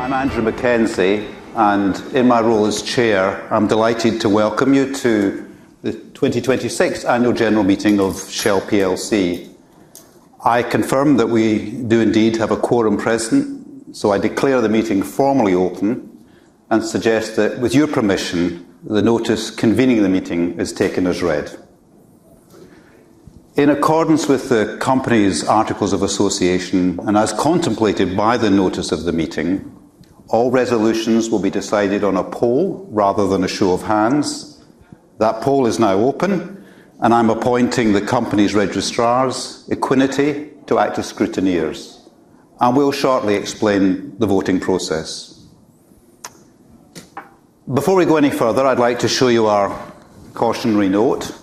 I'm Andrew Mackenzie. In my role as chair, I'm delighted to welcome you to the 2026 annual general meeting of Shell plc. I confirm that we do indeed have a quorum present. I declare the meeting formally open and suggest that, with your permission, the notice convening the meeting is taken as read. In accordance with the company's articles of association and as contemplated by the notice of the meeting, all resolutions will be decided on a poll rather than a show of hands. That poll is now open. I'm appointing the company's registrars, Equiniti, to act as scrutineers, and we'll shortly explain the voting process. Before we go any further, I'd like to show you our cautionary note.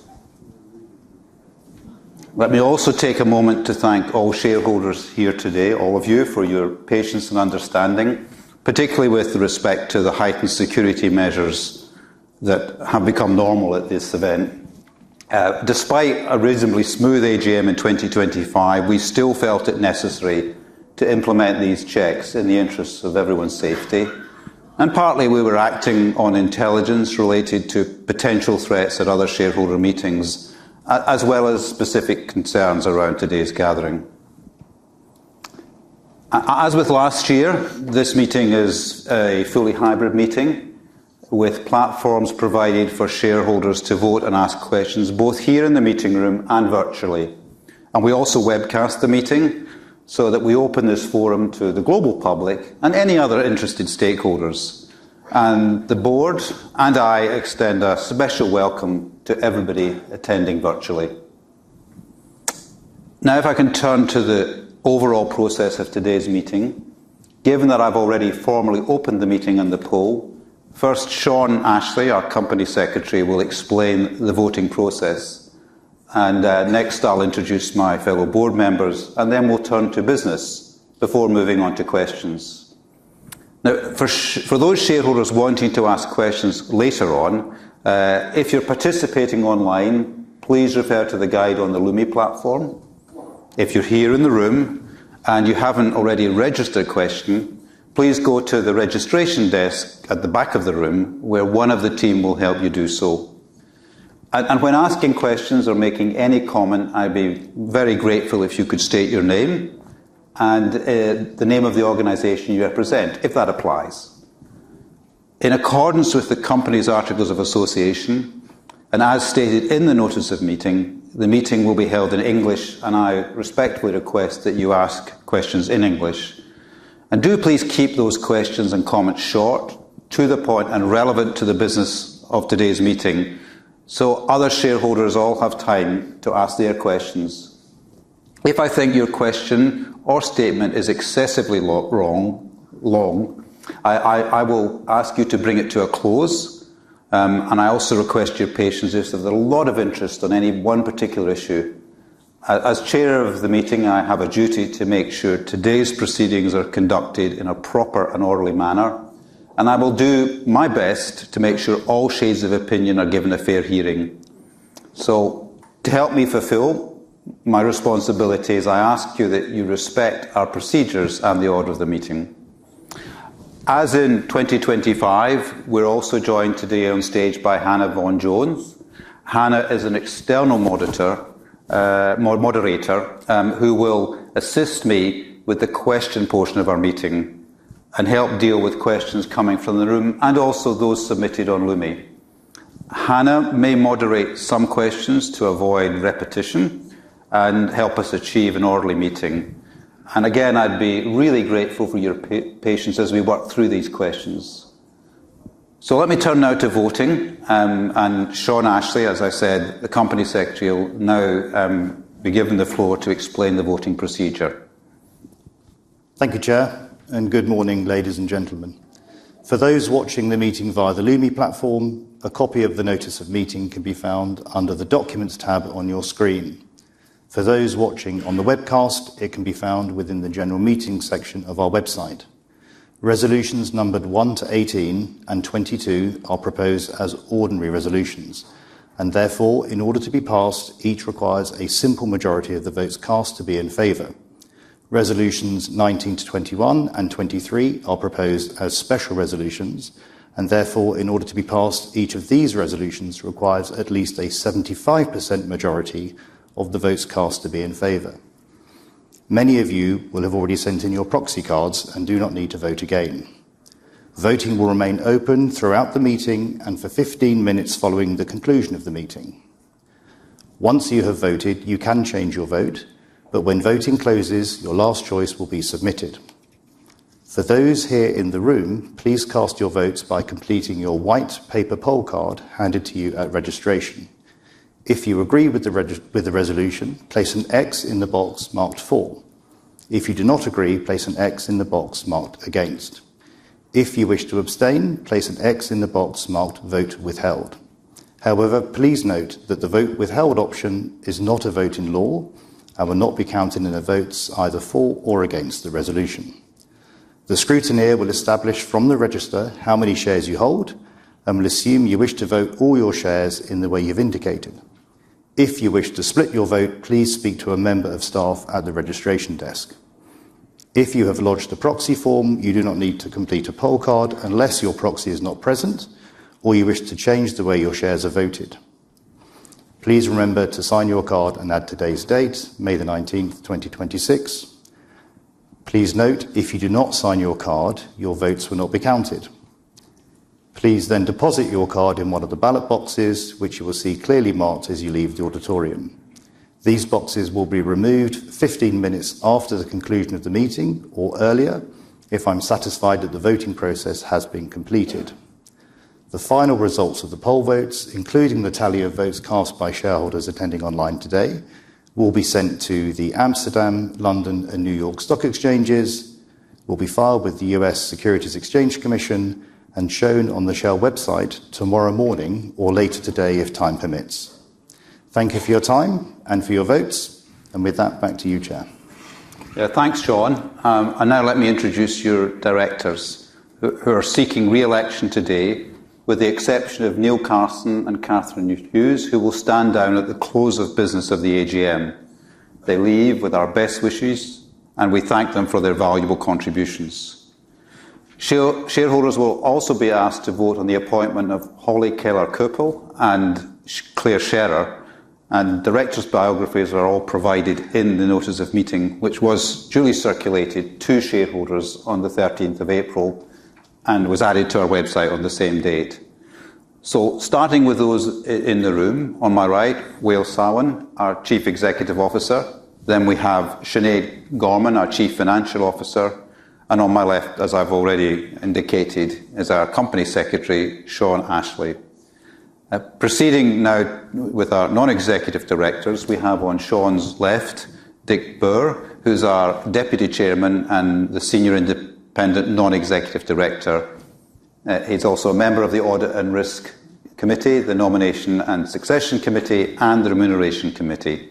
Let me also take a moment to thank all shareholders here today, all of you, for your patience and understanding, particularly with respect to the heightened security measures that have become normal at this event. Despite a reasonably smooth AGM in 2025, we still felt it necessary to implement these checks in the interests of everyone's safety. Partly we were acting on intelligence related to potential threats at other shareholder meetings, as well as specific concerns around today's gathering. As with last year, this meeting is a fully hybrid meeting with platforms provided for shareholders to vote and ask questions, both here in the meeting room and virtually. We also webcast the meeting so that we open this forum to the global public and any other interested stakeholders. The board and I extend a special welcome to everybody attending virtually. If I can turn to the overall process of today's meeting. Given that I've already formally opened the meeting and the poll, first, Sean Ashley, our Company Secretary, will explain the voting process. Next, I'll introduce my fellow board members, then we'll turn to business before moving on to questions. For those shareholders wanting to ask questions later on, if you're participating online, please refer to the guide on the Lumi platform. If you're here in the room and you haven't already registered a question, please go to the registration desk at the back of the room, where one of the team will help you do so. When asking questions or making any comment, I'd be very grateful if you could state your name and the name of the organization you represent, if that applies. In accordance with the company's articles of association and as stated in the notice of meeting, the meeting will be held in English. I respectfully request that you ask questions in English. Do please keep those questions and comments short, to the point, and relevant to the business of today's meeting, so other shareholders all have time to ask their questions. If I think your question or statement is excessively long, I will ask you to bring it to a close. I also request your patience if there's a lot of interest on any one particular issue. As chair of the meeting, I have a duty to make sure today's proceedings are conducted in a proper and orderly manner. I will do my best to make sure all shades of opinion are given a fair hearing. To help me fulfill my responsibilities, I ask you that you respect our procedures and the order of the meeting. As in 2025, we are also joined today on stage by Hannah Vaughan-Jones. Hannah is an external moderator who will assist me with the question portion of our meeting and help deal with questions coming from the room and also those submitted on Lumi. Hannah may moderate some questions to avoid repetition and help us achieve an orderly meeting. I would be really grateful for your patience as we work through these questions. Let me turn now to voting. Sean Ashley, as I said, the Company Secretary, will now be given the floor to explain the voting procedure. Thank you, Chair. Good morning, ladies and gentlemen. For those watching the meeting via the Lumi platform, a copy of the notice of meeting can be found under the Documents tab on your screen. For those watching on the webcast, it can be found within the General Meetings section of our website. Resolutions numbered 1 to 18 and 22 are proposed as ordinary resolutions, and therefore, in order to be passed, each requires a simple majority of the votes cast to be in favor. Resolutions 19 to 21 and 23 are proposed as special resolutions, and therefore, in order to be passed, each of these resolutions requires at least a 75% majority of the votes cast to be in favor. Many of you will have already sent in your proxy cards and do not need to vote again. Voting will remain open throughout the meeting and for 15 minutes following the conclusion of the meeting. Once you have voted, you can change your vote, but when voting closes, your last choice will be submitted. For those here in the room, please cast your votes by completing your white paper poll card handed to you at registration. If you agree with the resolution, place an X in the box marked For. If you do not agree, place an X in the box marked Against. If you wish to abstain, place an X in the box marked Vote Withheld. However, please note that the Vote Withheld option is not a vote in law and will not be counted in the votes either for or against the resolution. The scrutineer will establish from the register how many shares you hold and will assume you wish to vote all your shares in the way you've indicated. If you wish to split your vote, please speak to a member of staff at the registration desk. If you have lodged a proxy form, you do not need to complete a poll card unless your proxy is not present or you wish to change the way your shares are voted. Please remember to sign your card and add today's date, May the 19th, 2026. Please note if you do not sign your card, your votes will not be counted. Please then deposit your card in one of the ballot boxes which you will see clearly marked as you leave the auditorium. These boxes will be removed 15 minutes after the conclusion of the meeting or earlier if I'm satisfied that the voting process has been completed. The final results of the poll votes, including the tally of votes cast by shareholders attending online today, will be sent to the Amsterdam, London, and New York Stock Exchanges, will be filed with the U.S. Securities and Exchange Commission, and shown on the Shell website tomorrow morning or later today if time permits. Thank you for your time and for your votes, and with that, back to you, Chair. Thanks, Sean. Let me introduce your directors who are seeking re-election today, with the exception of Neil Carson and Catherine Hughes, who will stand down at the close of business of the AGM. They leave with our best wishes, and we thank them for their valuable contributions. Shareholders will also be asked to vote on the appointment of Holly Keller-Koppel and Clare Scherrer, and directors' biographies are all provided in the notice of meeting, which was duly circulated to shareholders on the 13th of April and was added to our website on the same date. Starting with those in the room, on my right, Wael Sawan, our Chief Executive Officer, then we have Sinead Gorman, our Chief Financial Officer, and on my left, as I've already indicated, is our Company Secretary, Sean Ashley. Proceeding now with our non-executive directors, we have on Sean's left, Dick Boer, who's our Deputy Chairman and the Senior Independent Non-Executive Director. He's also a member of the Audit and Risk Committee, the Nomination and Succession Committee, and the Remuneration Committee.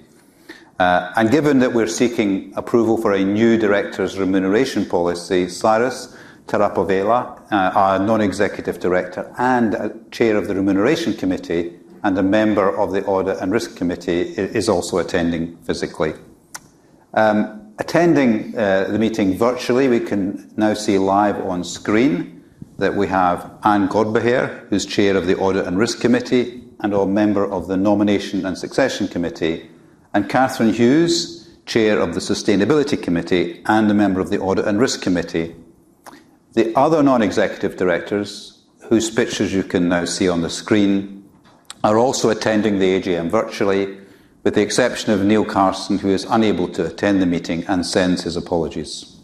Given that we're seeking approval for a new directors' remuneration policy, Cyrus Taraporevala, our Non-Executive Director and Chair of the Remuneration Committee and a member of the Audit and Risk Committee, is also attending physically. Attending the meeting virtually, we can now see live on screen that we have Ann Godbehere, who's Chair of the Audit and Risk Committee and/or member of the Nomination and Succession Committee, and Catherine Hughes, Chair of the Sustainability Committee and a member of the Audit and Risk Committee. The other non-executive directors, whose pictures you can now see on the screen, are also attending the AGM virtually, with the exception of Neil Carson, who is unable to attend the meeting and sends his apologies.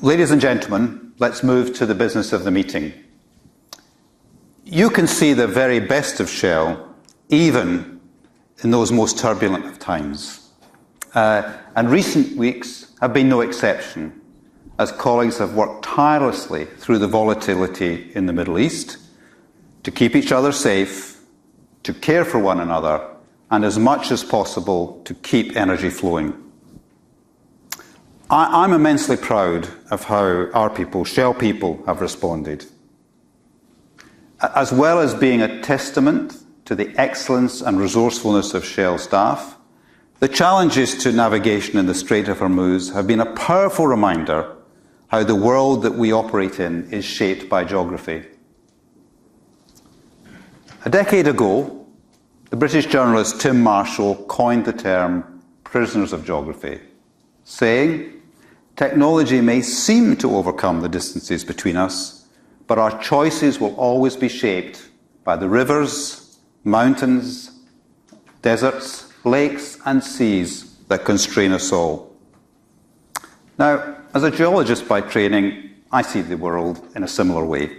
Ladies and gentlemen, let's move to the business of the meeting. You can see the very best of Shell even in those most turbulent of times. Recent weeks have been no exception as colleagues have worked tirelessly through the volatility in the Middle East to keep each other safe, to care for one another, and as much as possible to keep energy flowing. I'm immensely proud of how our people, Shell people, have responded. As well as being a testament to the excellence and resourcefulness of Shell staff, the challenges to navigation in the Strait of Hormuz have been a powerful reminder how the world that we operate in is shaped by geography. A decade ago, the British journalist Tim Marshall coined the term Prisoners of Geography, saying, "Technology may seem to overcome the distances between us, but our choices will always be shaped by the rivers, mountains, deserts, lakes, and seas that constrain us all." As a geologist by training, I see the world in a similar way.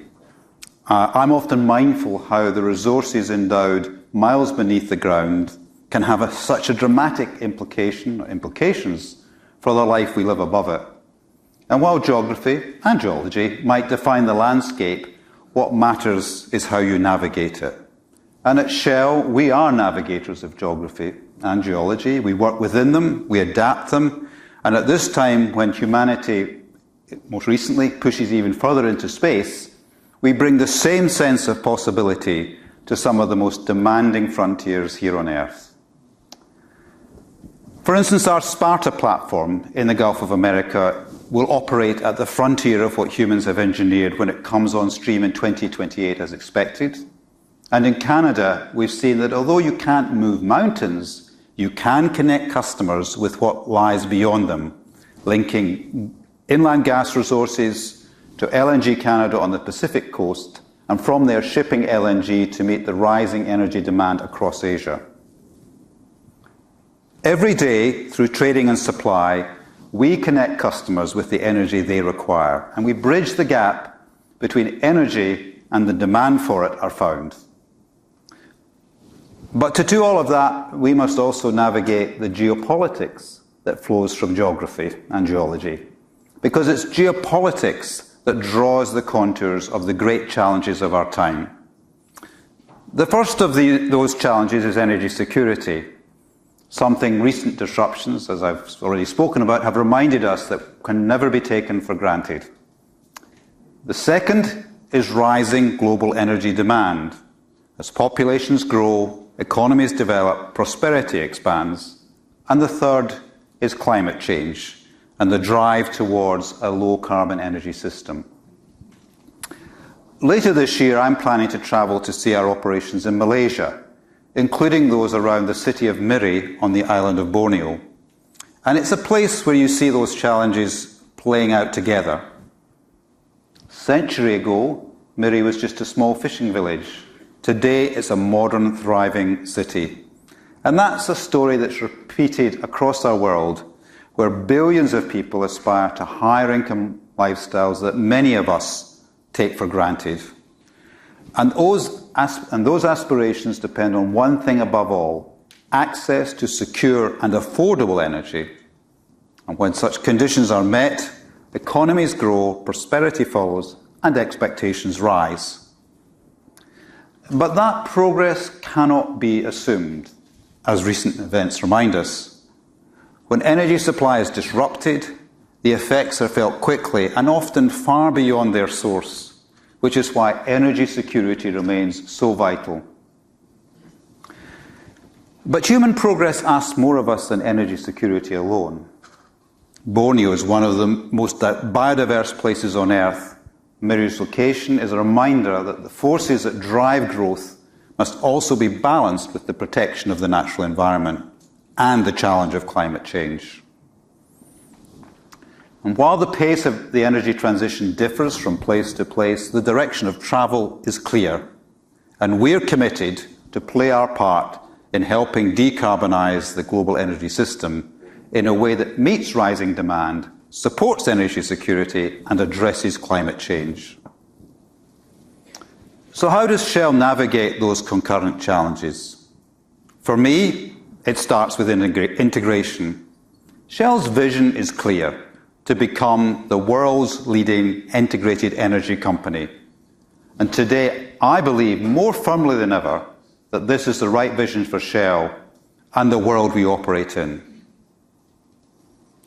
I'm often mindful how the resources endowed miles beneath the ground can have such a dramatic implication or implications for the life we live above it. While geography and geology might define the landscape, what matters is how you navigate it. At Shell, we are navigators of geography and geology. We work within them, we adapt them, at this time when humanity most recently pushes even further into space, we bring the same sense of possibility to some of the most demanding frontiers here on Earth. For instance, our Sparta platform in the Gulf of Mexico will operate at the frontier of what humans have engineered when it comes on stream in 2028 as expected. In Canada, we've seen that although you can't move mountains, you can connect customers with what lies beyond them, linking inland gas resources to LNG Canada on the Pacific coast and from there shipping LNG to meet the rising energy demand across Asia. Every day through trading and supply, we connect customers with the energy they require, we bridge the gap between energy and the demand for it is found. To do all of that, we must also navigate the geopolitics that flows from geography and geology because it's geopolitics that draws the contours of the great challenges of our time. The first of those challenges is energy security. Something recent disruptions, as I've already spoken about, have reminded us that can never be taken for granted. The second is rising global energy demand. As populations grow, economies develop, prosperity expands, and the third is climate change and the drive towards a low carbon energy system. Later this year, I'm planning to travel to see our operations in Malaysia, including those around the city of Miri on the island of Borneo. It's a place where you see those challenges playing out together. A century ago, Miri was just a small fishing village. Today, it's a modern, thriving city. That's a story that's repeated across our world, where billions of people aspire to higher income lifestyles that many of us take for granted. Those aspirations depend on one thing above all, access to secure and affordable energy. When such conditions are met, economies grow, prosperity follows, and expectations rise. That progress cannot be assumed, as recent events remind us. When energy supply is disrupted, the effects are felt quickly and often far beyond their source, which is why energy security remains so vital. Human progress asks more of us than energy security alone. Borneo is one of the most biodiverse places on Earth. Miri's location is a reminder that the forces that drive growth must also be balanced with the protection of the natural environment and the challenge of climate change. While the pace of the energy transition differs from place to place, the direction of travel is clear, and we're committed to play our part in helping decarbonize the global energy system in a way that meets rising demand, supports energy security, and addresses climate change. How does Shell navigate those concurrent challenges? For me, it starts with integration. Shell's vision is clear, to become the world's leading integrated energy company. Today, I believe more firmly than ever that this is the right vision for Shell and the world we operate in.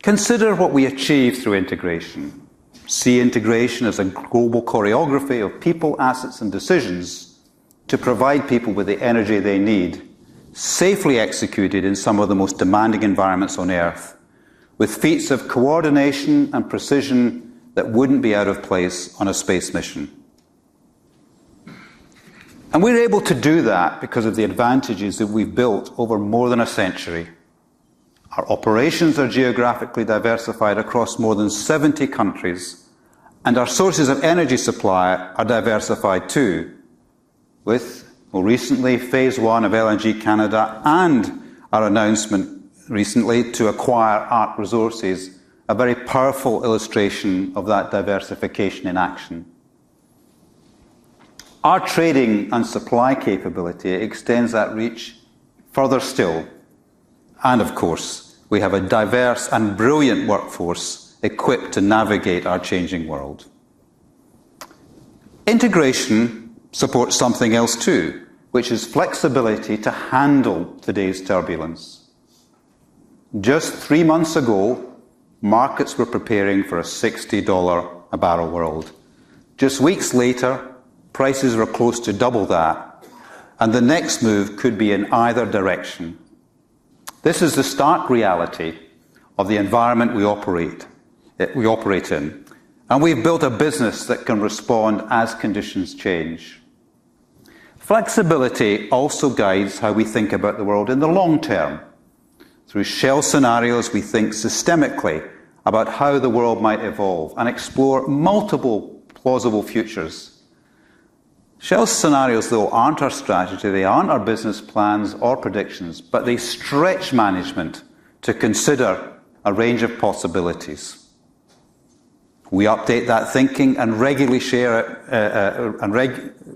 Consider what we achieve through integration. See integration as a global choreography of people, assets, and decisions to provide people with the energy they need, safely executed in some of the most demanding environments on Earth, with feats of coordination and precision that wouldn't be out of place on a space mission. We're able to do that because of the advantages that we've built over more than a century. Our operations are geographically diversified across more than 70 countries, and our sources of energy supply are diversified too, with more recently, phase 1 of LNG Canada and our announcement recently to acquire ARC Resources, a very powerful illustration of that diversification in action. Our trading and supply capability extends that reach further still. Of course, we have a diverse and brilliant workforce equipped to navigate our changing world. Integration supports something else too, which is flexibility to handle today's turbulence. Just three months ago, markets were preparing for a $60 a barrel world. Just weeks later, prices are close to double that, and the next move could be in either direction. This is the stark reality of the environment that we operate in, and we've built a business that can respond as conditions change. Flexibility also guides how we think about the world in the long term. Through Shell Scenarios, we think systemically about how the world might evolve and explore multiple plausible futures. Shell Scenarios, though, aren't our strategy. They aren't our business plans or predictions, but they stretch management to consider a range of possibilities. We update that thinking and regularly share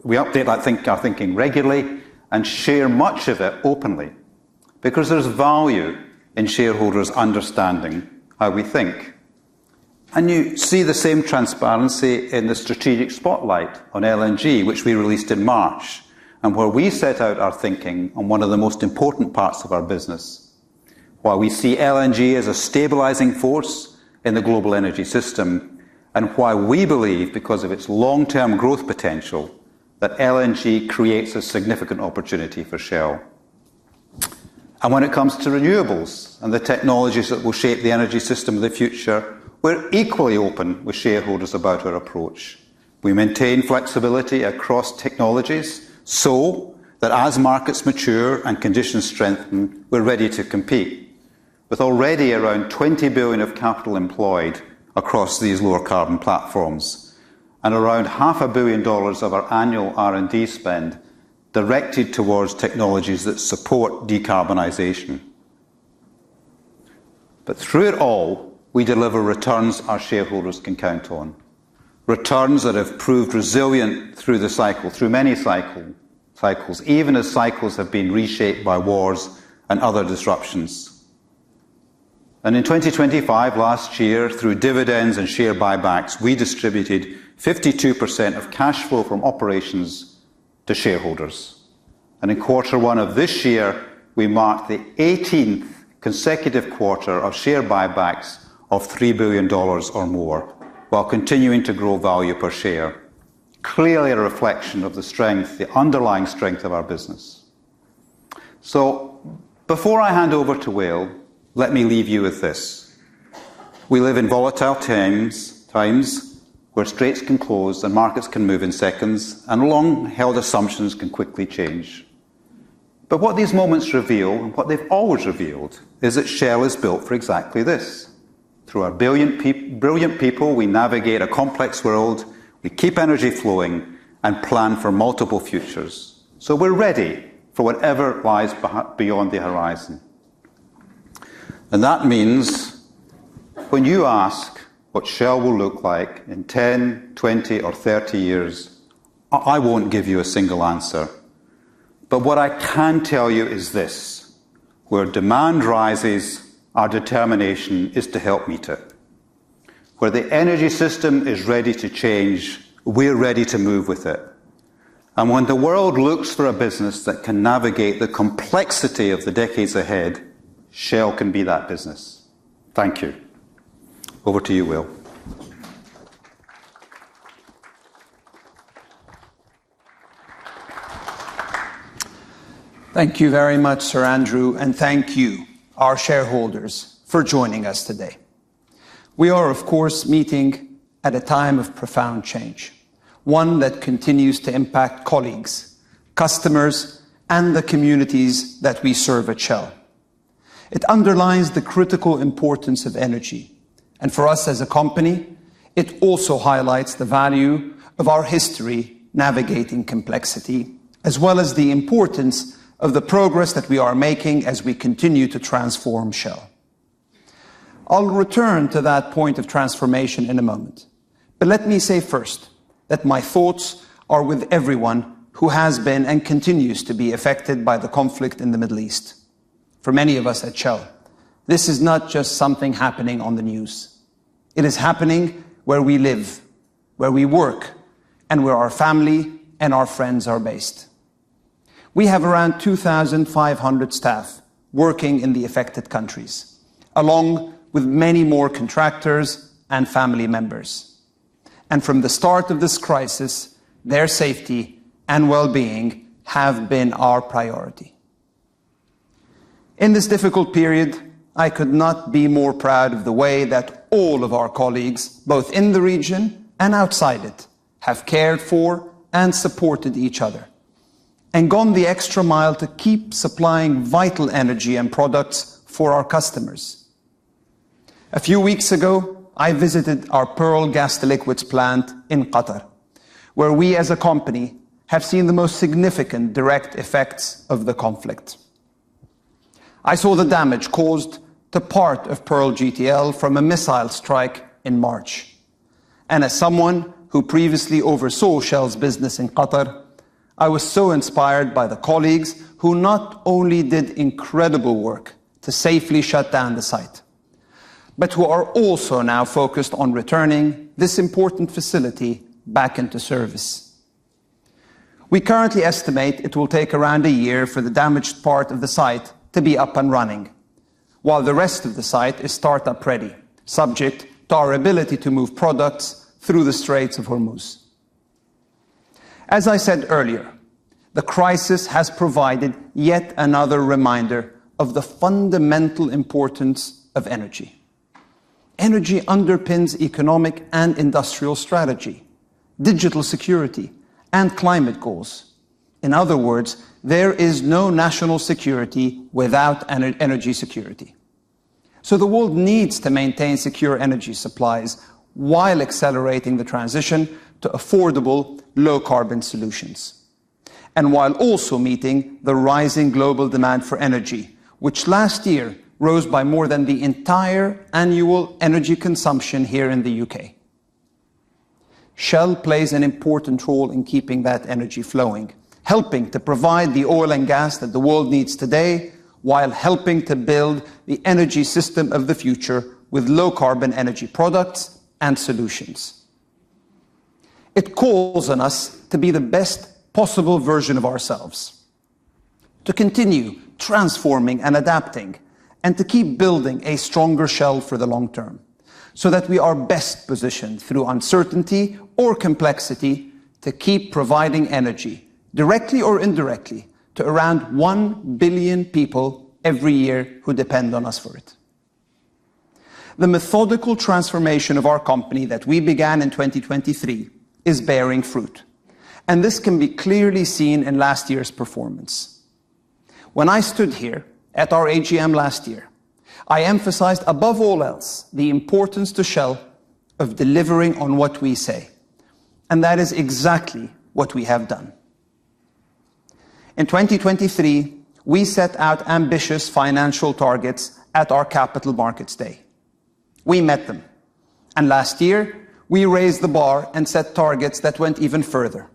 our thinking regularly and share much of it openly because there's value in shareholders understanding how we think. You see the same transparency in the strategic spotlight on LNG, which we released in March, and where we set out our thinking on one of the most important parts of our business. Why we see LNG as a stabilizing force in the global energy system, and why we believe because of its long-term growth potential that LNG creates a significant opportunity for Shell. When it comes to renewables and the technologies that will shape the energy system of the future, we're equally open with shareholders about our approach. We maintain flexibility across technologies so that as markets mature and conditions strengthen, we're ready to compete. With already around 20 billion of capital employed across these lower carbon platforms and around half a billion dollars of our annual R&D spend directed towards technologies that support decarbonization. Through it all, we deliver returns our shareholders can count on, returns that have proved resilient through the cycle, through many cycles, even as cycles have been reshaped by wars and other disruptions. In 2025 last year, through dividends and share buybacks, we distributed 52% of cash flow from operations to shareholders. In quarter one of this year, we marked the 18th consecutive quarter of share buybacks of $3 billion or more while continuing to grow value per share. Clearly a reflection of the strength, the underlying strength of our business. Before I hand over to Wael, let me leave you with this. We live in volatile times where straits can close and markets can move in seconds, and long-held assumptions can quickly change. What these moments reveal, and what they've always revealed, is that Shell is built for exactly this. Through our brilliant people, we navigate a complex world, we keep energy flowing, and plan for multiple futures, we're ready for whatever lies beyond the horizon. That means when you ask what Shell will look like in 10, 20, or 30 years, I won't give you a single answer. What I can tell you is this. Where demand rises, our determination is to help meet it. Where the energy system is ready to change, we're ready to move with it. When the world looks for a business that can navigate the complexity of the decades ahead, Shell can be that business. Thank you. Over to you, Wael. Thank you very much, Sir Andrew, and thank you, our shareholders, for joining us today. We are, of course, meeting at a time of profound change, one that continues to impact colleagues, customers, and the communities that we serve at Shell. It underlines the critical importance of energy, and for us as a company, it also highlights the value of our history navigating complexity, as well as the importance of the progress that we are making as we continue to transform Shell. I'll return to that point of transformation in a moment. Let me say first that my thoughts are with everyone who has been and continues to be affected by the conflict in the Middle East. For many of us at Shell, this is not just something happening on the news. It is happening where we live, where we work, and where our family and our friends are based. We have around 2,500 staff working in the affected countries, along with many more contractors and family members. From the start of this crisis, their safety and well-being have been our priority. In this difficult period, I could not be more proud of the way that all of our colleagues, both in the region and outside it, have cared for and supported each other and gone the extra mile to keep supplying vital energy and products for our customers. A few weeks ago, I visited our Pearl GTL plant in Qatar, where we as a company have seen the most significant direct effects of the conflict. I saw the damage caused to part of Pearl GTL from a missile strike in March. As someone who previously oversaw Shell's business in Qatar, I was so inspired by the colleagues who not only did incredible work to safely shut down the site, but who are also now focused on returning this important facility back into service. We currently estimate it will take around one year for the damaged part of the site to be up and running, while the rest of the site is start-up ready, subject to our ability to move products through the Straits of Hormuz. As I said earlier, the crisis has provided yet another reminder of the fundamental importance of energy. Energy underpins economic and industrial strategy, digital security, and climate goals. In other words, there is no national security without energy security. The world needs to maintain secure energy supplies while accelerating the transition to affordable low-carbon solutions, and while also meeting the rising global demand for energy, which last year rose by more than the entire annual energy consumption here in the U.K. Shell plays an important role in keeping that energy flowing, helping to provide the oil and gas that the world needs today while helping to build the energy system of the future with low-carbon energy products and solutions. It calls on us to be the best possible version of ourselves, to continue transforming and adapting, and to keep building a stronger Shell for the long term so that we are best positioned through uncertainty or complexity to keep providing energy directly or indirectly to around 1 billion people every year who depend on us for it. The methodical transformation of our company that we began in 2023 is bearing fruit, and this can be clearly seen in last year's performance. When I stood here at our AGM last year, I emphasized above all else the importance to Shell of delivering on what we say, and that is exactly what we have done. In 2023, we set out ambitious financial targets at our Capital Markets Day. We met them. Last year, we raised the bar and set targets that went even further.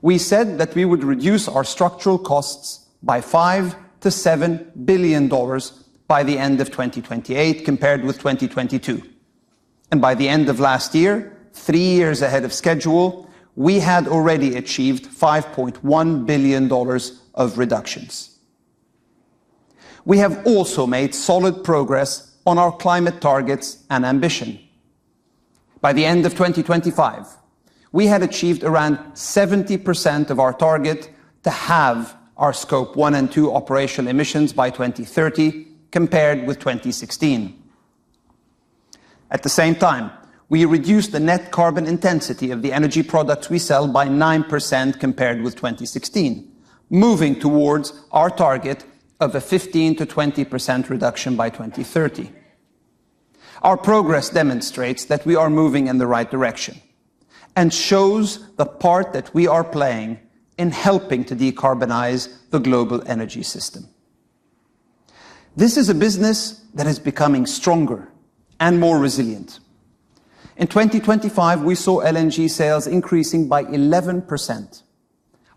We said that we would reduce our structural costs by $5 billion-$7 billion by the end of 2028 compared with 2022. By the end of last year, three years ahead of schedule, we had already achieved $5.1 billion of reductions. We have also made solid progress on our climate targets and ambition. By the end of 2025, we had achieved around 70% of our target to halve our Scope 1 and 2 operational emissions by 2030 compared with 2016. At the same time, we reduced the net carbon intensity of the energy products we sell by 9% compared with 2016, moving towards our target of a 15%-20% reduction by 2030. Our progress demonstrates that we are moving in the right direction and shows the part that we are playing in helping to decarbonize the global energy system. This is a business that is becoming stronger and more resilient. In 2025, we saw LNG sales increasing by 11%.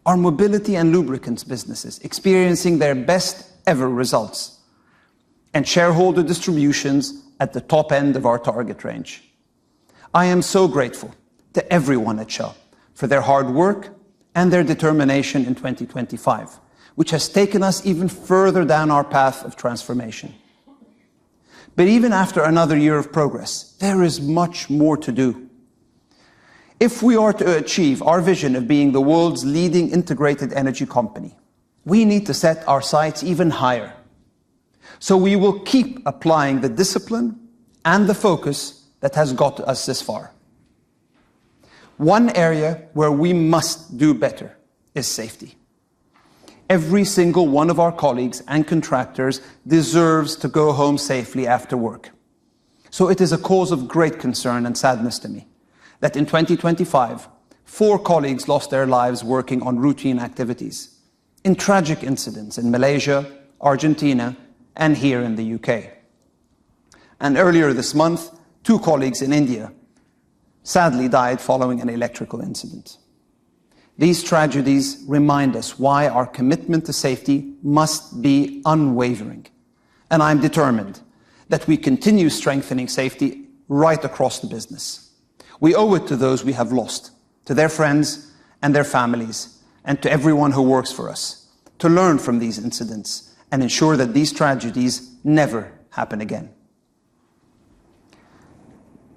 Our mobility and lubricants businesses experiencing their best ever results and shareholder distributions at the top end of our target range. I am so grateful to everyone at Shell for their hard work and their determination in 2025, which has taken us even further down our path of transformation. Even after another year of progress, there is much more to do. If we are to achieve our vision of being the world's leading integrated energy company, we need to set our sights even higher. We will keep applying the discipline and the focus that has got us this far. One area where we must do better is safety. Every single one of our colleagues and contractors deserves to go home safely after work. It is a cause of great concern and sadness to me that in 2025, four colleagues lost their lives working on routine activities in tragic incidents in Malaysia, Argentina, and here in the U.K. Earlier this month, two colleagues in India sadly died following an electrical incident. These tragedies remind us why our commitment to safety must be unwavering, and I'm determined that we continue strengthening safety right across the business. We owe it to those we have lost, to their friends and their families, and to everyone who works for us to learn from these incidents and ensure that these tragedies never happen again.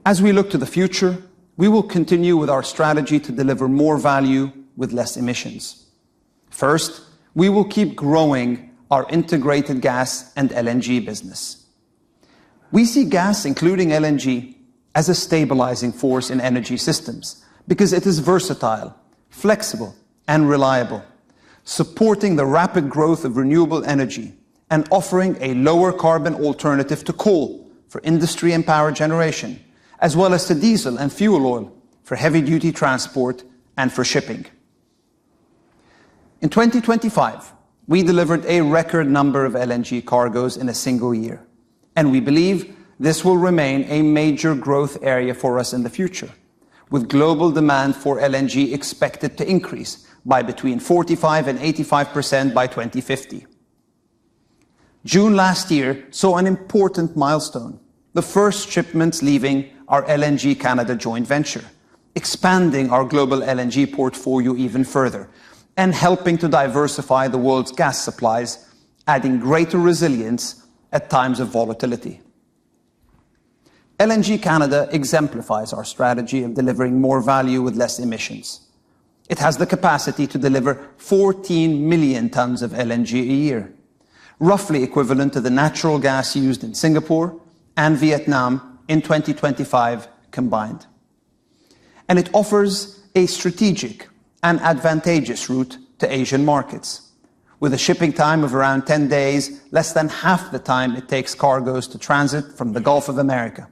As we look to the future, we will continue with our strategy to deliver more value with less emissions. First, we will keep growing our integrated gas and LNG business. We see gas, including LNG as a stabilizing force in energy systems because it is versatile, flexible and reliable, supporting the rapid growth of renewable energy and offering a lower carbon alternative to coal for industry and power generation, as well as to diesel and fuel oil for heavy duty transport and for shipping. In 2025, we delivered a record number of LNG cargoes in a single year, and we believe this will remain a major growth area for us in the future, with global demand for LNG expected to increase by between 45% and 85% by 2050. June last year saw an important milestone, the first shipments leaving our LNG Canada joint venture, expanding our global LNG portfolio even further and helping to diversify the world's gas supplies, adding greater resilience at times of volatility. LNG Canada exemplifies our strategy of delivering more value with less emissions. It has the capacity to deliver 14 million tons of LNG a year, roughly equivalent to the natural gas used in Singapore and Vietnam in 2025 combined. It offers a strategic and advantageous route to Asian markets with a shipping time of around 10 days, less than half the time it takes cargoes to transit from the Gulf of Mexico.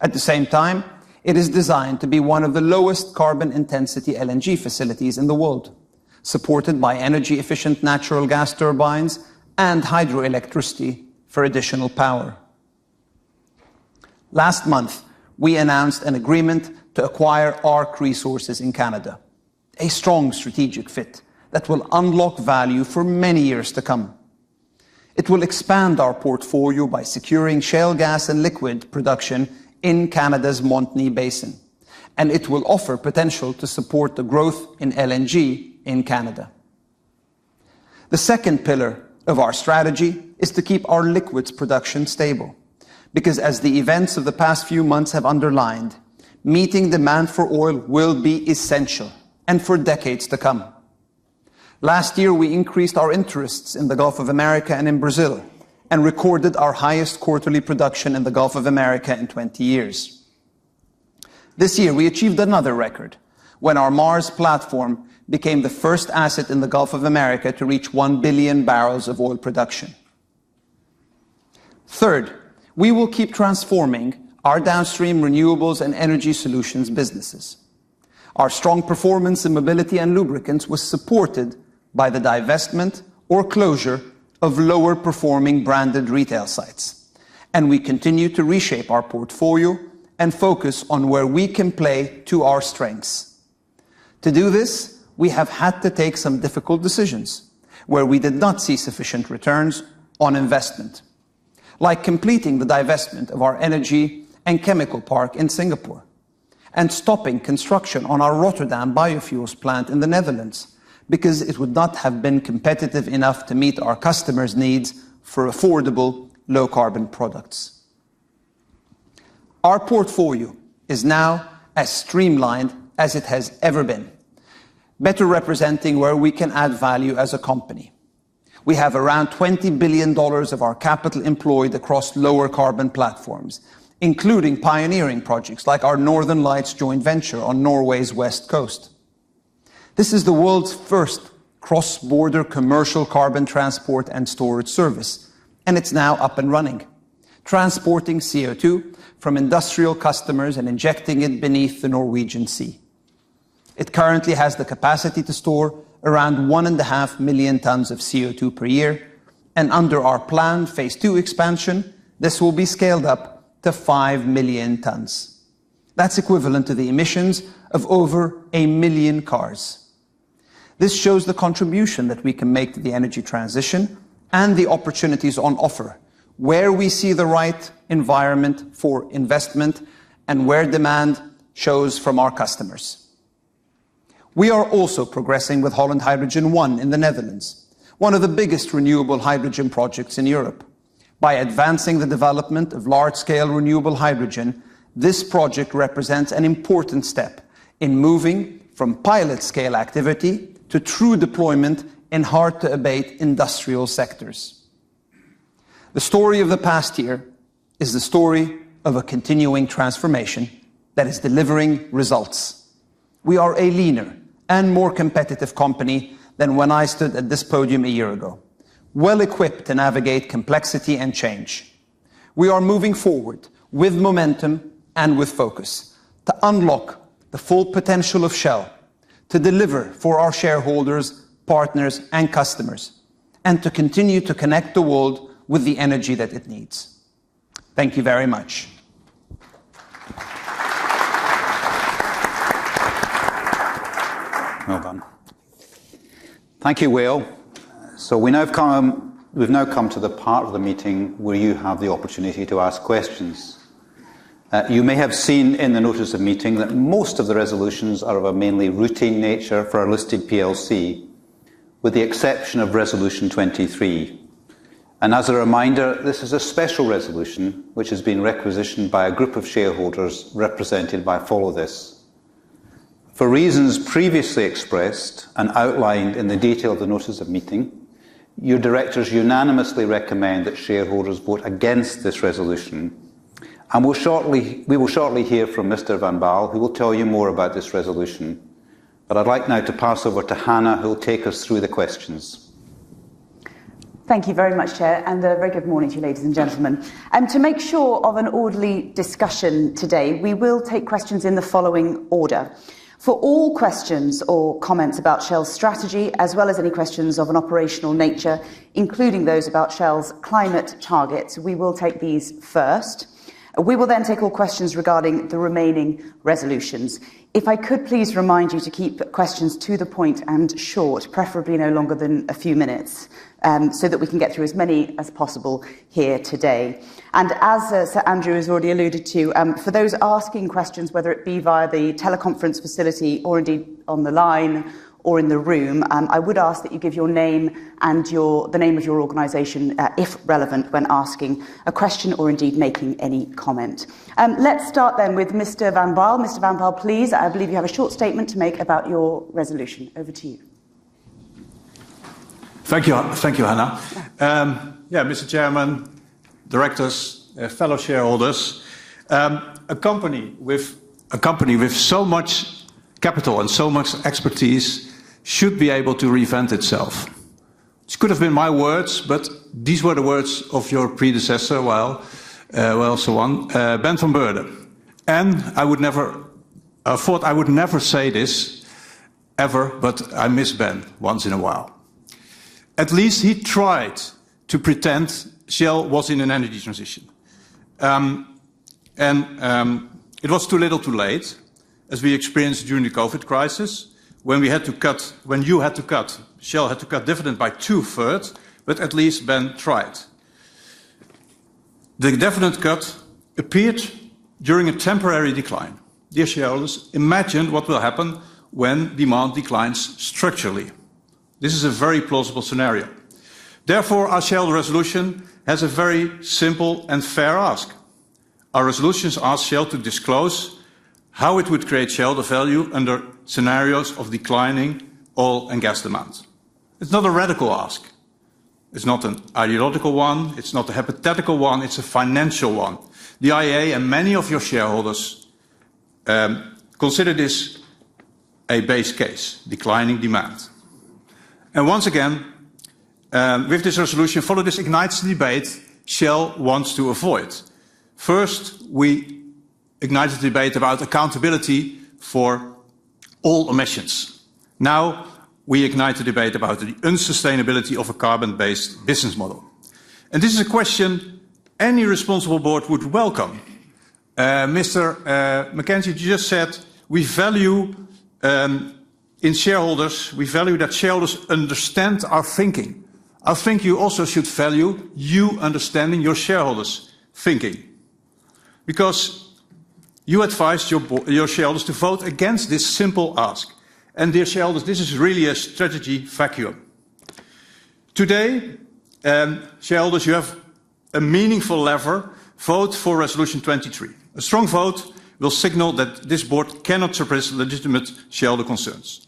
At the same time, it is designed to be one of the lowest carbon intensity LNG facilities in the world, supported by energy efficient natural gas turbines and hydroelectricity for additional power. Last month, we announced an agreement to acquire ARC Resources in Canada, a strong strategic fit that will unlock value for many years to come. It will expand our portfolio by securing shale gas and liquid production in Canada's Montney Basin, and it will offer potential to support the growth in LNG in Canada. The second pillar of our strategy is to keep our liquids production stable because as the events of the past few months have underlined, meeting demand for oil will be essential and for decades to come. Last year, we increased our interests in the Gulf of Mexico and in Brazil and recorded our highest quarterly production in the Gulf of Mexico in 20 years. This year, we achieved another record when our Mars platform became the first asset in the Gulf of Mexico to reach 1 billion barrels of oil production. Third, we will keep transforming our downstream renewables and energy solutions businesses. Our strong performance in mobility and lubricants was supported by the divestment or closure of lower performing branded retail sites. We continue to reshape our portfolio and focus on where we can play to our strengths. To do this, we have had to take some difficult decisions where we did not see sufficient returns on investment, like completing the divestment of our energy and chemical park in Singapore and stopping construction on our Rotterdam biofuels plant in the Netherlands because it would not have been competitive enough to meet our customers' needs for affordable low-carbon products. Our portfolio is now as streamlined as it has ever been, better representing where we can add value as a company. We have around $20 billion of our capital employed across lower carbon platforms, including pioneering projects like our Northern Lights joint venture on Norway's west coast. This is the world's first cross-border commercial carbon transport and storage service, and it's now up and running, transporting CO2 from industrial customers and injecting it beneath the Norwegian Sea. It currently has the capacity to store around 1.5 million tons of CO2 per year, and under our planned phase 2 expansion, this will be scaled up to 5 million tons. That's equivalent to the emissions of over 1 million cars. This shows the contribution that we can make to the energy transition and the opportunities on offer where we see the right environment for investment and where demand shows from our customers. We are also progressing with Holland Hydrogen I in the Netherlands, one of the biggest renewable hydrogen projects in Europe. By advancing the development of large-scale renewable hydrogen, this project represents an important step in moving from pilot scale activity to true deployment in hard to abate industrial sectors. The story of the past year is the story of a continuing transformation that is delivering results. We are a leaner and more competitive company than when I stood at this podium a year ago, well-equipped to navigate complexity and change. We are moving forward with momentum and with focus to unlock the full potential of Shell to deliver for our shareholders, partners, and customers, and to continue to connect the world with the energy that it needs. Thank you very much. Well done. Thank you, Wael. We now come, we've now come to the part of the meeting where you have the opportunity to ask questions. You may have seen in the notice of meeting that most of the resolutions are of a mainly routine nature for our listed plc, with the exception of Resolution 23. As a reminder, this is a special resolution which has been requisitioned by a group of shareholders represented by Follow This. For reasons previously expressed and outlined in the detail of the notice of meeting, your directors unanimously recommend that shareholders vote against this resolution. We'll shortly, we will shortly hear from Mr. van Baal, who will tell you more about this resolution. I'd like now to pass over to Hannah, who will take us through the questions. Thank you very much, Chair, a very good morning to you, ladies and gentlemen. To make sure of an orderly discussion today, we will take questions in the following order. For all questions or comments about Shell's strategy, as well as any questions of an operational nature, including those about Shell's climate targets, we will take these first. We will take all questions regarding the remaining resolutions. If I could please remind you to keep questions to the point and short, preferably no longer than a few minutes, so that we can get through as many as possible here today. As Andrew Mackenzie has already alluded to, for those asking questions, whether it be via the teleconference facility or indeed on the line or in the room, I would ask that you give your name and the name of your organization, if relevant when asking a question or indeed making any comment. Let's start with Mr. Van Baal. Mr. Van Baal, please, I believe you have a short statement to make about your resolution. Over to you. Thank you. Thank you, Hannah. Mr. Chairman, directors, fellow shareholders, a company with so much capital and so much expertise should be able to reinvent itself. This could have been my words, but these were the words of your predecessor Wael Sawan, Ben van Beurden. I would never have thought I would never say this, ever, but I miss Ben once in a while. At least he tried to pretend Shell was in an energy transition. It was too little too late, as we experienced during the COVID crisis when you had to cut, Shell had to cut dividend by two-thirds, but at least Ben tried. The definite cut appeared during a temporary decline. Dear shareholders, imagine what will happen when demand declines structurally. This is a very plausible scenario. Therefore, our Shell resolution has a very simple and fair ask. Our resolutions ask Shell to disclose how it would create shareholder value under scenarios of declining oil and gas demands. It's not a radical ask. It's not an ideological one. It's not a hypothetical one. It's a financial one. The IEA and many of your shareholders consider this a base case, declining demand. Once again, with this resolution, Follow This ignites debate Shell wants to avoid. First, we ignite a debate about accountability for all emissions. Now we ignite a debate about the unsustainability of a carbon-based business model. This is a question any responsible board would welcome. Mr. Mackenzie, you just said, "We value, in shareholders, we value that shareholders understand our thinking." I think you also should value you understanding your shareholders' thinking, because you advised your shareholders to vote against this simple ask. Dear shareholders, this is really a strategy vacuum. Today, shareholders, you have a meaningful lever. Vote for Resolution 23. A strong vote will signal that this board cannot suppress legitimate shareholder concerns.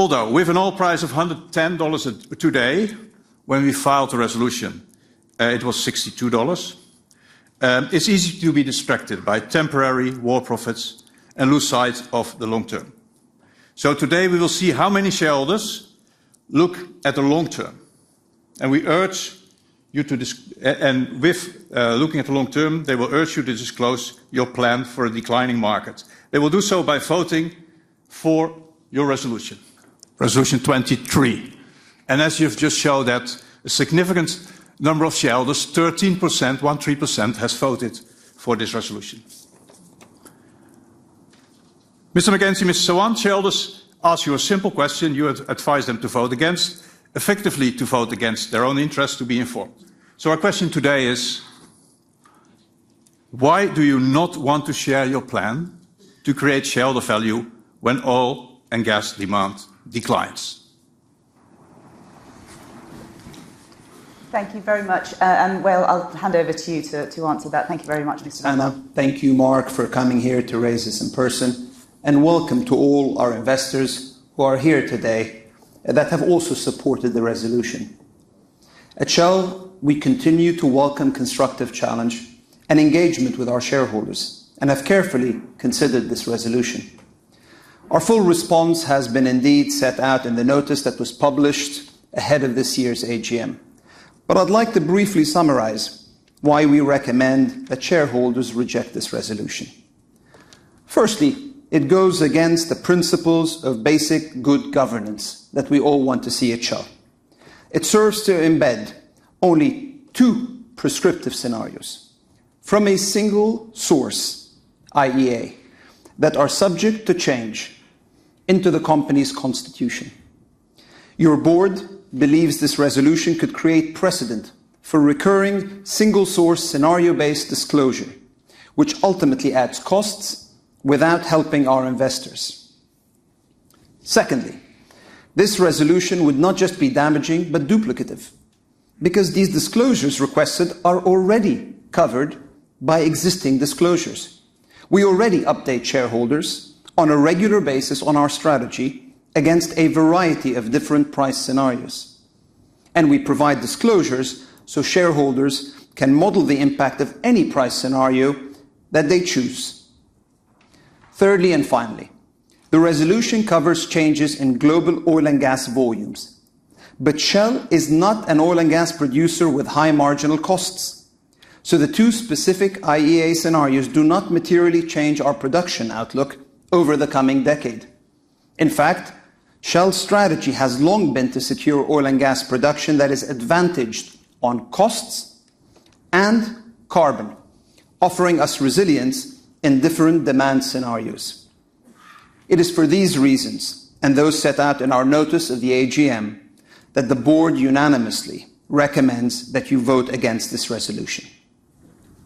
With an oil price of $110 today, when we filed the resolution, it was $62, it's easy to be distracted by temporary war profits and lose sight of the long term. Today, we will see how many shareholders look at the long term, and with looking at the long term, they will urge you to disclose your plan for a declining market. They will do so by voting for your resolution, Resolution 23. As you've just showed that a significant number of shareholders, 13%, has voted for this resolution. Mr. Mackenzie, Mr. Sawan, shareholders ask you a simple question. You have advised them to vote against, effectively to vote against their own interest to be informed. Our question today is: Why do you not want to share your plan to create shareholder value when oil and gas demand declines? Thank you very much. Wael, I'll hand over to you to answer that. Thank you very much, Mr. Mackenzie. Hannah, thank you, Mark, for coming here to raise this in person, and welcome to all our investors who are here today that have also supported the resolution. At Shell, we continue to welcome constructive challenge and engagement with our shareholders and have carefully considered this resolution. Our full response has been indeed set out in the notice that was published ahead of this year's AGM. I'd like to briefly summarize why we recommend that shareholders reject this resolution. Firstly, it goes against the principles of basic good governance that we all want to see at Shell. It serves to embed only two prescriptive scenarios from a single source, IEA, that are subject to change into the company's constitution. Your board believes this resolution could create precedent for recurring single-source scenario-based disclosure, which ultimately adds costs without helping our investors. Secondly, this resolution would not just be damaging, but duplicative, because these disclosures requested are already covered by existing disclosures. We already update shareholders on a regular basis on our strategy against a variety of different price scenarios, and we provide disclosures so shareholders can model the impact of any price scenario that they choose. The resolution covers changes in global oil and gas volumes. Shell is not an oil and gas producer with high marginal costs, so the two specific IEA scenarios do not materially change our production outlook over the coming decade. In fact, Shell's strategy has long been to secure oil and gas production that is advantaged on costs and carbon, offering us resilience in different demand scenarios. It is for these reasons, and those set out in our notice at the AGM, that the board unanimously recommends that you vote against this resolution.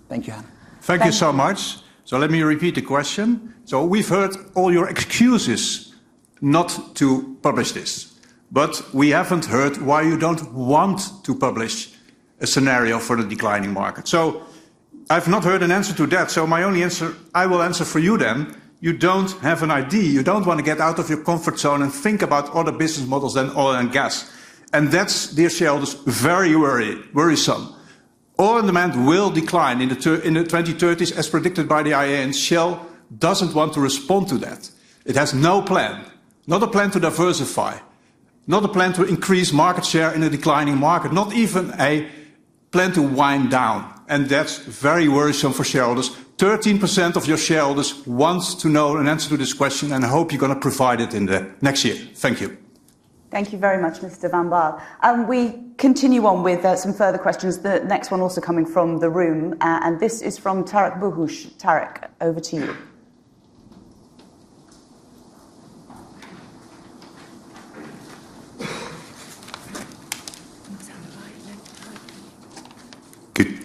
Thank you, Hannah. Thank you so much. Thank you. Let me repeat the question. We've heard all your excuses not to publish this, but we haven't heard why you don't want to publish a scenario for the declining market. I've not heard an answer to that, my only answer, I will answer for you then. You don't have an idea. You don't wanna get out of your comfort zone and think about other business models than oil and gas, and that's, dear shareholders, very worrisome. Oil demand will decline in the 2030s, as predicted by the IEA, and Shell doesn't want to respond to that. It has no plan. Not a plan to diversify, not a plan to increase market share in a declining market, not even a plan to wind down, and that's very worrisome for shareholders. 13% of your shareholders wants to know an answer to this question. I hope you're gonna provide it in the next year. Thank you. Thank you very much, Mr. Van Baal. We continue on with some further questions, the next one also coming from the room. This is from Tarek Bouhouch. Tarek, over to you.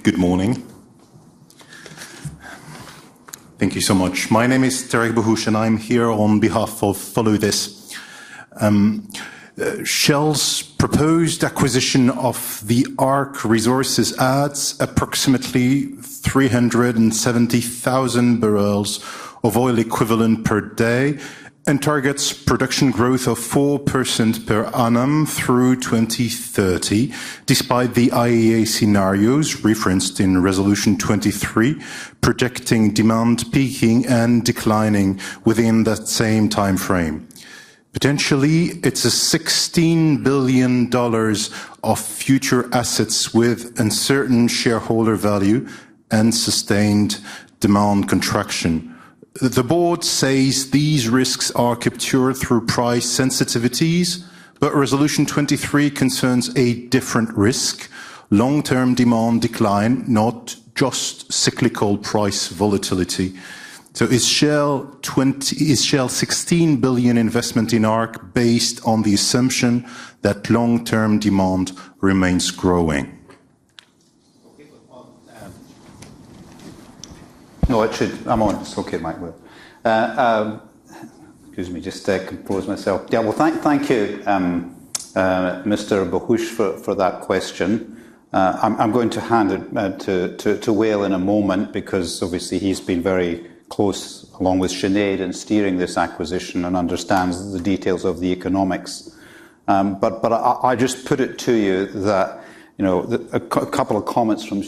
Good morning. Thank you so much. My name is Tarek Bouhouch, and I am here on behalf of Follow This. Shell's proposed acquisition of the ARC Resources adds approximately 370,000 barrels of oil equivalent per day and targets production growth of 4% per annum through 2030, despite the IEA scenarios referenced in Resolution 23, projecting demand peaking and declining within that same timeframe. Potentially, it is a $16 billion of future assets with uncertain shareholder value and sustained demand contraction. The board says these risks are captured through price sensitivities, but Resolution 23 concerns a different risk, long-term demand decline, not just cyclical price volatility. Is Shell $16 billion investment in ARC based on the assumption that long-term demand remains growing? Okay, well No, it should. I'm on. It is okay, Mike. Excuse me, just to compose myself. Well, thank you, Mr. Bouhouch for that question. I am going to hand it to Wael in a moment because obviously he has been very close along with Sinead in steering this acquisition and understands the details of the economics. I just put it to you that, you know, a couple of comments from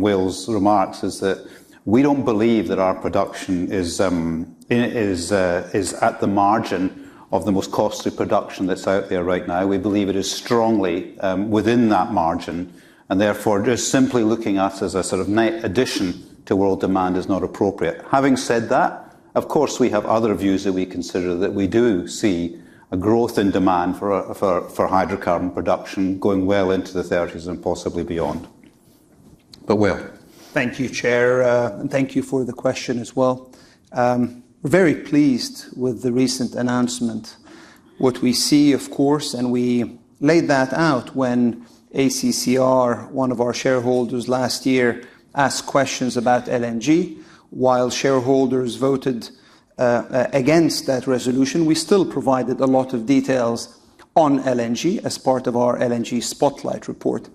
Wael's remarks is that we don't believe that our production is at the margin of the most costly production that is out there right now. We believe it is strongly within that margin, therefore just simply looking at us as a sort of net addition to world demand is not appropriate. Having said that, of course, we have other views that we consider that we do see a growth in demand for hydrocarbon production going well into the 2030s and possibly beyond. Wael. Thank you, Chair, and thank you for the question as well. Very pleased with the recent announcement. What we see, of course, and we laid that out when ACCR, one of our shareholders last year, asked questions about LNG. While shareholders voted against that resolution, we still provided a lot of details on LNG as part of our LNG spotlight report.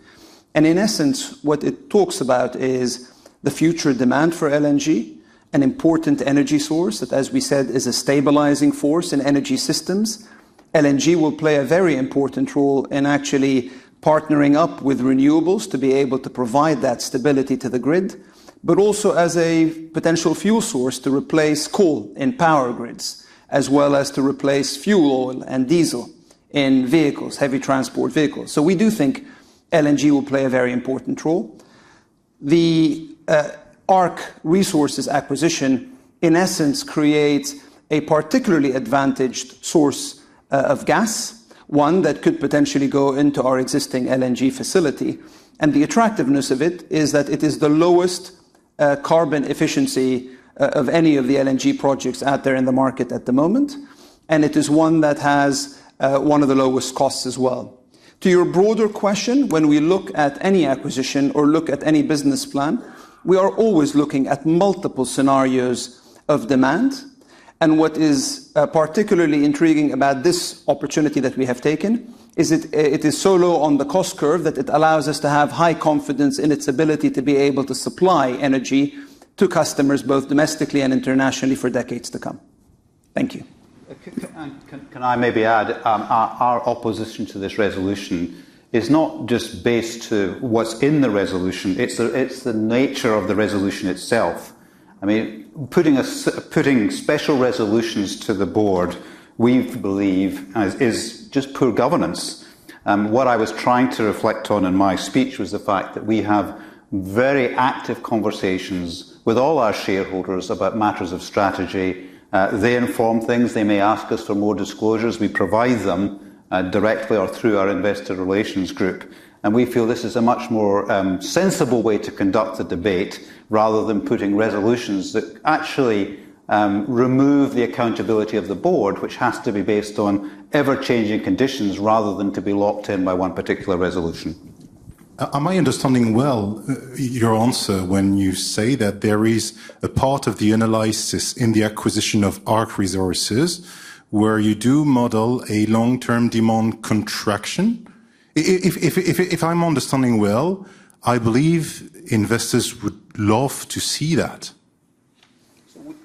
In essence, what it talks about is the future demand for LNG, an important energy source that, as we said, is a stabilizing force in energy systems. LNG will play a very important role in actually partnering up with renewables to be able to provide that stability to the grid, but also as a potential fuel source to replace coal in power grids, as well as to replace fuel oil and diesel in vehicles, heavy transport vehicles. We do think LNG will play a very important role. The ARC Resources acquisition, in essence, creates a particularly advantaged source of gas, one that could potentially go into our existing LNG facility. The attractiveness of it is that it is the lowest carbon efficiency of any of the LNG projects out there in the market at the moment, and it is one that has one of the lowest costs as well. To your broader question, when we look at any acquisition or look at any business plan, we are always looking at multiple scenarios of demand. What is, particularly intriguing about this opportunity that we have taken it is so low on the cost curve that it allows us to have high confidence in its ability to be able to supply energy to customers, both domestically and internationally, for decades to come. Thank you. And can I maybe add, our opposition to this resolution is not just based to what's in the resolution, it's the nature of the resolution itself. I mean, putting special resolutions to the board, we believe is just poor governance. What I was trying to reflect on in my speech was the fact that we have very active conversations with all our shareholders about matters of strategy. They inform things. They may ask us for more disclosures. We provide them directly or through our investor relations group. And we feel this is a much more sensible way to conduct a debate rather than putting resolutions that actually remove the accountability of the board, which has to be based on ever-changing conditions rather than to be locked in by one particular resolution. Am I understanding well your answer when you say that there is a part of the analysis in the acquisition of ARC Resources where you do model a long-term demand contraction? If I'm understanding well, I believe investors would love to see that.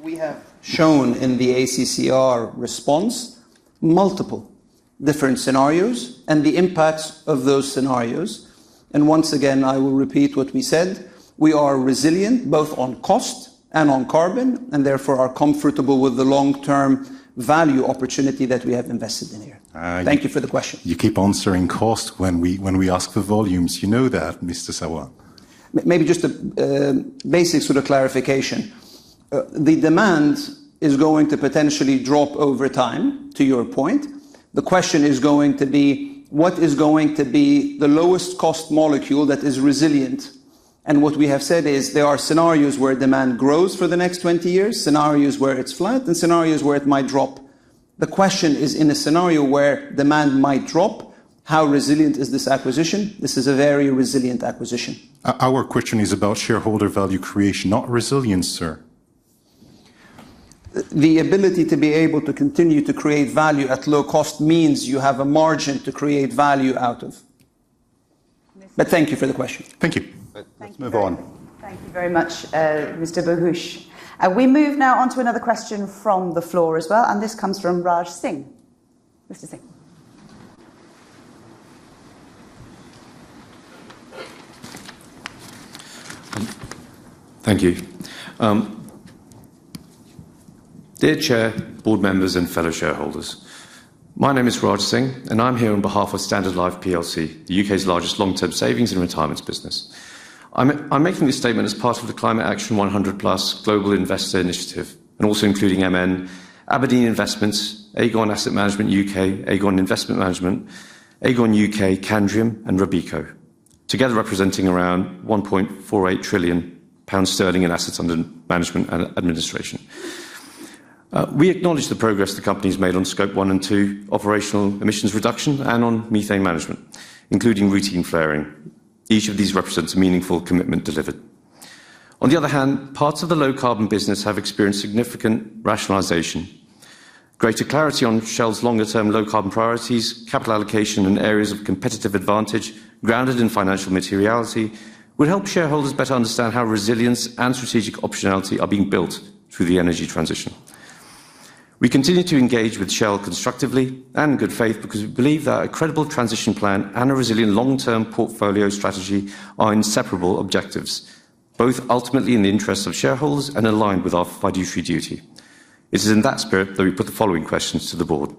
We have shown in the ACCR response multiple different scenarios and the impacts of those scenarios. Once again, I will repeat what we said. We are resilient both on cost and on carbon, and therefore are comfortable with the long-term value opportunity that we have invested in here. Thank you for the question. You keep answering cost when we ask for volumes. You know that, Mr. Sawan. Maybe just a basic sort of clarification. The demand is going to potentially drop over time, to your point. The question is going to be what is going to be the lowest cost molecule that is resilient? What we have said is there are scenarios where demand grows for the next 20 years, scenarios where it's flat, and scenarios where it might drop. The question is, in a scenario where demand might drop, how resilient is this acquisition? This is a very resilient acquisition. Our question is about shareholder value creation, not resilience, sir. The ability to be able to continue to create value at low cost means you have a margin to create value out of. Thank you for the question. Thank you. Let's move on. Thank you very much, Mr. Bouhouch. We move now on to another question from the floor as well. This comes from Raj Singh. Mr. Singh. Thank you. Dear Chair, board members, and fellow shareholders. My name is Raj Singh, and I'm here on behalf of Standard Life plc, the U.K.'s largest long-term savings and retirements business. I'm making this statement as part of the Climate Action 100+ Global Investor Initiative, and also including MN, Aberdeen Investments, Aegon Asset Management UK, Aegon Asset Management, Aegon UK, Candriam, and Robeco, together representing around 1.48 trillion sterling in assets under management and administration. We acknowledge the progress the company's made on Scope 1 and 2 operational emissions reduction and on methane management, including routine flaring. Each of these represents a meaningful commitment delivered. On the other hand, parts of the low-carbon business have experienced significant rationalization. Greater clarity on Shell's longer-term low-carbon priorities, capital allocation, and areas of competitive advantage grounded in financial materiality will help shareholders better understand how resilience and strategic optionality are being built through the energy transition. We continue to engage with Shell constructively and in good faith because we believe that a credible transition plan and a resilient long-term portfolio strategy are inseparable objectives, both ultimately in the interest of shareholders and aligned with our fiduciary duty. It is in that spirit that we put the following questions to the board.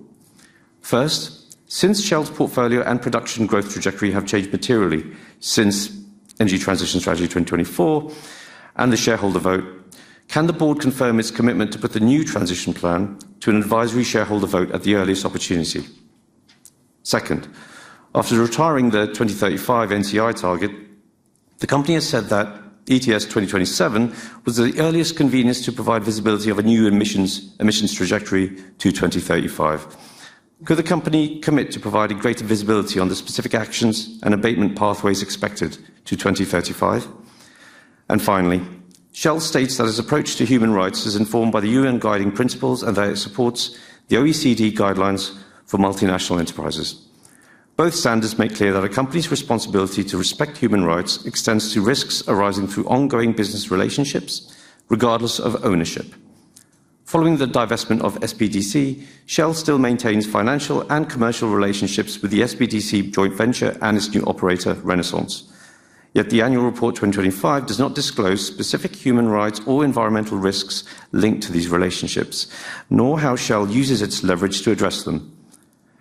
First, since Shell's portfolio and production growth trajectory have changed materially since Energy Transition Strategy 2024 and the shareholder vote, can the board confirm its commitment to put the new transition plan to an advisory shareholder vote at the earliest opportunity? Second, after retiring the 2035 NCI target, the company has said that ETS 2027 was the earliest convenience to provide visibility of a new emissions trajectory to 2035. Could the company commit to providing greater visibility on the specific actions and abatement pathways expected to 2035? Finally, Shell states that its approach to human rights is informed by the UN Guiding Principles and that it supports the OECD Guidelines for Multinational Enterprises. Both standards make clear that a company's responsibility to respect human rights extends to risks arising through ongoing business relationships, regardless of ownership. Following the divestment of SPDC, Shell still maintains financial and commercial relationships with the SPDC joint venture and its new operator, Renaissance. Yet the annual report 2025 does not disclose specific human rights or environmental risks linked to these relationships, nor how Shell uses its leverage to address them.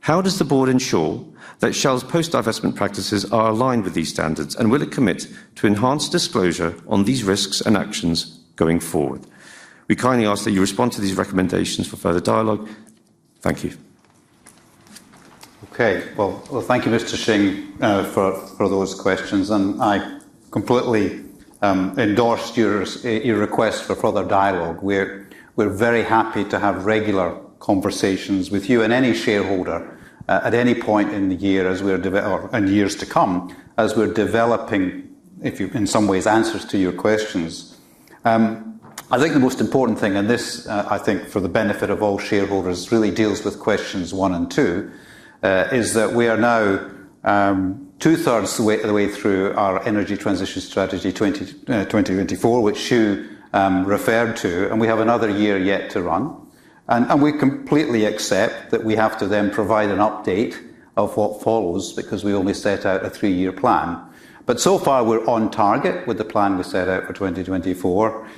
How does the board ensure that Shell's post-divestment practices are aligned with these standards, and will it commit to enhanced disclosure on these risks and actions going forward? We kindly ask that you respond to these recommendations for further dialogue. Thank you. Well, thank you, Mr. Singh, for those questions. I completely endorse your request for further dialogue. We're very happy to have regular conversations with you and any shareholder at any point in the year as we're developing, or in years to come, as we're developing, in some ways, answers to your questions. I think the most important thing, and this, I think for the benefit of all shareholders, really deals with questions one and two, is that we are now two-thirds the way through our Energy Transition Strategy 2024, which Shu referred to, we have another year yet to run. We completely accept that we have to then provide an update of what follows because we only set out a three-year plan. So far, we're on target with the plan we set out for 2024.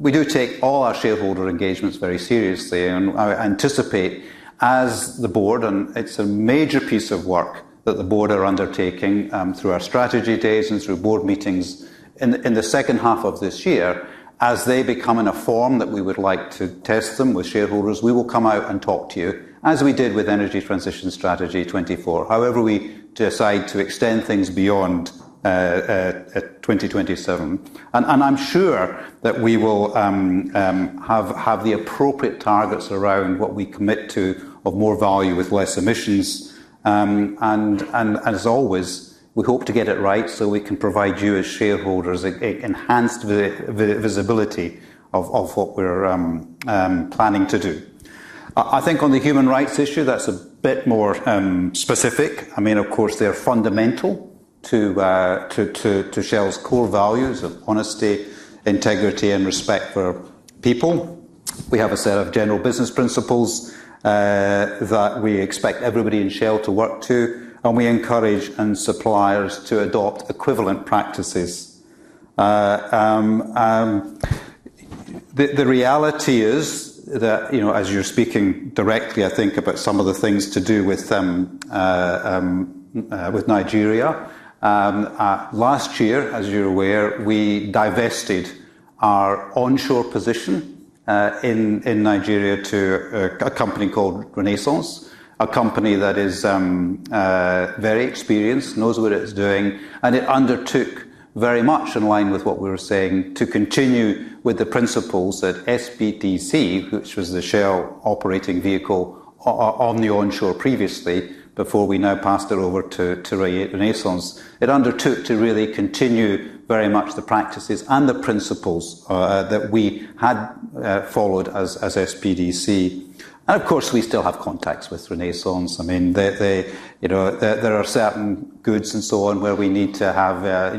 We do take all our shareholder engagements very seriously, and I anticipate as the board, and it's a major piece of work that the board are undertaking, through our strategy days and through board meetings in the second half of this year, as they become in a form that we would like to test them with shareholders, we will come out and talk to you as we did with Energy Transition Strategy 2024. However we decide to extend things beyond 2027. I'm sure that we will have the appropriate targets around what we commit to of more value with less emissions. As always, we hope to get it right, so we can provide you, as shareholders, enhanced visibility of what we're planning to do. I think on the human rights issue, that's a bit more specific. I mean, of course, they're fundamental to Shell's core values of honesty, integrity, and respect for people. We have a set of general business principles that we expect everybody in Shell to work to, and we encourage suppliers to adopt equivalent practices. The reality is that, you know, as you're speaking directly, I think about some of the things to do with Nigeria. Last year, as you're aware, we divested our onshore position in Nigeria to a company called Renaissance, a company that is very experienced, knows what it's doing, and it undertook very much in line with what we were saying to continue with the principles that SPDC, which was the Shell operating vehicle on the onshore previously before we now passed it over to Renaissance. It undertook to really continue very much the practices and the principles that we had followed as SPDC. Of course, we still have contacts with Renaissance. I mean, they, there are certain goods and so on where we need to have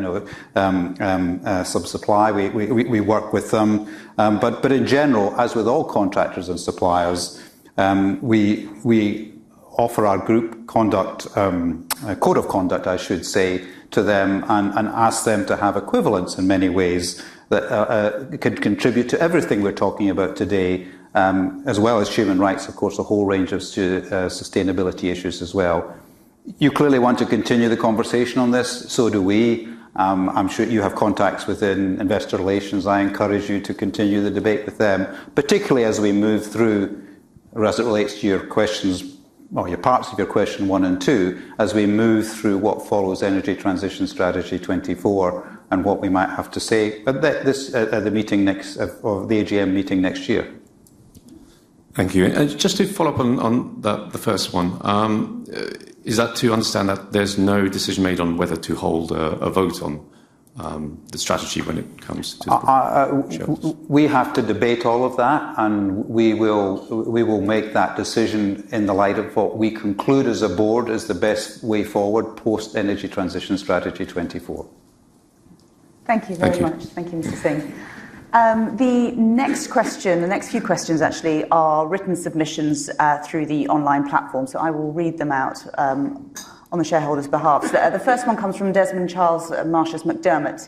some supply. We work with them. In general, as with all contractors and suppliers, we offer our group conduct, a code of conduct, I should say, to them and ask them to have equivalence in many ways that could contribute to everything we're talking about today, as well as human rights, of course, a whole range of sustainability issues as well. You clearly want to continue the conversation on this, so do we. I'm sure you have contacts within investor relations. I encourage you to continue the debate with them, particularly as we move through or as it relates to your questions or your parts of your question one and two, as we move through what follows Energy Transition Strategy 2024 and what we might have to say at the meeting next or the AGM meeting next year. Thank you. Just to follow up on the first one. Is that to understand that there's no decision made on whether to hold a vote on the strategy when it comes to Shell? We have to debate all of that, and we will make that decision in the light of what we conclude as a board is the best way forward post Energy Transition Strategy 2024. Thank you very much. Thank you. Thank you, Mr. Singh. The next question, the next few questions actually are written submissions, through the online platform. I will read them out, on the shareholders' behalf. The first one comes from Desmond Charles of Marshas McDermott,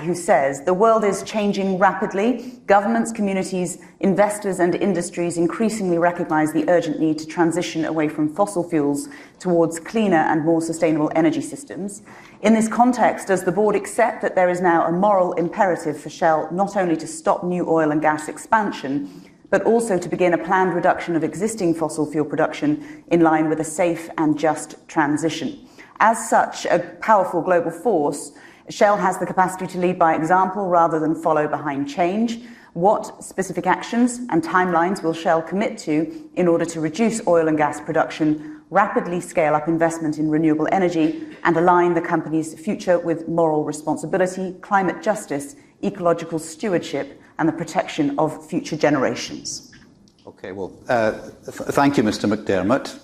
who says, "The world is changing rapidly. Governments, communities, investors, and industries increasingly recognize the urgent need to transition away from fossil fuels towards cleaner and more sustainable energy systems. In this context, does the board accept that there is now a moral imperative for Shell not only to stop new oil and gas expansion, but also to begin a planned reduction of existing fossil fuel production in line with a safe and just transition? As such a powerful global force, Shell has the capacity to lead by example rather than follow behind change. What specific actions and timelines will Shell commit to in order to reduce oil and gas production, rapidly scale up investment in renewable energy, and align the company's future with moral responsibility, climate justice, ecological stewardship, and the protection of future generations? Well, thank you, Mr. McDermott.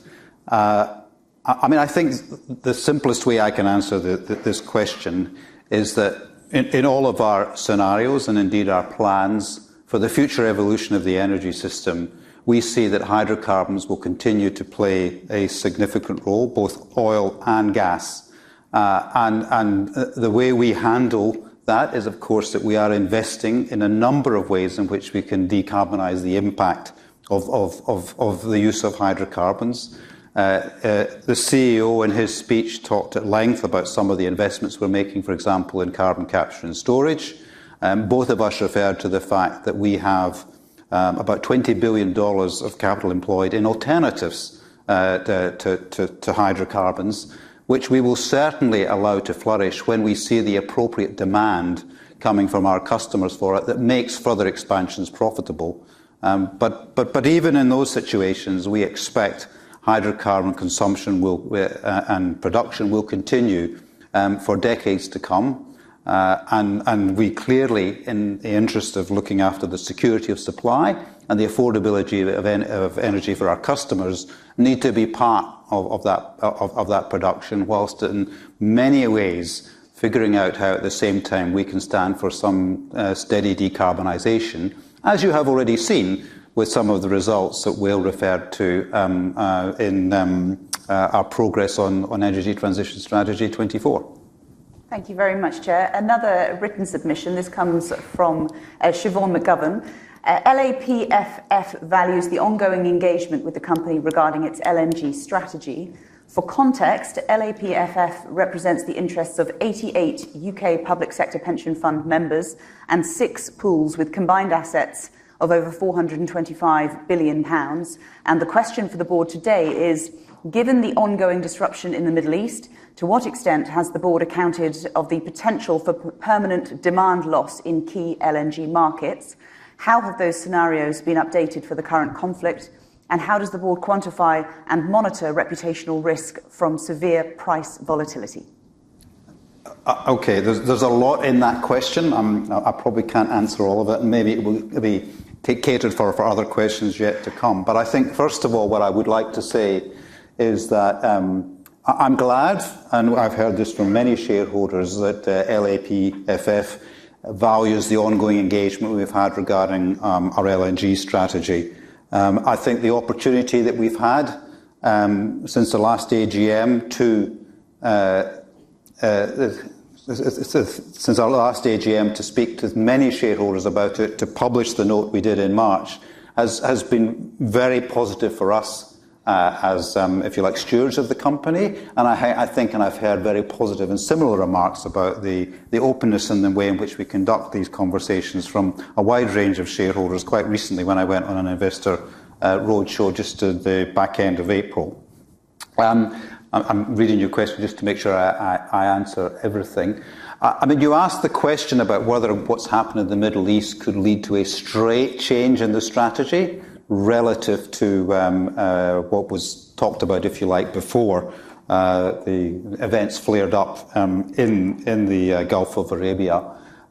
I mean, I think the simplest way I can answer this question is that in all of our scenarios and indeed our plans for the future evolution of the energy system, we see that hydrocarbons will continue to play a significant role, both oil and gas. The way we handle that is, of course, that we are investing in a number of ways in which we can decarbonize the impact of the use of hydrocarbons. The CEO in his speech talked at length about some of the investments we're making, for example, in carbon capture and storage. Both of us referred to the fact that we have about $20 billion of capital employed in alternatives to hydrocarbons, which we will certainly allow to flourish when we see the appropriate demand coming from our customers for it that makes further expansions profitable. Even in those situations, we expect hydrocarbon consumption will and production will continue for decades to come. We clearly, in the interest of looking after the security of supply and the affordability of energy for our customers, need to be part of that production, whilst in many ways figuring out how at the same time we can stand for some steady decarbonization, as you have already seen with some of the results that Wael referred to in our progress on Energy Transition Strategy 2024. Thank you very much, Chair. Another written submission. This comes from Siobhan McGovern. "LAPFF values the ongoing engagement with the company regarding its LNG strategy. For context, LAPFF represents the interests of 88 U.K. public sector pension fund members and six pools with combined assets of over 425 billion pounds. The question for the board today is, given the ongoing disruption in the Middle East, to what extent has the board accounted of the potential for permanent demand loss in key LNG markets? How have those scenarios been updated for the current conflict? How does the board quantify and monitor reputational risk from severe price volatility? Okay. There's a lot in that question. I probably can't answer all of it. Maybe it will be catered for other questions yet to come. I think, first of all, what I would like to say is that I'm glad, and I've heard this from many shareholders, that LAPFF values the ongoing engagement we've had regarding our LNG strategy. I think the opportunity that we've had since our last AGM to speak to many shareholders about it, to publish the note we did in March, has been very positive for us as, if you like, stewards of the company. I think and I've heard very positive and similar remarks about the openness and the way in which we conduct these conversations from a wide range of shareholders quite recently when I went on an investor roadshow just at the back end of April. I'm reading your question just to make sure I answer everything. I mean, you asked the question about whether what's happened in the Middle East could lead to a straight change in the strategy relative to what was talked about, if you like, before the events flared up in the Gulf of Arabia.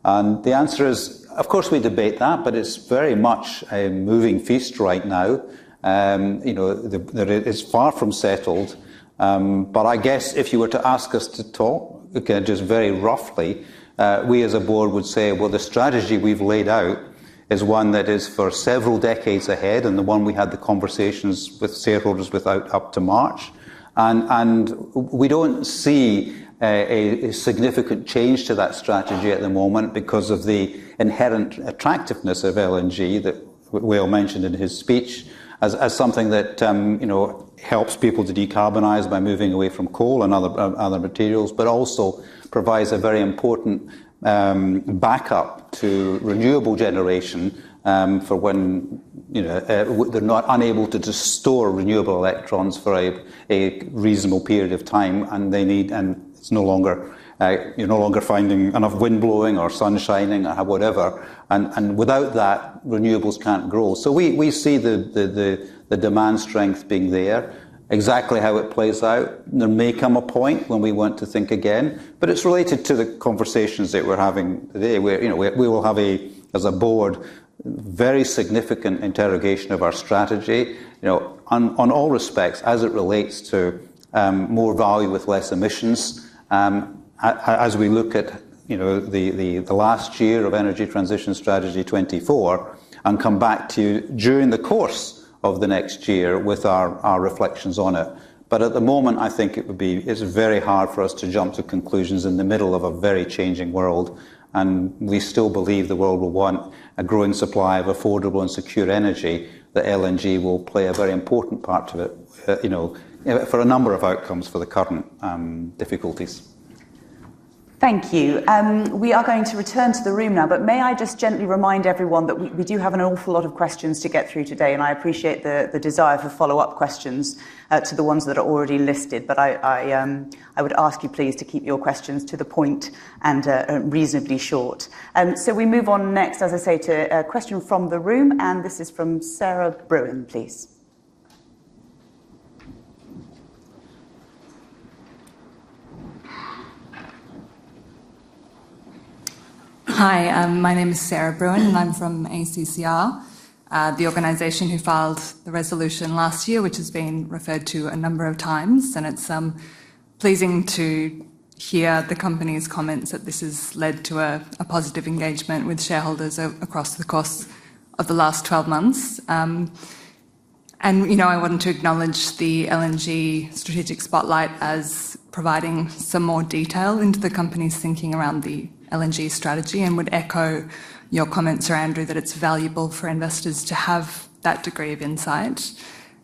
The answer is, of course, we debate that, but it's very much a moving feast right now. You know, it's far from settled. I guess if you were to ask us to talk, again, just very roughly, we as a board would say, the strategy we've laid out is one that is for several decades ahead, and the one we had the conversations with shareholders without up to March. We don't see a significant change to that strategy at the moment because of the inherent attractiveness of LNG that Wael mentioned in his speech as something that, you know, helps people to decarbonize by moving away from coal and other materials, but also provides a very important backup to renewable generation for when, you know, they're not unable to just store renewable electrons for a reasonable period of time. It's no longer- you're no longer finding enough wind blowing or sun shining or whatever. Without that, renewables can't grow. We see the demand strength being there. Exactly how it plays out, there may come a point when we want to think again. It's related to the conversations that we're having today, where, you know, we will have a, as a board, very significant interrogation of our strategy, you know, on all respects as it relates to more value with less emissions, as we look at, you know, the last year of Energy Transition Strategy 2024 and come back to you during the course of the next year with our reflections on it. At the moment, I think it would be very hard for us to jump to conclusions in the middle of a very changing world, and we still believe the world will want a growing supply of affordable and secure energy, that LNG will play a very important part to it, you know, for a number of outcomes for the current difficulties. Thank you. We are going to return to the room now, May I just gently remind everyone that we do have an awful lot of questions to get through today, and I appreciate the desire for follow-up questions to the ones that are already listed. I would ask you please to keep your questions to the point and reasonably short. We move on next, as I say, to a question from the room, and this is from Sarah Bruijn, please. Hi, my name is Sarah Bruijn, and I'm from ACCR, the organization who filed the resolution last year, which has been referred to a number of times. It's pleasing to hear the company's comments that this has led to a positive engagement with shareholders across the course of the last 12 months. You know, I want to acknowledge the LNG strategic spotlight as providing some more detail into the company's thinking around the LNG strategy and would echo your comments, Sir Andrew, that it's valuable for investors to have that degree of insight.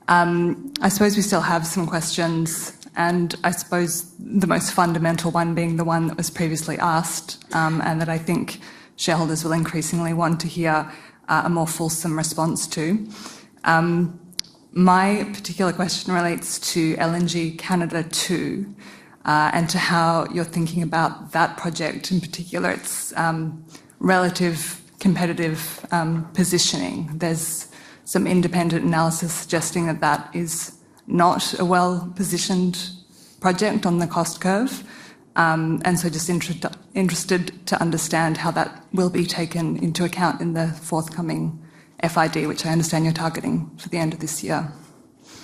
I suppose we still have some questions. I suppose the most fundamental one being the one that was previously asked, and that I think shareholders will increasingly want to hear a more fulsome response to. My particular question relates to LNG Canada 2 and to how you're thinking about that project, in particular, its relative competitive positioning. There's some independent analysis suggesting that that is not a well-positioned project on the cost curve. Interested to understand how that will be taken into account in the forthcoming FID, which I understand you're targeting for the end of this year.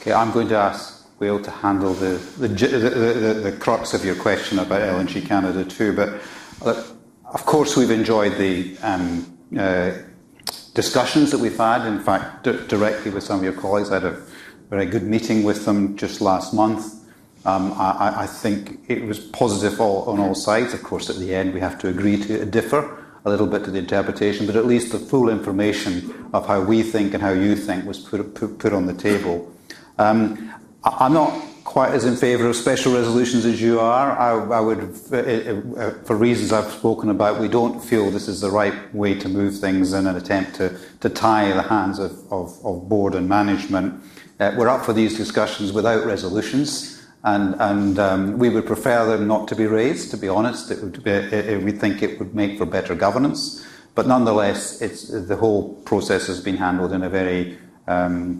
Okay. I'm going to ask Wael to handle the crux of your question about LNG Canada 2. Look, of course, we've enjoyed the discussions that we've had, in fact, directly with some of your colleagues. I had a very good meeting with them just last month. I think it was positive on all sides. Of course, at the end, we have to agree to differ a little bit to the interpretation, but at least the full information of how we think and how you think was put on the table. I'm not quite as in favor of special resolutions as you are. I would, for reasons I've spoken about, we don't feel this is the right way to move things in an attempt to tie the hands of board and management. We're up for these discussions without resolutions and we would prefer them not to be raised, to be honest. It would be, we think it would make for better governance. Nonetheless, the whole process has been handled in a very,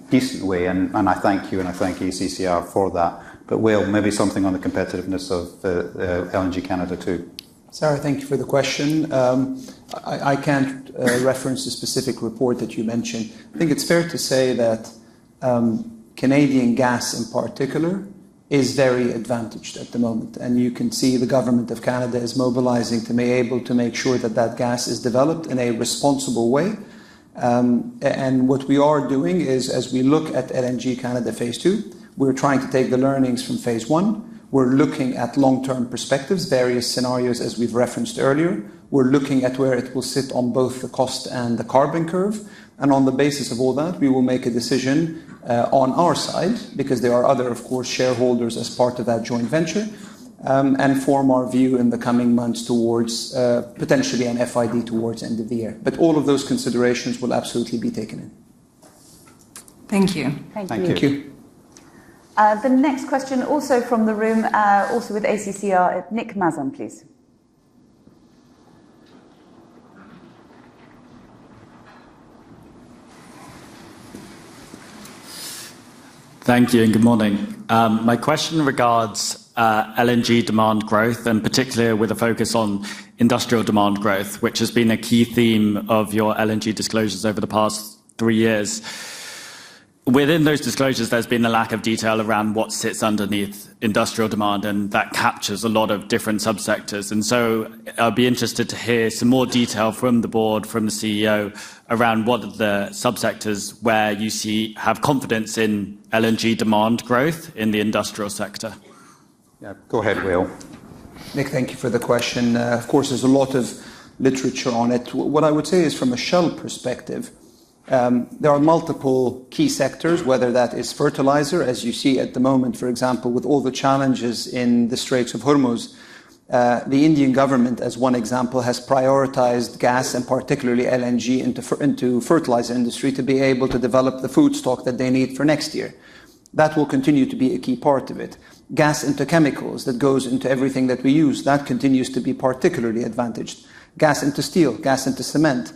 decent way, and I thank you, and I thank ACCR for that. Wael, maybe something on the competitiveness of LNG Canada 2. Sarah, thank you for the question. I can't reference the specific report that you mentioned. I think it's fair to say that Canadian gas, in particular, is very advantaged at the moment, and you can see the government of Canada is mobilizing to be able to make sure that that gas is developed in a responsible way. What we are doing is, as we look at LNG Canada Phase 2, we're trying to take the learnings from phase 1. We're looking at long-term perspectives, various scenarios, as we've referenced earlier. We're looking at where it will sit on both the cost and the carbon curve. On the basis of all that, we will make a decision on our side because there are other, of course, shareholders as part of that joint venture, and form our view in the coming months towards potentially an FID towards end of the year. All of those considerations will absolutely be taken in. Thank you. Thank you. Thank you. Thank you. The next question, also from the room, also with ACCR, Nick Mazum, please. Thank you and good morning. My question regards LNG demand growth, and particularly with a focus on industrial demand growth, which has been a key theme of your LNG disclosures over the past three years. Within those disclosures, there's been a lack of detail around what sits underneath industrial demand, and that captures a lot of different subsectors. I'll be interested to hear some more detail from the board, from the CEO around what the subsectors where you see have confidence in LNG demand growth in the industrial sector. Yeah. Go ahead, Wael. Nick, thank you for the question. Of course, there's a lot of literature on it. What I would say is from a Shell perspective, there are multiple key sectors, whether that is fertilizer, as you see at the moment, for example, with all the challenges in the Straits of Hormuz. The Indian government, as one example, has prioritized gas and particularly LNG into fertilizer industry to be able to develop the feedstock that they need for next year. That will continue to be a key part of it. Gas into chemicals, that goes into everything that we use, that continues to be particularly advantaged. Gas into steel, gas into cement.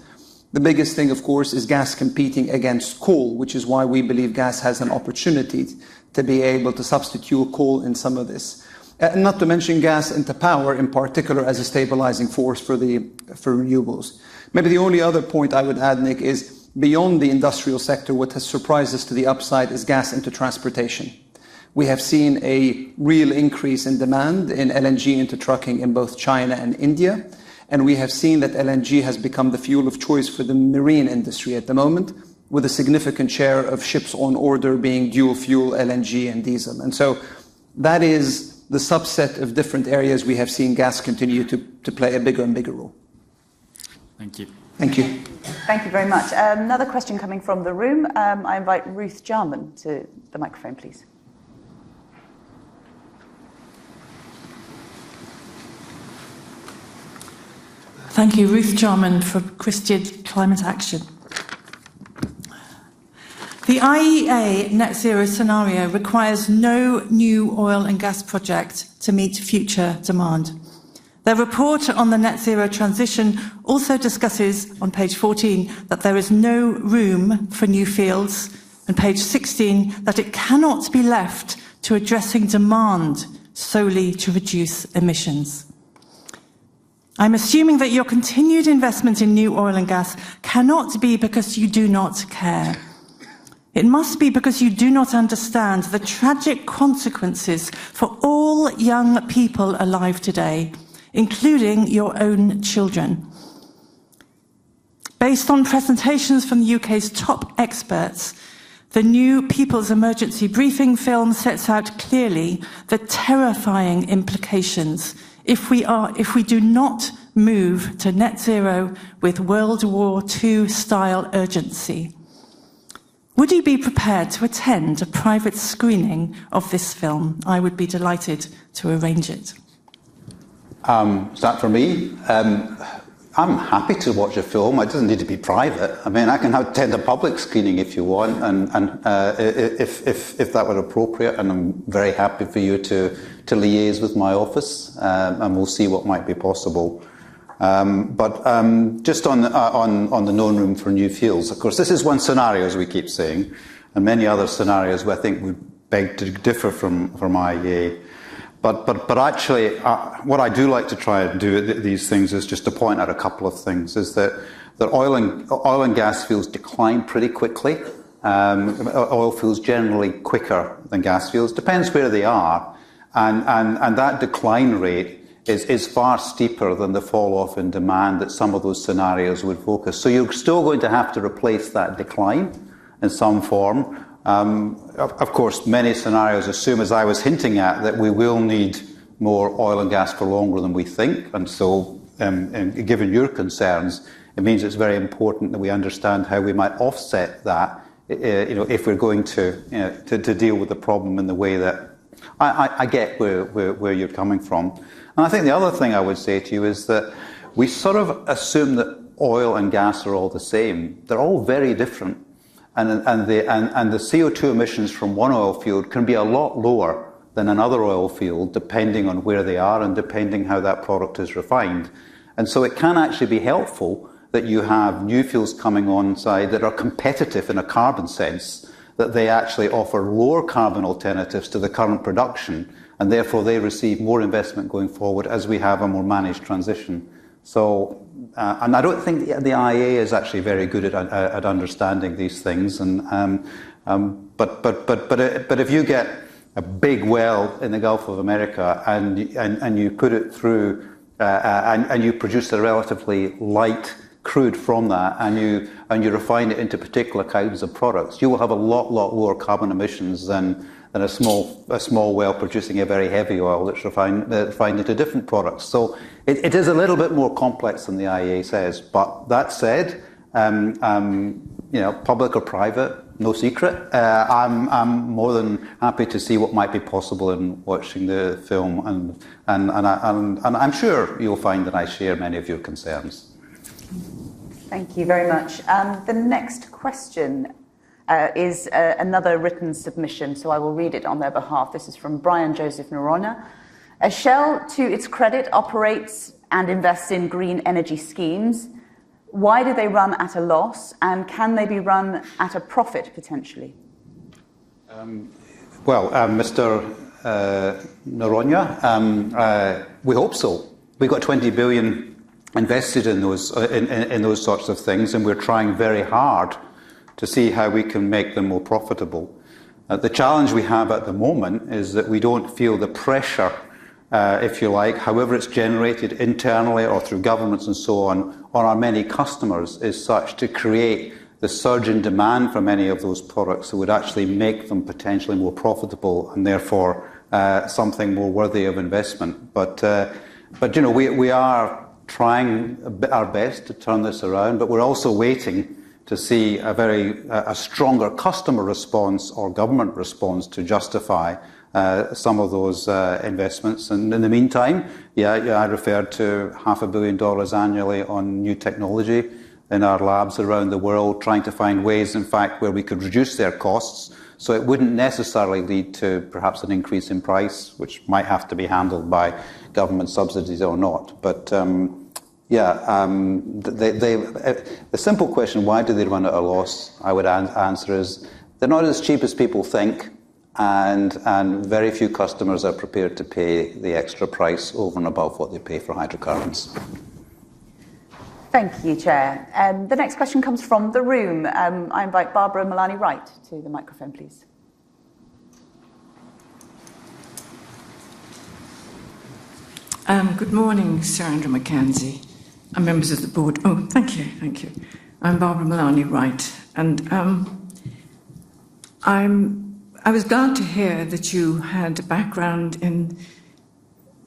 The biggest thing, of course, is gas competing against coal, which is why we believe gas has an opportunity to be able to substitute coal in some of this. Not to mention gas into power, in particular, as a stabilizing force for renewables. Maybe the only other point I would add, Nick, is beyond the industrial sector, what has surprised us to the upside is gas into transportation. We have seen a real increase in demand in LNG into trucking in both China and India. We have seen that LNG has become the fuel of choice for the marine industry at the moment, with a significant share of ships on order being dual fuel, LNG and diesel. That is the subset of different areas we have seen gas continue to play a bigger and bigger role. Thank you. Thank you. Thank you very much. Another question coming from the room. I invite Ruth Jarman to the microphone, please. Thank you. Ruth Jarman for Christian Climate Action. The IEA net zero scenario requires no new oil and gas project to meet future demand. The report on the net zero transition also discusses, on page 14, that there is no room for new fields, and page 16, that it cannot be left to addressing demand solely to reduce emissions. I'm assuming that your continued investment in new oil and gas cannot be because you do not care. It must be because you do not understand the tragic consequences for all young people alive today, including your own children. Based on presentations from the U.K.'s top experts, the new The People's Emergency Briefing film sets out clearly the terrifying implications if we do not move to net zero with World War II style urgency. Would you be prepared to attend a private screening of this film? I would be delighted to arrange it. Is that for me? I'm happy to watch a film. It doesn't need to be private. I mean, I can attend a public screening if you want and if that were appropriate, and I'm very happy for you to liaise with my office, and we'll see what might be possible. Just on the no room for new fields. Of course, this is one scenario, as we keep saying, and many other scenarios where I think we beg to differ from IEA. Actually, what I do like to try and do at these things is just to point out a couple of things, is that oil and gas fields decline pretty quickly. Oil fields generally quicker than gas fields. Depends where they are. That decline rate is far steeper than the fall off in demand that some of those scenarios would focus. You're still going to have to replace that decline in some form. Of course, many scenarios assume, as I was hinting at, that we will need more oil and gas for longer than we think. Given your concerns, it means it's very important that we understand how we might offset that, you know, if we're going to deal with the problem in the way that I get where you're coming from. I think the other thing I would say to you is that we sort of assume that oil and gas are all the same. They're all very different. The CO2 emissions from one oil field can be a lot lower than another oil field, depending on where they are and depending how that product is refined. It can actually be helpful that you have new fields coming on site that are competitive in a carbon sense, that they actually offer lower carbon alternatives to the current production, and therefore they receive more investment going forward as we have a more managed transition. I don't think the IEA is actually very good at understanding these things. If you get a big well in the Gulf of Mexico and you put it through, and you produce a relatively light crude from that, and you refine it into particular kinds of products, you will have a lot lower carbon emissions than a small well producing a very heavy oil that's refined to different products. It is a little bit more complex than the IEA says. That said, you know, public or private, no secret, I'm more than happy to see what might be possible in watching the film and I'm sure you'll find that I share many of your concerns. Thank you very much. The next question is another written submission, so I will read it on their behalf. This is from Brian Joseph Noronha. As Shell, to its credit, operates and invests in green energy schemes, why do they run at a loss, and can they be run at a profit, potentially? Well, Mr. Noronha, we hope so. We've got 20 billion invested in those sorts of things, and we're trying very hard to see how we can make them more profitable. The challenge we have at the moment is that we don't feel the pressure, if you like, however it's generated internally or through governments and so on, or our many customers as such to create the surge in demand for many of those products that would actually make them potentially more profitable and therefore, something more worthy of investment. You know, we are trying our best to turn this around, but we're also waiting to see a very stronger customer response or government response to justify some of those investments. In the meantime, yeah, I referred to half a billion dollars annually on new technology in our labs around the world, trying to find ways, in fact, where we could reduce their costs, so it wouldn't necessarily lead to perhaps an increase in price, which might have to be handled by government subsidies or not. The simple question, why do they run at a loss, I would answer is, they're not as cheap as people think, and very few customers are prepared to pay the extra price over and above what they pay for hydrocarbons. Thank you, Chair. The next question comes from the room. I invite Barbara Mulani-Wright to the microphone, please. Good morning, Sir Andrew Mackenzie, and members of the board. Thank you. Thank you. I'm Barbara Mulani-Wright. I was glad to hear that you had a background in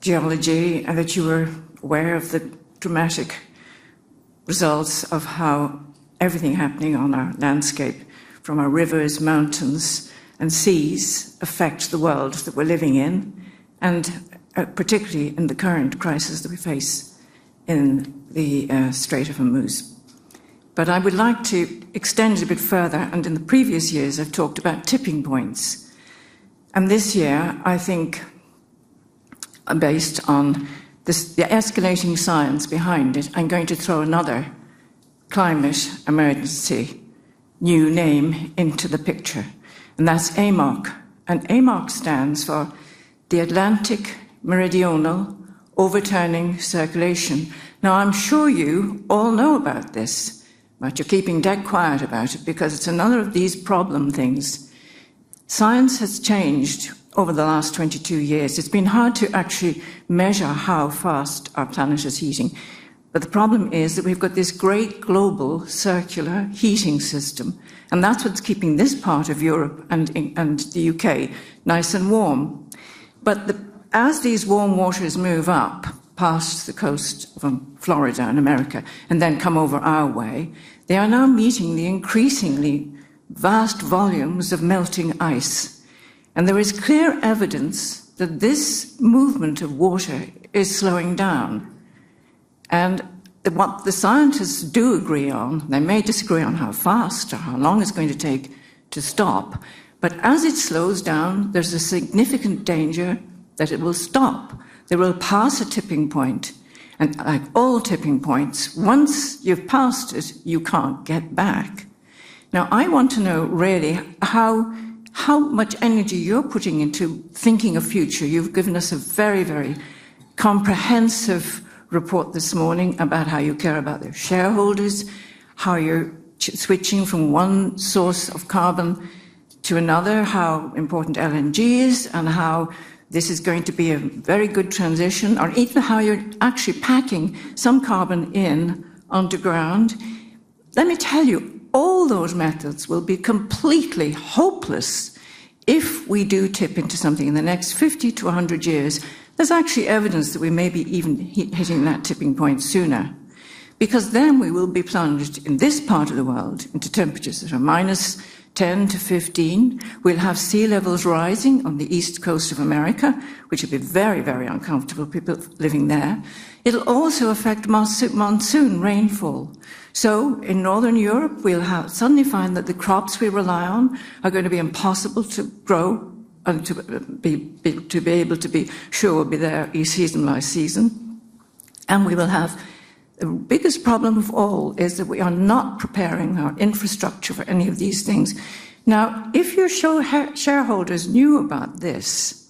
geology, and that you were aware of the dramatic results of how everything happening on our landscape, from our rivers, mountains, and seas affect the world that we're living in, particularly in the current crisis that we face in the Strait of Hormuz. I would like to extend it a bit further, and in the previous years, I've talked about tipping points. This year, I think, based on this, the escalating science behind it, I'm going to throw another climate emergency new name into the picture, and that's AMOC. AMOC stands for the Atlantic Meridional Overturning Circulation. Now, I'm sure you all know about this, but you're keeping dead quiet about it because it's another of these problem things. Science has changed over the last 22 years. It's been hard to actually measure how fast our planet is heating. The problem is that we've got this great global circular heating system, and that's what's keeping this part of Europe and the U.K. nice and warm. As these warm waters move up past the coast from Florida and America, and then come over our way, they are now meeting the increasingly vast volumes of melting ice. There is clear evidence that this movement of water is slowing down. What the scientists do agree on, they may disagree on how fast or how long it's going to take to stop, but as it slows down, there's a significant danger that it will stop. They will pass a tipping point, like all tipping points, once you've passed it, you can't get back. I want to know really how much energy you're putting into thinking of future. You've given us a very, very comprehensive report this morning about how you care about the shareholders, how you're switching from one source of carbon to another, how important LNG is, and how this is going to be a very good transition, or even how you're actually packing some carbon in underground. Let me tell you, all those methods will be completely hopeless if we do tip into something in the next 50 to 100 years. There's actually evidence that we may be even hitting that tipping point sooner. We will be plunged in this part of the world into temperatures that are minus 10 to 15. We'll have sea levels rising on the east coast of America, which will be very, very uncomfortable for people living there. It'll also affect monsoon rainfall. In Northern Europe, we'll suddenly find that the crops we rely on are gonna be impossible to grow and to be able to be sure will be there season by season. We will have the biggest problem of all is that we are not preparing our infrastructure for any of these things. If your shareholders knew about this,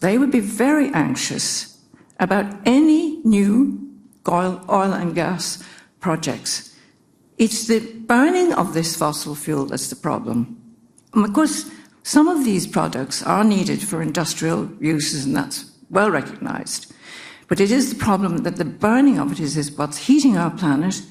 they would be very anxious about any new oil and gas projects. It's the burning of this fossil fuel that's the problem. Of course, some of these products are needed for industrial uses, and that's well-recognized. It is the problem that the burning of it is what's heating our planet,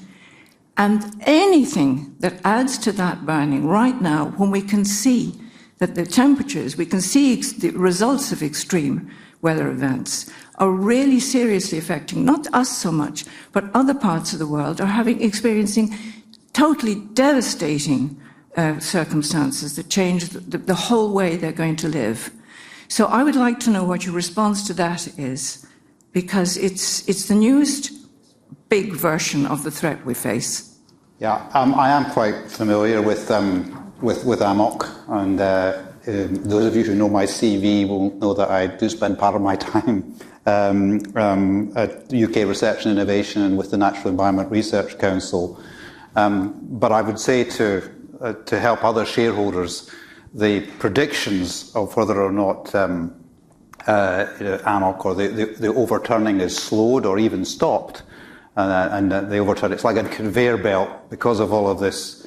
and anything that adds to that burning right now, when we can see that the temperatures, we can see the results of extreme weather events, are really seriously affecting not us so much, but other parts of the world are having, experiencing totally devastating circumstances that change the whole way they're going to live. I would like to know what your response to that is, because it's the newest big version of the threat we face. Yeah. I am quite familiar with AMOC, and those of you who know my CV will know that I do spend part of my time at UK Research and Innovation and with the Natural Environment Research Council. I would say to help other shareholders, the predictions of whether or not, you know, AMOC or the overturning is slowed or even stopped, and the overturn, it's like a conveyor belt because of all of this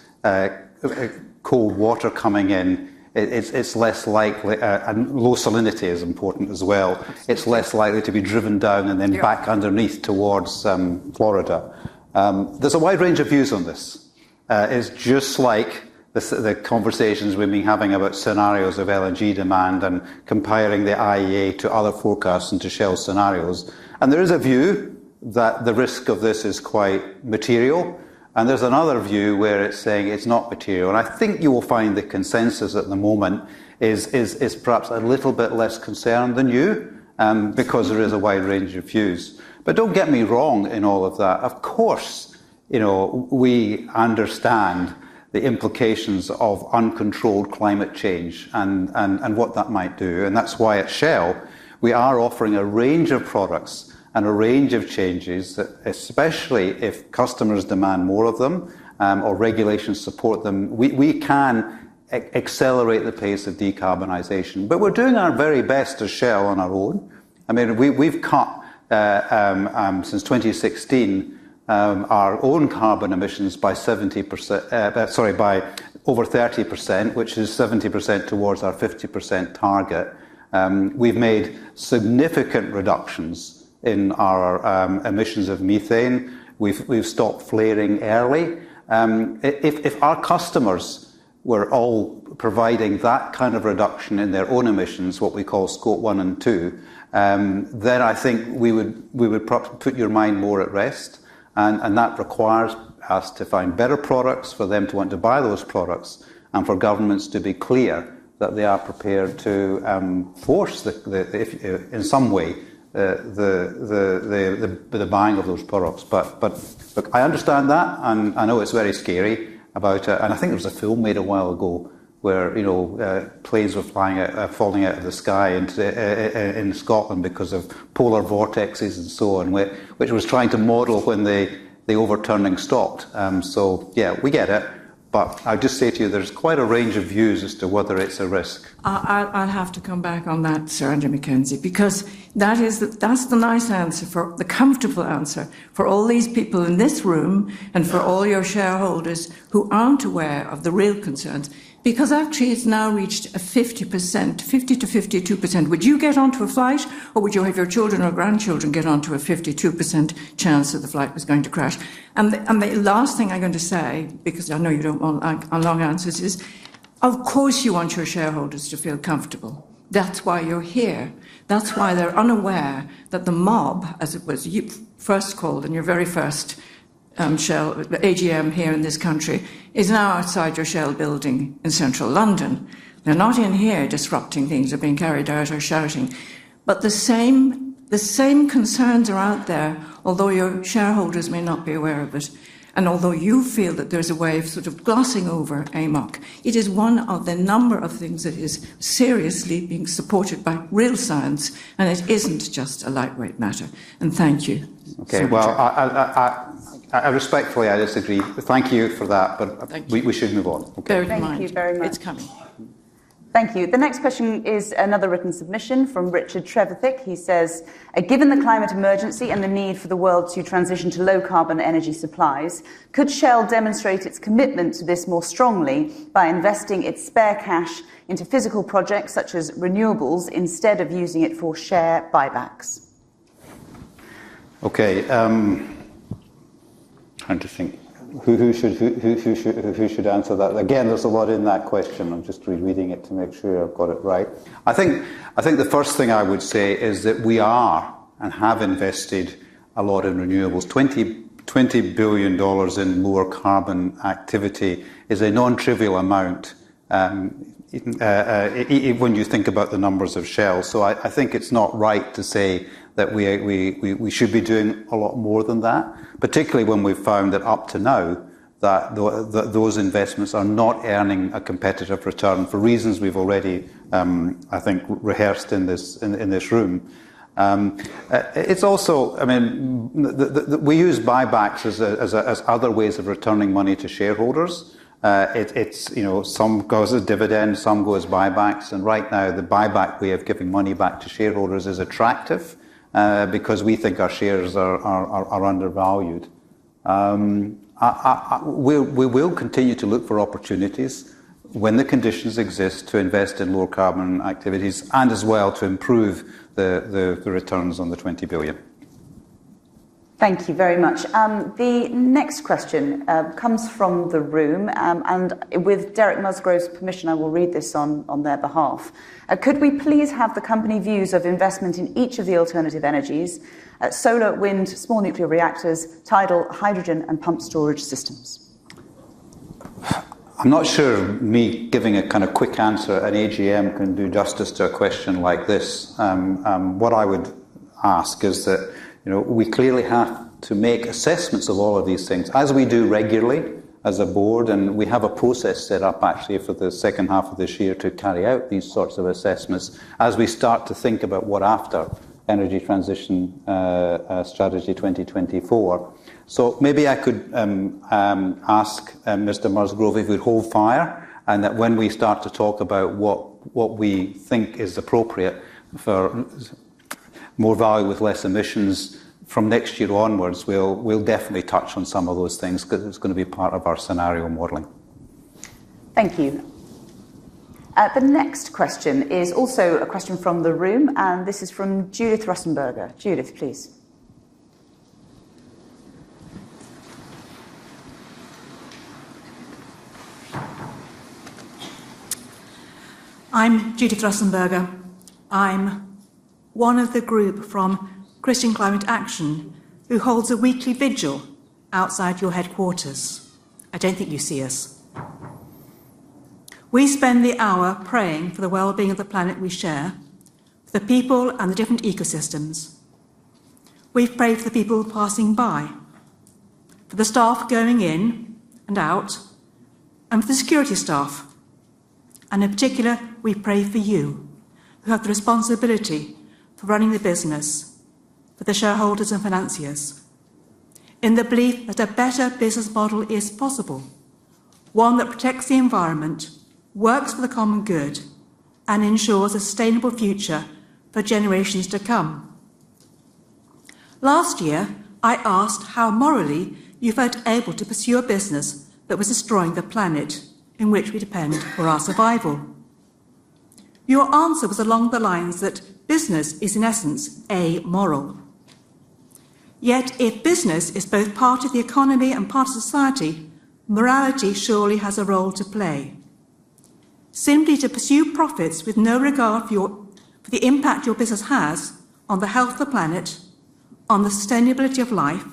cold water coming in. It's less likely, and low salinity is important as well. It's less likely to be driven down- Yeah. -and then back underneath towards Florida. There's a wide range of views on this. It's just like the conversations we've been having about scenarios of LNG demand and comparing the IEA to other forecasts and to Shell scenarios. There is a view that the risk of this is quite material, there's another view where it's saying it's not material. I think you will find the consensus at the moment is perhaps a little bit less concerned than you, because there is a wide range of views. Don't get me wrong in all of that. Of course, you know, we understand the implications of uncontrolled climate change and what that might do. That's why at Shell we are offering a range of products and a range of changes that especially if customers demand more of them, or regulations support them, we can accelerate the pace of decarbonization. We're doing our very best as Shell on our own. I mean, we've cut since 2016 our own carbon emissions by over 30%, which is 70% towards our 50% target. We've made significant reductions in our emissions of methane. We've stopped flaring early. If our customers were all providing that kind of reduction in their own emissions, what we call Scope 1 and 2, then I think we would put your mind more at rest. That requires us to find better products for them to want to buy those products and for governments to be clear that they are prepared to force the buying of those products. Look, I understand that, and I know it's very scary about. I think there was a film made a while ago where, you know, planes were flying out, falling out of the sky into in Scotland because of polar vortexes and so on, which was trying to model when the overturning stopped. Yeah, we get it. I'll just say to you, there's quite a range of views as to whether it's a risk. I'll have to come back on that, Sir Andrew Mackenzie, that's the nice answer for, the comfortable answer for all these people in this room and for all your shareholders who aren't aware of the real concerns. Actually it's now reached a 50%, 50%-52%. Would you get onto a flight or would you have your children or grandchildren get onto a 52% chance that the flight was going to crash? The last thing I'm going to say, because I know you don't want, like, long answers, is of course you want your shareholders to feel comfortable. That's why you're here. That's why they're unaware that the mob, as it was first called in your very first Shell AGM here in this country, is now outside your Shell building in Central London. They're not in here disrupting things or being carried out or shouting. The same concerns are out there, although your shareholders may not be aware of it. Although you feel that there's a way of sort of glossing over AMOC, it is one of the number of things that is seriously being supported by real science, and it isn't just a lightweight matter. Thank you. Okay. Well, I respectfully disagree. Thank you for that. I think we should move on. Okay. Thank you very much. Thank you very much. It's coming. Thank you. The next question is another written submission from Richard Trevithick. He says, "Given the climate emergency and the need for the world to transition to low carbon energy supplies, could Shell demonstrate its commitment to this more strongly by investing its spare cash into physical projects such as renewables, instead of using it for share buybacks? Okay. Trying to think who should answer that. Again, there's a lot in that question. I'm just re-reading it to make sure I've got it right. I think the first thing I would say is that we are and have invested a lot in renewables. $20 billion in lower carbon activity is a non-trivial amount, if when you think about the numbers of Shell. I think it's not right to say that we should be doing a lot more than that, particularly when we've found that up to now, that those investments are not earning a competitive return for reasons we've already, I think rehearsed in this room. It's also, I mean, we use buybacks as other ways of returning money to shareholders. It's, you know, some goes as dividend, some goes buybacks, and right now the buyback way of giving money back to shareholders is attractive, because we think our shares are undervalued. We will continue to look for opportunities when the conditions exist to invest in lower carbon activities and as well to improve the returns on $20 billion. Thank you very much. The next question comes from the room, and with Derek Musgrove's permission, I will read this on their behalf. Could we please have the company views of investment in each of the alternative energies: solar, wind, small nuclear reactors, tidal, hydrogen, and pump storage systems? I'm not sure me giving a kind of quick answer at AGM can do justice to a question like this. What I would ask is that, you know, we clearly have to make assessments of all of these things, as we do regularly as a board, and we have a process set up actually for the second half of this year to carry out these sorts of assessments as we start to think about what after Energy Transition Strategy 2024. Maybe I could ask Mr. Musgrove if he'd hold fire, and that when we start to talk about what we think is appropriate for more value with less emissions. From next year onwards, we'll definitely touch on some of those things 'cause it's gonna be part of our scenario modeling. Thank you. The next question is also a question from the room, and this is from Judith Russenberger. Judith, please. I'm Judith Russenberger. I'm one of the group from Christian Climate Action who holds a weekly vigil outside your headquarters. I don't think you see us. We spend the hour praying for the wellbeing of the planet we share, for the people and the different ecosystems. We pray for the people passing by, for the staff going in and out, and for the security staff, and in particular, we pray for you, who have the responsibility for running the business, for the shareholders and financiers, in the belief that a better business model is possible, one that protects the environment, works for the common good, and ensures a sustainable future for generations to come. Last year, I asked how morally you felt able to pursue a business that was destroying the planet in which we depend for our survival. Your answer was along the lines that business is, in essence, amoral. Yet if business is both part of the economy and part of society, morality surely has a role to play. Simply to pursue profits with no regard for the impact your business has on the health of the planet, on the sustainability of life,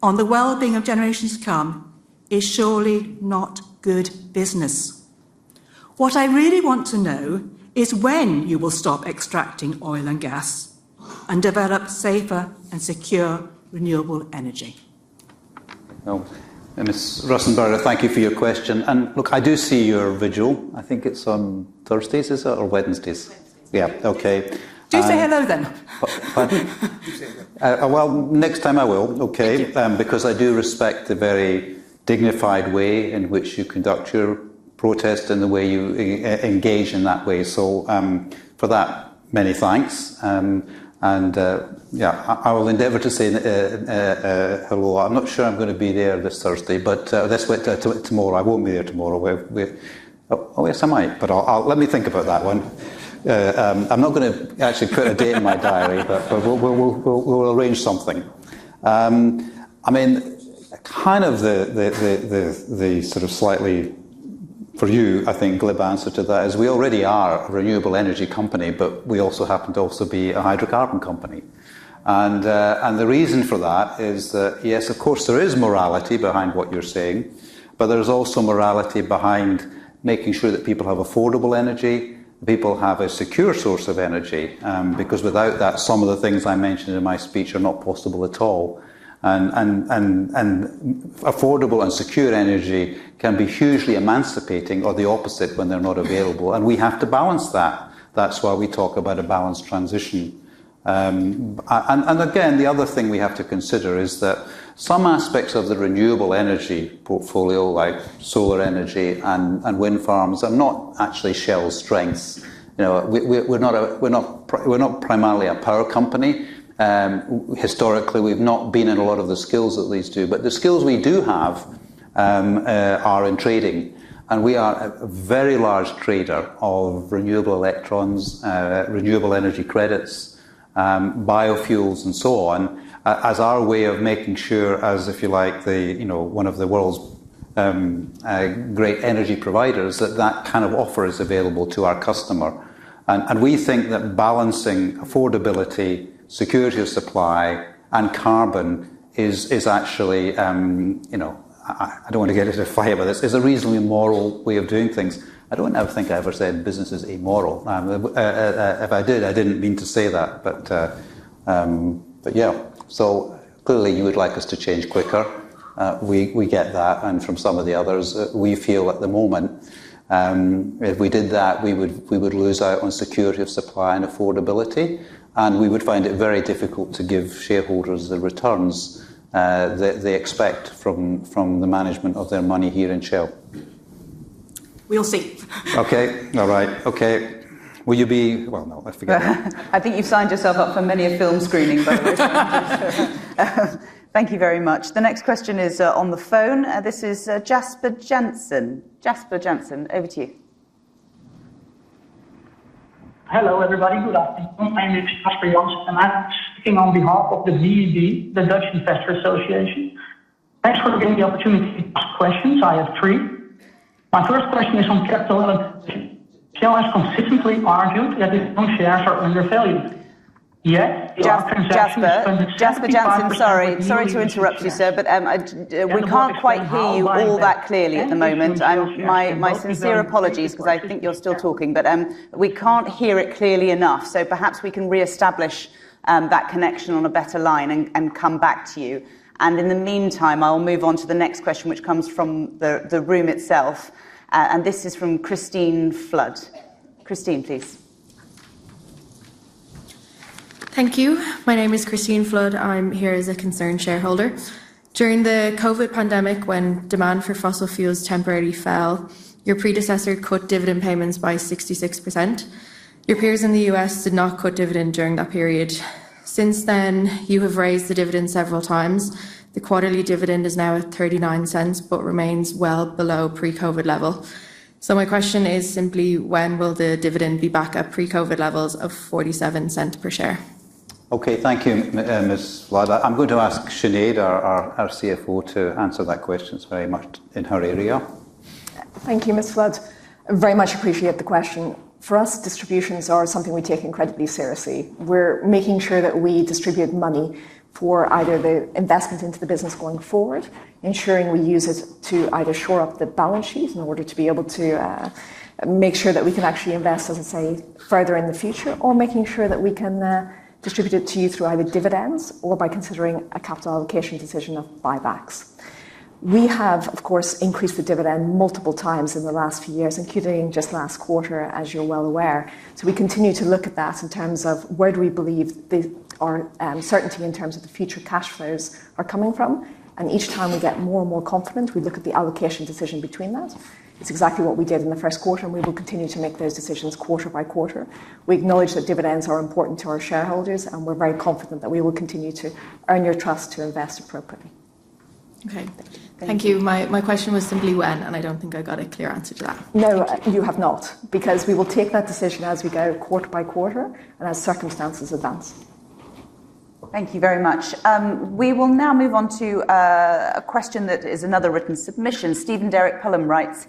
on the wellbeing of generations to come, is surely not good business. What I really want to know is when you will stop extracting oil and gas and develop safer and secure renewable energy. Well, Ms. Russenberger, thank you for your question. Look, I do see your vigil. I think it's on Thursdays, is it, or Wednesdays? Wednesdays. Yeah. Okay. Do say hello then. Well, next time I will, okay? Thank you. Because I do respect the very dignified way in which you conduct your protest and the way you engage in that way. For that, many thanks. Yeah, I will endeavor to say hello. I'm not sure I'm gonna be there this Thursday, but tomorrow, I won't be there tomorrow. Oh, yes, I might. But I'll let me think about that one. I'm not gonna actually put a date in my diary. We'll arrange something. I mean, kind of the sort of slightly, for you, I think, glib answer to that is we already are a renewable energy company, but we also happen to also be a hydrocarbon company. The reason for that is that, yes, of course, there is morality behind what you're saying, but there's also morality behind making sure that people have affordable energy, people have a secure source of energy, because without that, some of the things I mentioned in my speech are not possible at all. Affordable and secure energy can be hugely emancipating or the opposite when they're not available, and we have to balance that. That's why we talk about a balanced transition. Again, the other thing we have to consider is that some aspects of the renewable energy portfolio, like solar energy and wind farms, are not actually Shell's strengths. You know, we're not primarily a power company. Historically, we've not been in a lot of the skills that leads to. The skills we do have are in trading, and we are a very large trader of renewable electrons, renewable energy credits, biofuels and so on, as our way of making sure as, if you like, the, you know, one of the world's great energy providers, that that kind of offer is available to our customer. We think that balancing affordability, security of supply, and carbon is actually, you know, I don't want to get into a fight about this. It's a reasonably moral way of doing things. I don't think I ever said business is amoral. If I did, I didn't mean to say that. Yeah. Clearly you would like us to change quicker. We get that, and from some of the others. We feel at the moment, if we did that, we would lose out on security of supply and affordability, and we would find it very difficult to give shareholders the returns that they expect from the management of their money here in Shell. We'll see. Okay. All right. Okay. Well, no, let's forget that. I think you've signed yourself up for many a film screening by the way. Thank you very much. The next question is on the phone. This is Jasper Janssen. Jasper Janssen, over to you. Hello, everybody. Good afternoon. My name is Jasper Janssen, and I'm speaking on behalf of the VEB, the Dutch Investors' Association. Thanks for giving the opportunity to ask questions. I have three. My first question is on capital allocation. Shell has consistently argued that its own shares are undervalued. Jasper Janssen, sorry. Sorry to interrupt you, sir, we can't quite hear you all that clearly at the moment. My sincere apologies 'cause I think you're still talking, we can't hear it clearly enough. Perhaps we can reestablish that connection on a better line and come back to you. In the meantime, I'll move on to the next question, which comes from the room itself. This is from Christine Flood. Christine, please. Thank you. My name is Christine Flood. I'm here as a concerned shareholder. During the COVID pandemic, when demand for fossil fuels temporarily fell, your predecessor cut dividend payments by 66%. Your peers in the U.S. did not cut dividend during that period. You have raised the dividend several times. The quarterly dividend is now at 0.39, remains well below pre-COVID level. My question is simply when will the dividend be back at pre-COVID levels of 0.47 per share? Okay. Thank you, Ms. Flood. I'm going to ask Sinead, our CFO to answer that question. It's very much in her area. Thank you, Ms. Flood. Very much appreciate the question. For us, distributions are something we take incredibly seriously. We're making sure that we distribute money for either the investment into the business going forward, ensuring we use it to either shore up the balance sheets in order to be able to make sure that we can actually invest, as I say, further in the future, or making sure that we can distribute it to you through either dividends or by considering a capital allocation decision of buybacks. We have, of course, increased the dividend multiple times in the last few years, including just last quarter, as you're well aware. We continue to look at that in terms of where do we believe the, our, certainty in terms of the future cash flows are coming from. Each time we get more and more confident, we look at the allocation decision between that. It's exactly what we did in the first quarter, and we will continue to make those decisions quarter by quarter. We acknowledge that dividends are important to our shareholders, and we're very confident that we will continue to earn your trust to invest appropriately. Okay. Thank you. Thank you. My question was simply when, and I don't think I got a clear answer to that. No, you have not, because we will take that decision as we go quarter by quarter and as circumstances advance. Thank you very much. We will now move on to a question that is another written submission. Steven Derek Pullum writes,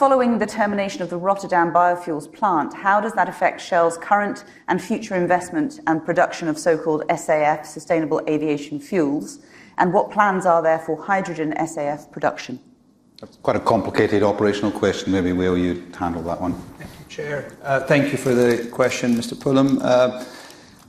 "Following the termination of the Rotterdam Biofuels plant, how does that affect Shell's current and future investment and production of so-called SAF, Sustainable Aviation Fuels, and what plans are there for hydrogen SAF production? That's quite a complicated operational question. Maybe, Wael, you handle that one. Thank you, Chair. Thank you for the question, Mr. Pullum. I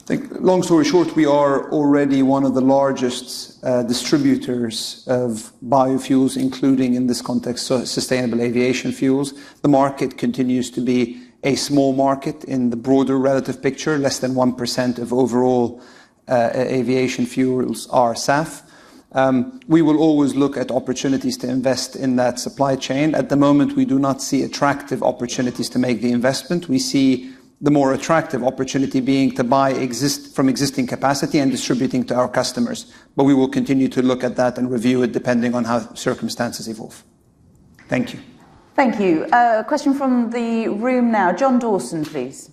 think long story short, we are already one of the largest distributors of biofuels, including, in this context, Sustainable Aviation Fuels. The market continues to be a small market in the broader relative picture. Less than 1% of overall aviation fuels are SAF. We will always look at opportunities to invest in that supply chain. At the moment, we do not see attractive opportunities to make the investment. We see the more attractive opportunity being to buy from existing capacity and distributing to our customers. We will continue to look at that and review it depending on how circumstances evolve. Thank you. Thank you. A question from the room now. John Dawson, please.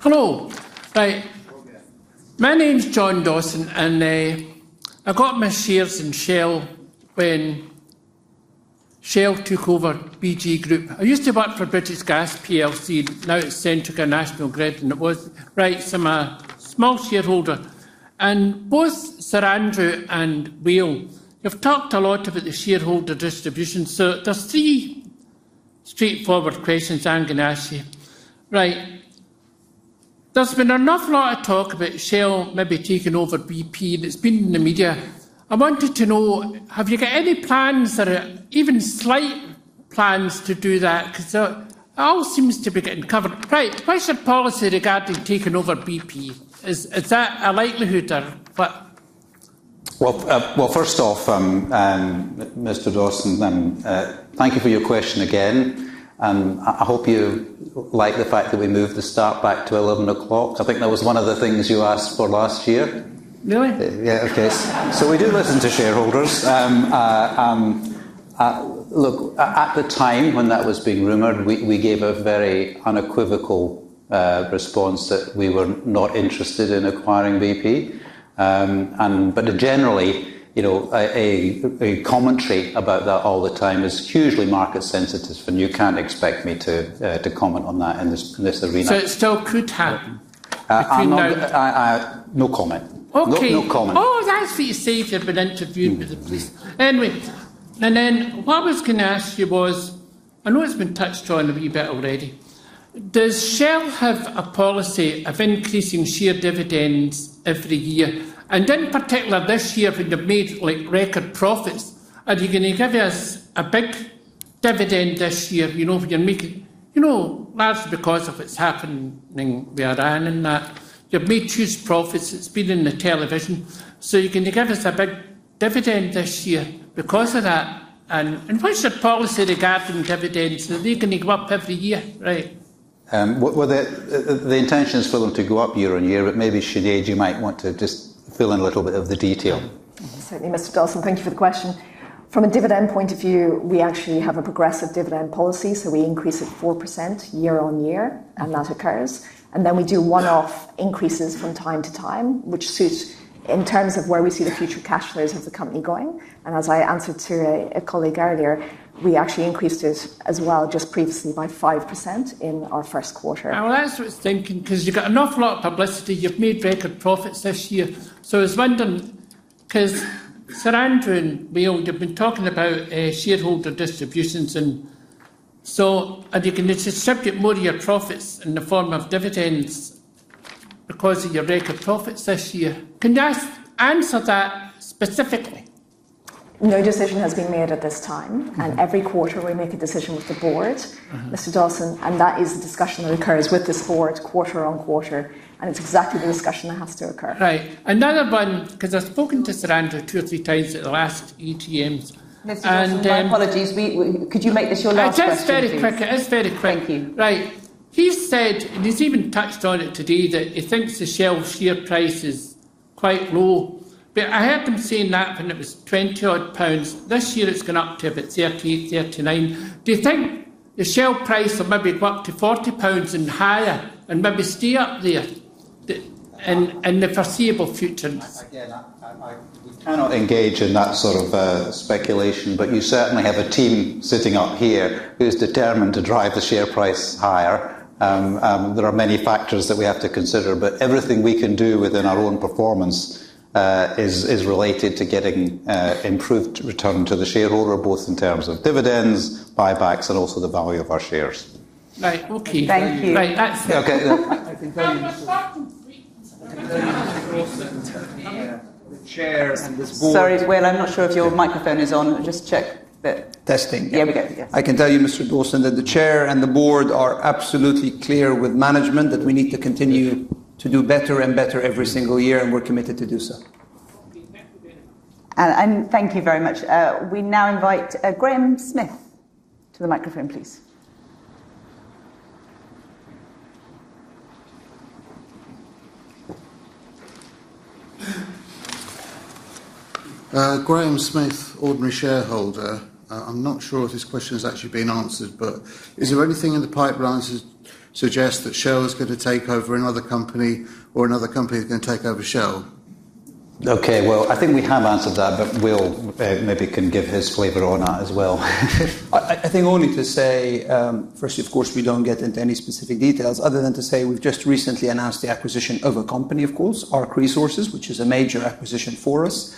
Hello. Right. My name's John Dawson, and I got my shares in Shell when Shell took over BG Group. I used to work for British Gas plc, now it's Centrica National Grid, and it was. Right. I'm a small shareholder. Both Sir Andrew and Wael, you've talked a lot about the shareholder distribution. There's three straightforward questions I'm gonna ask you. Right. There's been an awful lot of talk about Shell maybe taking over BP, and it's been in the media. I wanted to know, have you got any plans or even slight plans to do that? 'Cause it all seems to be getting covered. Right. What is your policy regarding taking over BP? Is that a likelihood or what? Well, first off, Mr. Dawson, thank you for your question again, and I hope you like the fact that we moved the start back to eleven o'clock. I think that was one of the things you asked for last year. Really? Yeah. Okay. We do listen to shareholders. Look at the time when that was being rumored, we gave a very unequivocal response that we were not interested in acquiring BP. Generally, you know, a commentary about that all the time is hugely market sensitive, and you can't expect me to comment on that in this arena. It still could happen? You can- No comment. Okay. No, no comment. Oh, that's what you say if you're being interviewed by the press. Anyway, and then what I was gonna ask you was, I know it's been touched on a wee bit already. Does Shell have a policy of increasing share dividends every year? In particular, this year when they've made, like, record profits, are you gonna give us a big dividend this year? You know, if you're making, you know, largely because of it's happening with Iran and that. You've made huge profits. It's been in the television. Are you gonna give us a big dividend this year because of that? What is your policy regarding dividends? Are they gonna go up every year? Right. Well, the intention is for them to go up year on year, but maybe, Sinead, you might want to just fill in a little bit of the detail. Certainly, Mr. Dawson. Thank you for the question. From a dividend point of view, we actually have a progressive dividend policy, so we increase it 4% year on year, and that occurs. We do one-off increases from time to time, which suits in terms of where we see the future cash flows of the company going. As I answered to a colleague earlier, we actually increased it as well just previously by 5% in our first quarter. Well, that's what I was thinking, 'cause you've got an awful lot of publicity. You've made record profits this year. I was wondering, 'cause Sir Andrew and Wael, you've been talking about, shareholder distributions and so, are you gonna distribute more of your profits in the form of dividends. Because of your rate of profits this year. Can you just answer that specifically? No decision has been made at this time, and every quarter we make a decision with the board, Mr. Dawson, and that is the discussion that occurs with this board quarter-on-quarter, and it's exactly the discussion that has to occur. Right. Another one, 'cause I've spoken to Sir Andrew two or three times at the last ETMs. Mr. Dawson, my apologies. Could you make this your last question, please? It is very quick. Thank you. Right. He said, and he's even touched on it today, that he thinks the Shell share price is quite low. I heard him saying that when it was 20-odd pounds. This year it's gone up to about 38, 39. Do you think the Shell price will maybe work to 40 pounds and higher and maybe stay up there in the foreseeable future? Again, I, we cannot engage in that sort of speculation, but you certainly have a team sitting up here who's determined to drive the share price higher. There are many factors that we have to consider, but everything we can do within our own performance is related to getting improved return to the shareholder, both in terms of dividends, buybacks, and also the value of our shares. Right. Okay. Thank you. Right. That's- Okay. Now, my second- The chair and this board- Sorry, Wael. I'm not sure if your microphone is on. Just check that. Testing. There we go. Yes. I can tell you, Mr. Dawson, that the chair and the board are absolutely clear with management that we need to continue to do better and better every single year, and we're committed to do so. Thank you very much. We now invite Graham Smith to the microphone, please. Graham Smith, ordinary shareholder. I'm not sure if this question has actually been answered, but is there anything in the pipeline to suggest that Shell is gonna take over another company or another company is gonna take over Shell? Okay. Well, I think we have answered that, but Wael maybe can give his flavor on that as well. I think only to say, firstly, of course, we don't get into any specific details other than to say we've just recently announced the acquisition of a company, of course, ARC Resources, which is a major acquisition for us.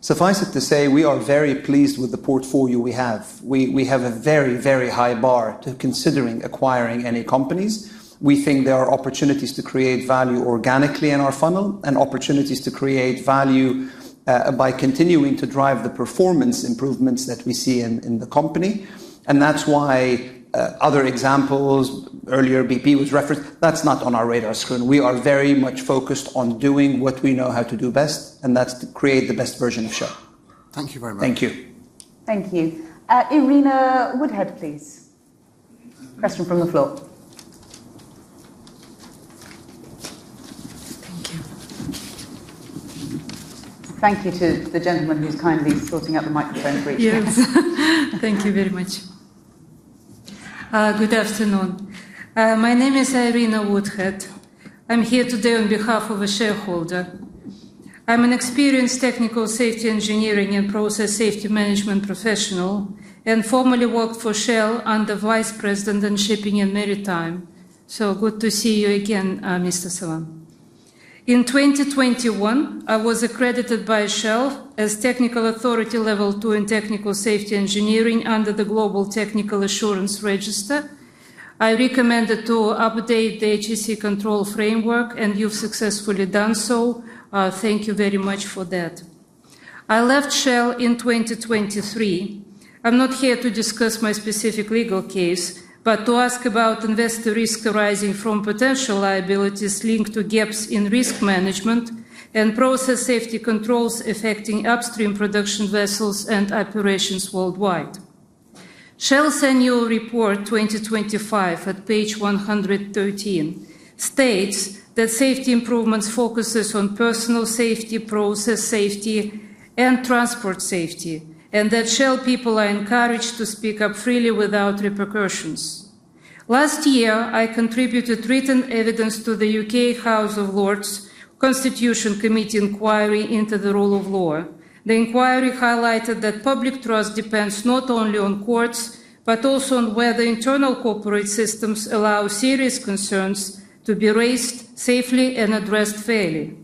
Suffice it to say, we are very pleased with the portfolio we have. We have a very high bar to considering acquiring any companies. We think there are opportunities to create value organically in our funnel and opportunities to create value by continuing to drive the performance improvements that we see in the company, and that's why other examples, earlier BP was referenced. That's not on our radar screen. We are very much focused on doing what we know how to do best, and that's to create the best version of Shell. Thank you very much. Thank you. Thank you. Irina Woodhead, please. Question from the floor. Thank you. Thank you to the gentleman who's kindly sorting out the microphone for each person. Yes. Thank you very much. Good afternoon. My name is Irina Woodhead. I'm here today on behalf of a shareholder. I'm an experienced technical safety engineering and process safety management professional and formerly worked for Shell under Vice President in shipping and maritime, so good to see you again, Mr. Sawan. In 2021, I was accredited by Shell as technical authority level 2 in technical safety engineering under the Global Technical Assurance Register. I recommended to update the HSE Control Framework, and you've successfully done so. Thank you very much for that. I left Shell in 2023. I'm not here to discuss my specific legal case, but to ask about investor risk arising from potential liabilities linked to gaps in risk management and process safety controls affecting upstream production vessels and operations worldwide. Shell's annual report 2025 at page 113 states that safety improvements focuses on personal safety, process safety, and transport safety, and that Shell people are encouraged to speak up freely without repercussions. Last year, I contributed written evidence to the U.K. House of Lords Constitution Committee inquiry into the rule of law. The inquiry highlighted that public trust depends not only on courts, but also on whether internal corporate systems allow serious concerns to be raised safely and addressed fairly,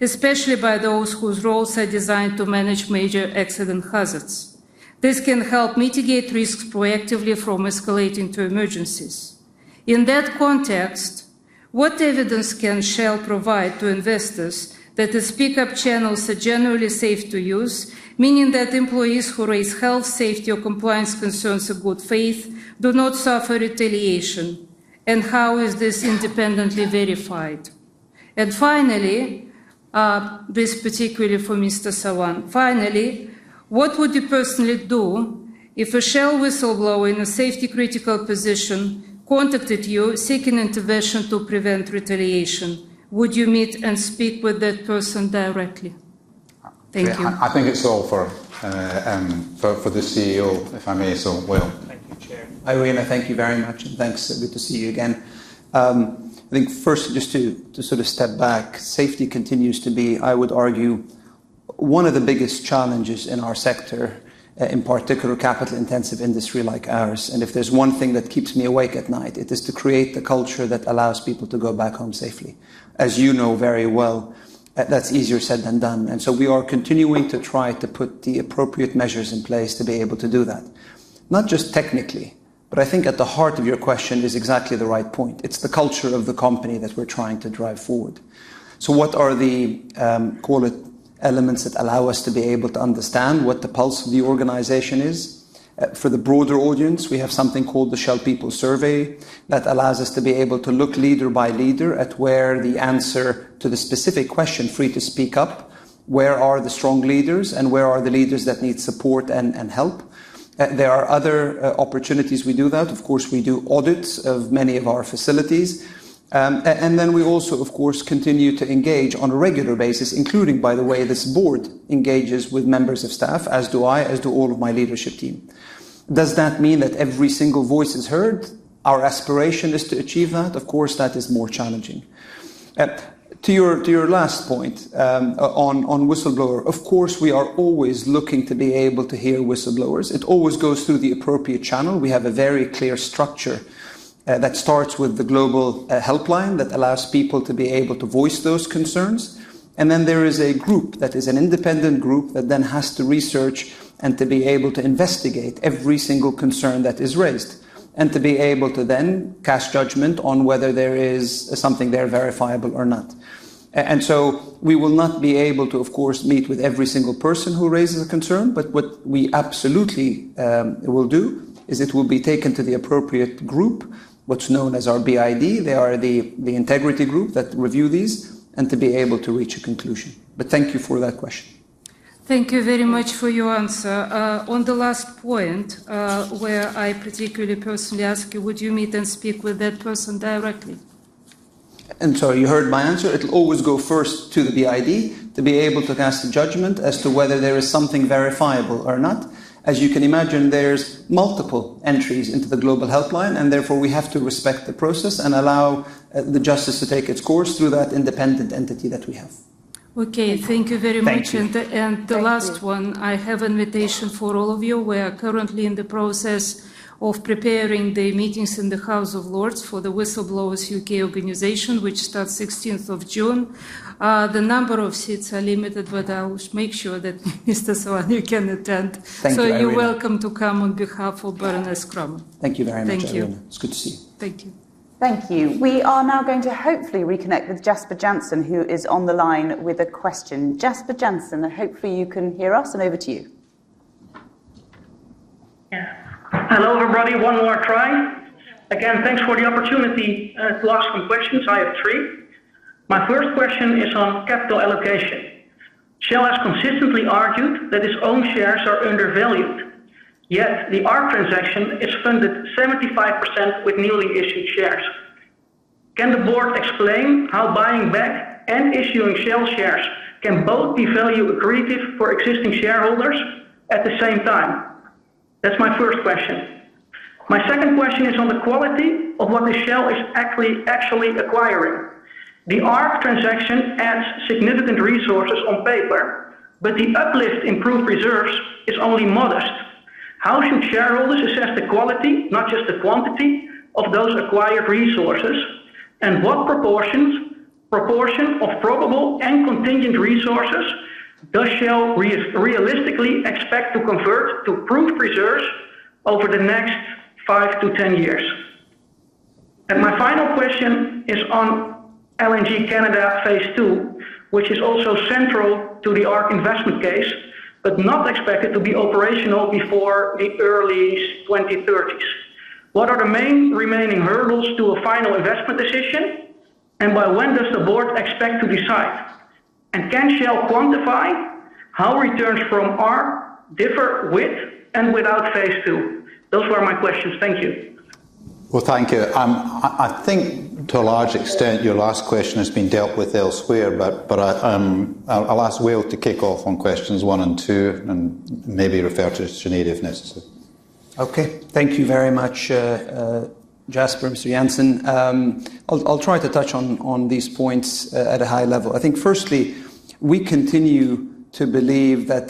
especially by those whose roles are designed to manage major accident hazards. This can help mitigate risks proactively from escalating to emergencies. In that context, what evidence can Shell provide to investors that the speak up channels are generally safe to use, meaning that employees who raise health, safety, or compliance concerns of good faith do not suffer retaliation, and how is this independently verified? Finally, this particularly for Mr. Sawan. Finally, what would you personally do if a Shell whistleblower in a safety-critical position contacted you seeking intervention to prevent retaliation? Would you meet and speak with that person directly? Thank you. Yeah. I think it's all for the CEO, if I may say. Wael. Thank you, Chair. Irina, thank you very much, and thanks. Good to see you again. I think first, just to sort of step back, safety continues to be, I would argue, one of the biggest challenges in our sector, in particular capital-intensive industry like ours. If there's one thing that keeps me awake at night, it is to create the culture that allows people to go back home safely. As you know very well, that's easier said than done. We are continuing to try to put the appropriate measures in place to be able to do that. Not just technically. I think at the heart of your question is exactly the right point. It's the culture of the company that we're trying to drive forward. What are the call it elements that allow us to be able to understand what the pulse of the organization is? For the broader audience, we have something called the Shell People Survey that allows us to be able to look leader by leader at where the answer to the specific question, free to speak up, where are the strong leaders and where are the leaders that need support and help. There are other opportunities we do that. Of course, we do audits of many of our facilities. We also, of course, continue to engage on a regular basis, including, by the way, this board engages with members of staff, as do I, as do all of my leadership team. Does that mean that every single voice is heard? Our aspiration is to achieve that. Of course, that is more challenging. To your last point on whistleblower. Of course, we are always looking to be able to hear whistleblowers. It always goes through the appropriate channel. We have a very clear structure that starts with the global helpline that allows people to be able to voice those concerns. There is a group that is an independent group that then has to research and to be able to investigate every single concern that is raised, and to be able to then cast judgment on whether there is something there verifiable or not. We will not be able to, of course, meet with every single person who raises a concern, but what we absolutely will do is it will be taken to the appropriate group, what's known as our BID. They are the integrity group that review these, and to be able to reach a conclusion. Thank you for that question. Thank you very much for your answer. On the last point, where I particularly personally ask you, would you meet and speak with that person directly? I'm sorry, you heard my answer. It'll always go first to the BID to be able to cast a judgment as to whether there is something verifiable or not. As you can imagine, there's multiple entries into the global helpline, and therefore, we have to respect the process and allow the justice to take its course through that independent entity that we have. Okay. Thank you very much. Thank you. The last one, I have invitation for all of you. We are currently in the process of preparing the meetings in the House of Lords for the WhistleblowersUK organization, which starts 16th of June. The number of seats are limited, but I will make sure that Mr. Sawan can attend. Thank you, Irina. You're welcome to come on behalf of Baroness Kramer. Thank you very much, Irina. Thank you. It's good to see you. Thank you. Thank you. We are now going to hopefully reconnect with Jasper Janssen, who is on the line with a question. Jasper Janssen, hopefully you can hear us, and over to you. Yeah. Hello, everybody. One more try. Again, thanks for the opportunity to ask some questions. I have three. My first question is on capital allocation. Shell has consistently argued that its own shares are undervalued. Yet the ARC transaction is funded 75% with newly issued shares. Can the board explain how buying back and issuing Shell shares can both be value accretive for existing shareholders at the same time? That's my first question. My second question is on the quality of what the Shell is actually acquiring. The ARC transaction adds significant resources on paper, but the uplift in proved reserves is only modest. How should shareholders assess the quality, not just the quantity of those acquired resources? What proportion of probable and contingent resources does Shell realistically expect to convert to proved reserves over the next five to 10 years? My final question is on LNG Canada Phase 2, which is also central to the ARC investment case, but not expected to be operational before the early 2030s. What are the main remaining hurdles to a final investment decision? By when does the board expect to decide? Can Shell quantify how returns from ARC differ with and without phase 2? Those were my questions. Thank you. Well, thank you. I think to a large extent, your last question has been dealt with elsewhere, but I'll ask Wael to kick off on questions one and two and maybe refer to Sinead if necessary. Okay. Thank you very much, Jasper Janssen. I'll try to touch on these points at a high level. I think firstly, we continue to believe that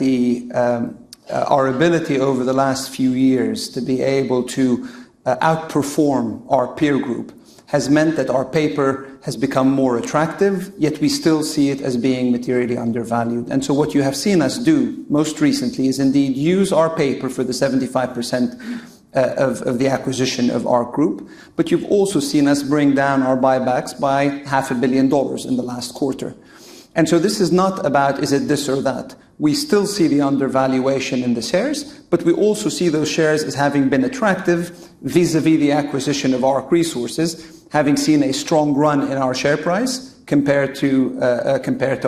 our ability over the last few years to be able to outperform our peer group has meant that our paper has become more attractive, yet we still see it as being materially undervalued. What you have seen us do most recently is indeed use our paper for the 75% of the acquisition of ARC Resources. You've also seen us bring down our buybacks by half a billion dollars in the last quarter. This is not about is it this or that. We still see the undervaluation in the shares, but we also see those shares as having been attractive vis-à-vis the acquisition of ARC Resources, having seen a strong run in our share price compared to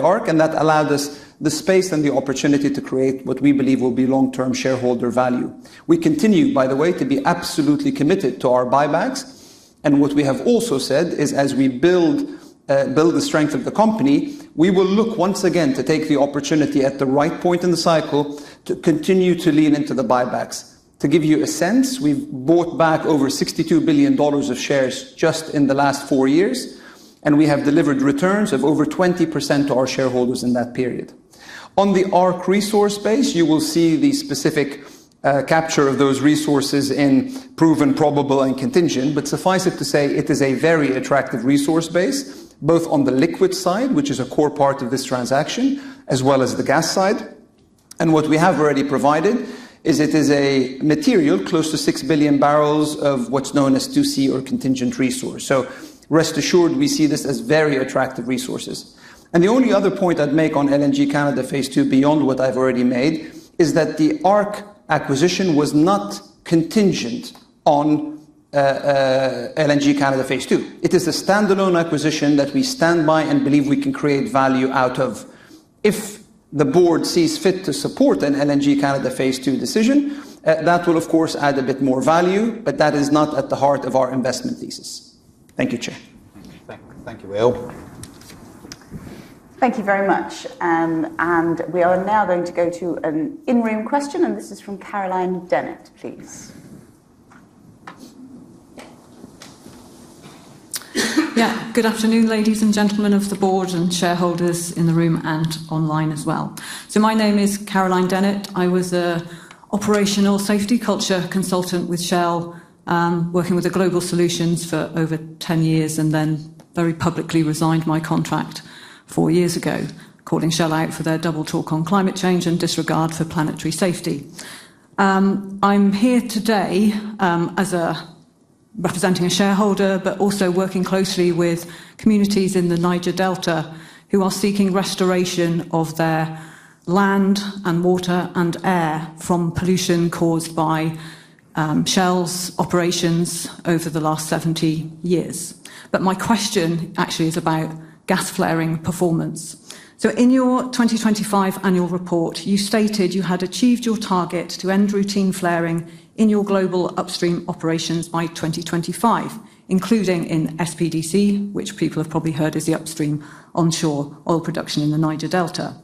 ARC, and that allowed us the space and the opportunity to create what we believe will be long-term shareholder value. We continue, by the way, to be absolutely committed to our buybacks. What we have also said is, as we build the strength of the company, we will look once again to take the opportunity at the right point in the cycle to continue to lean into the buybacks. To give you a sense, we've bought back over $62 billion of shares just in the last four years, and we have delivered returns of over 20% to our shareholders in that period. On the ARC Resource base, you will see the specific capture of those resources in proven, probable, and contingent. Suffice it to say, it is a very attractive resource base, both on the liquid side, which is a core part of this transaction, as well as the gas side. What we have already provided is it is a material close to 6 billion barrels of what's known as 2C or contingent resource. Rest assured, we see this as very attractive resources. The only other point I'd make on LNG Canada phase 2, beyond what I've already made, is that the ARC acquisition was not contingent on LNG Canada phase 2. It is a standalone acquisition that we stand by and believe we can create value out of. If the board sees fit to support an LNG Canada phase 2 decision, that will of course add a bit more value, but that is not at the heart of our investment thesis. Thank you, Chair. Thank you. Thank you, Wael. Thank you very much. We are now going to go to an in-room question, and this is from Caroline Dennett, please. Yeah. Good afternoon, ladies and gentlemen of the board and shareholders in the room and online as well. My name is Caroline Dennett. I was a operational safety culture consultant with Shell, working with the Global Solutions for over 10 years and then very publicly resigned my contract four years ago, calling Shell out for their double talk on climate change and disregard for planetary safety. I'm here today, as a representing a shareholder, but also working closely with communities in the Niger Delta who are seeking restoration of their land and water and air from pollution caused by Shell's operations over the last 70 years. My question actually is about gas flaring performance. In your 2025 annual report, you stated you had achieved your target to end routine flaring in your global upstream operations by 2025, including in SPDC, which people have probably heard is the upstream onshore oil production in the Niger Delta.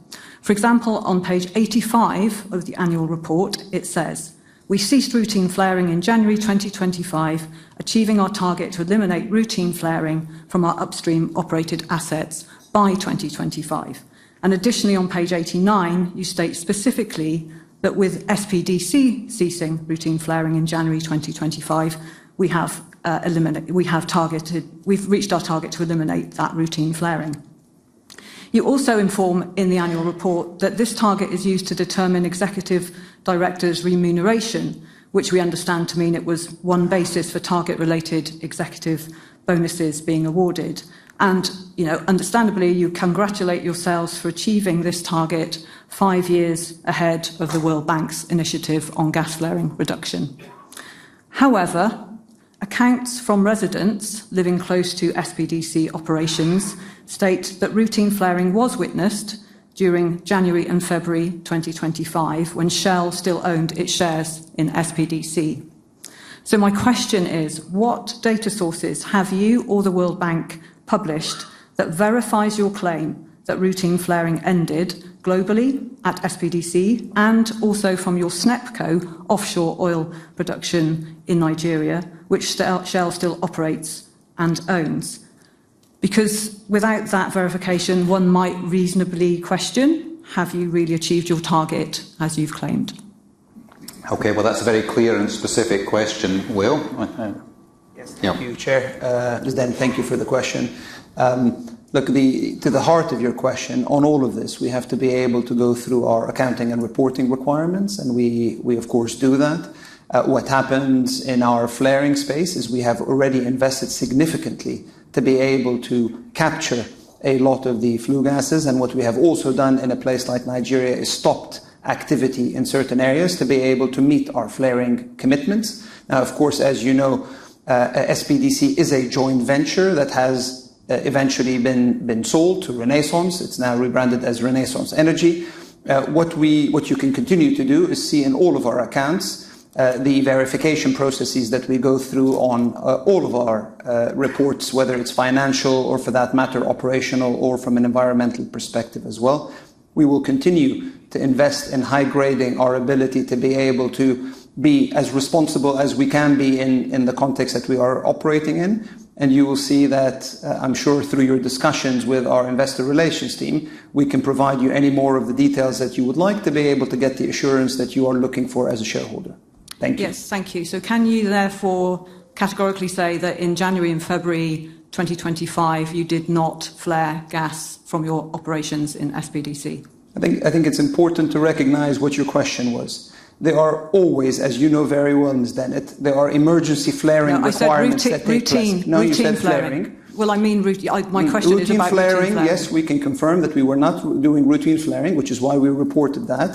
For example, on page 85 of the annual report, it says, "We ceased routine flaring in January 2025, achieving our target to eliminate routine flaring from our upstream operated assets by 2025." Additionally, on page 89, you state specifically that with SPDC ceasing routine flaring in January 2025, we have reached our target to eliminate that routine flaring. You also inform in the annual report that this target is used to determine executive directors' remuneration, which we understand to mean it was one basis for target-related executive bonuses being awarded. You know, understandably, you congratulate yourselves for achieving this target five years ahead of the World Bank's initiative on gas flaring reduction. However, accounts from residents living close to SPDC operations state that routine flaring was witnessed during January and February 2025, when Shell still owned its shares in SPDC. My question is, what data sources have you or the World Bank published that verifies your claim that routine flaring ended globally at SPDC and also from your SNEPCo offshore oil production in Nigeria, which Shell still operates and owns? Because without that verification, one might reasonably question, have you really achieved your target as you've claimed? Okay, well, that's a very clear and specific question. Wael. Yes. Yeah. Thank you, Chair. Thank you for the question. Look, to the heart of your question, on all of this, we have to be able to go through our accounting and reporting requirements, and we of course do that. What happens in our flaring space is we have already invested significantly to be able to capture a lot of the flue gases. What we have also done in a place like Nigeria is stopped activity in certain areas to be able to meet our flaring commitments. Now, of course, as you know, SPDC is a joint venture that has eventually been sold to Renaissance. It's now rebranded as Renaissance Energy. What you can continue to do is see in all of our accounts, the verification processes that we go through on all of our reports, whether it's financial or for that matter, operational or from an environmental perspective as well. We will continue to invest in high-grading our ability to be able to be as responsible as we can be in the context that we are operating in. You will see that, I'm sure through your discussions with our investor relations team, we can provide you any more of the details that you would like to be able to get the assurance that you are looking for as a shareholder. Thank you. Yes. Thank you. Can you therefore categorically say that in January and February 2025, you did not flare gas from your operations in SPDC? I think it's important to recognize what your question was. There are always, as you know very well, Ms. Dennett, there are emergency flaring requirements that take place. No, I said routine flaring. No, you said flaring. Well, I mean my question is about routine flaring. Routine flaring, yes, we can confirm that we were not doing routine flaring, which is why we reported that.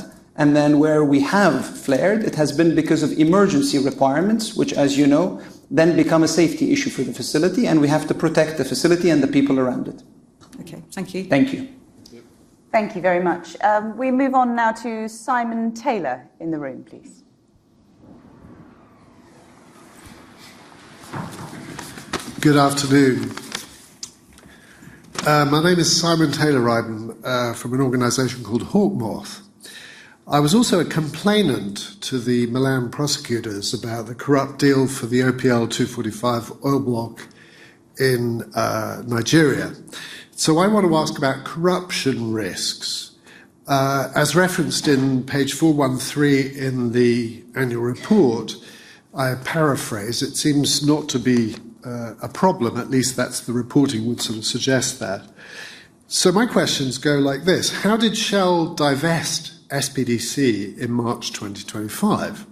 Where we have flared, it has been because of emergency requirements, which, as you know, then become a safety issue for the facility, and we have to protect the facility and the people around it. Okay. Thank you. Thank you. Thank you very much. We move on now to Simon Taylor in the room, please. Good afternoon. My name is Simon Taylor. I'm from an organization called Hawk Moth. I was also a complainant to the Milan prosecutors about the corrupt deal for the OPL 245 oil block in Nigeria. I want to ask about corruption risks. As referenced in page 413 in the annual report, I paraphrase, it seems not to be a problem. At least that's the reporting would sort of suggest that. My questions go like this: How did Shell divest SPDC in March 2025?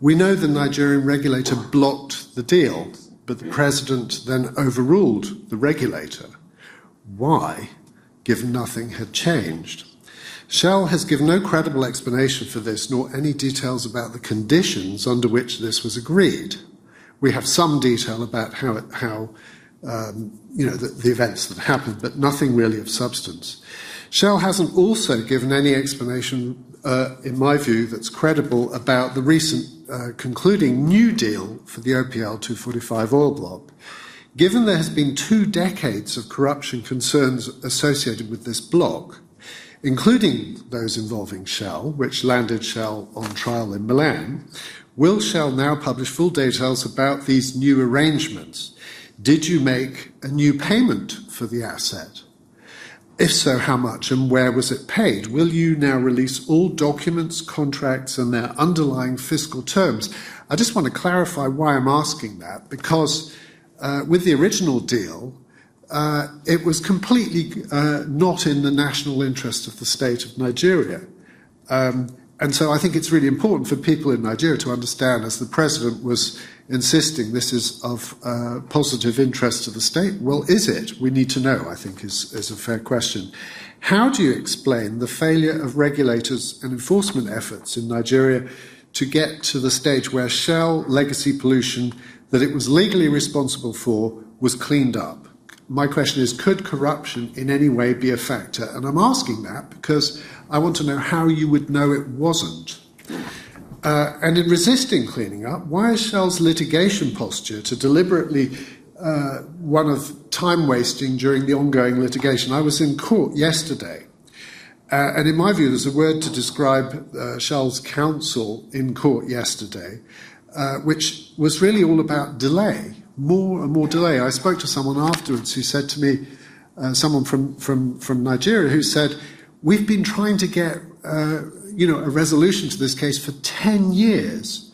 We know the Nigerian regulator blocked the deal, but the president then overruled the regulator. Why, given nothing had changed? Shell has given no credible explanation for this, nor any details about the conditions under which this was agreed. We have some detail about, you know, the events that happened, but nothing really of substance. Shell hasn't also given any explanation in my view that's credible about the recent concluding new deal for the OPL 245 oil block. Given there has been two decades of corruption concerns associated with this block, including those involving Shell, which landed Shell on trial in Milan, will Shell now publish full details about these new arrangements? Did you make a new payment for the asset? If so, how much, and where was it paid? Will you now release all documents, contracts, and their underlying fiscal terms? I just wanna clarify why I'm asking that because with the original deal it was completely not in the national interest of the State of Nigeria. I think it's really important for people in Nigeria to understand, as the president was insisting, this is of positive interest to the state. Well, is it? We need to know, I think is a fair question. How do you explain the failure of regulators and enforcement efforts in Nigeria to get to the stage where Shell legacy pollution that it was legally responsible for was cleaned up? My question is, could corruption in any way be a factor? I'm asking that because I want to know how you would know it wasn't. In resisting cleaning up, why is Shell's litigation posture to deliberately one of time-wasting during the ongoing litigation? I was in court yesterday, and in my view, there's a word to describe, Shell's counsel in court yesterday, which was really all about delay, more and more delay. I spoke to someone afterwards who said to me, someone from Nigeria, who said, "We've been trying to get, you know, a resolution to this case for 10 years,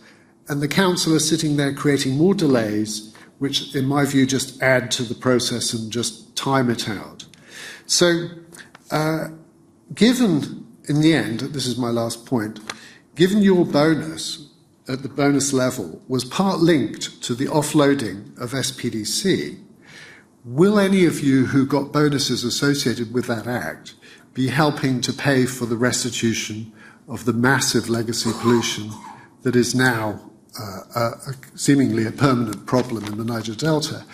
and the counsel is sitting there creating more delays," which in my view just add to the process and just time it out. Given in the end, this is my last point, given your bonus at the bonus level was part linked to the offloading of SPDC, will any of you who got bonuses associated with that act be helping to pay for the restitution of the massive legacy pollution that is now, seemingly a permanent problem in the Niger Delta?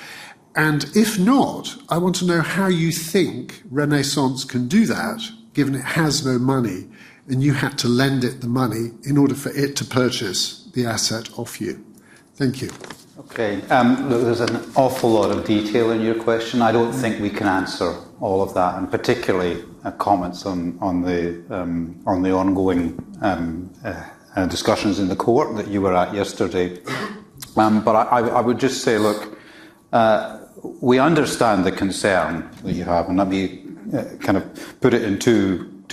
If not, I want to know how you think Renaissance can do that, given it has no money, and you had to lend it the money in order for it to purchase the asset off you. Thank you. Okay. There's an awful lot of detail in your question. I don't think we can answer all of that, and particularly, comments on the ongoing, discussions in the court that you were at yesterday. I would just say, look, we understand the concern that you have, and let me, kind of put it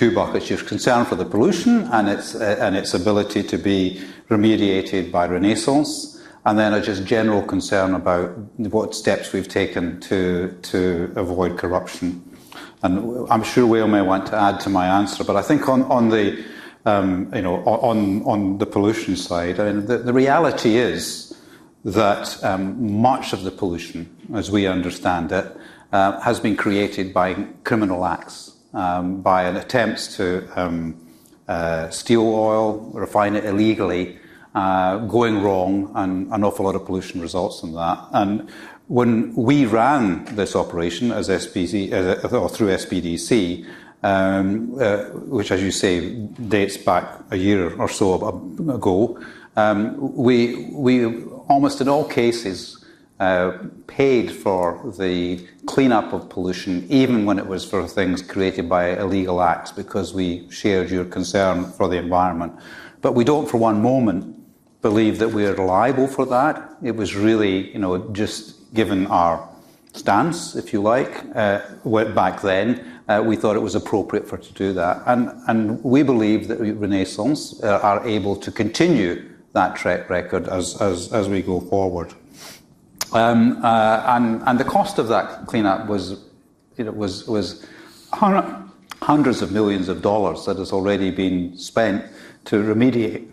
in two buckets. There's concern for the pollution and its and its ability to be remediated by Renaissance, and then a just general concern about what steps we've taken to avoid corruption. I'm sure Wael may want to add to my answer, but I think on the pollution side, you know, the reality is that much of the pollution, as we understand it, has been created by criminal acts, by an attempts to steal oil, refine it illegally, going wrong, and an awful lot of pollution results from that. When we ran this operation as SPC, or through SPDC, which, as you say, dates back a year or so ago, we almost in all cases paid for the cleanup of pollution, even when it was for things created by illegal acts because we shared your concern for the environment. We don't for one moment believe that we are liable for that. It was really, you know, just given our stance, if you like, back then, we thought it was appropriate for to do that. We believe that Renaissance are able to continue that track record as we go forward. The cost of that cleanup was, you know, hundreds of millions of dollars that has already been spent to remediate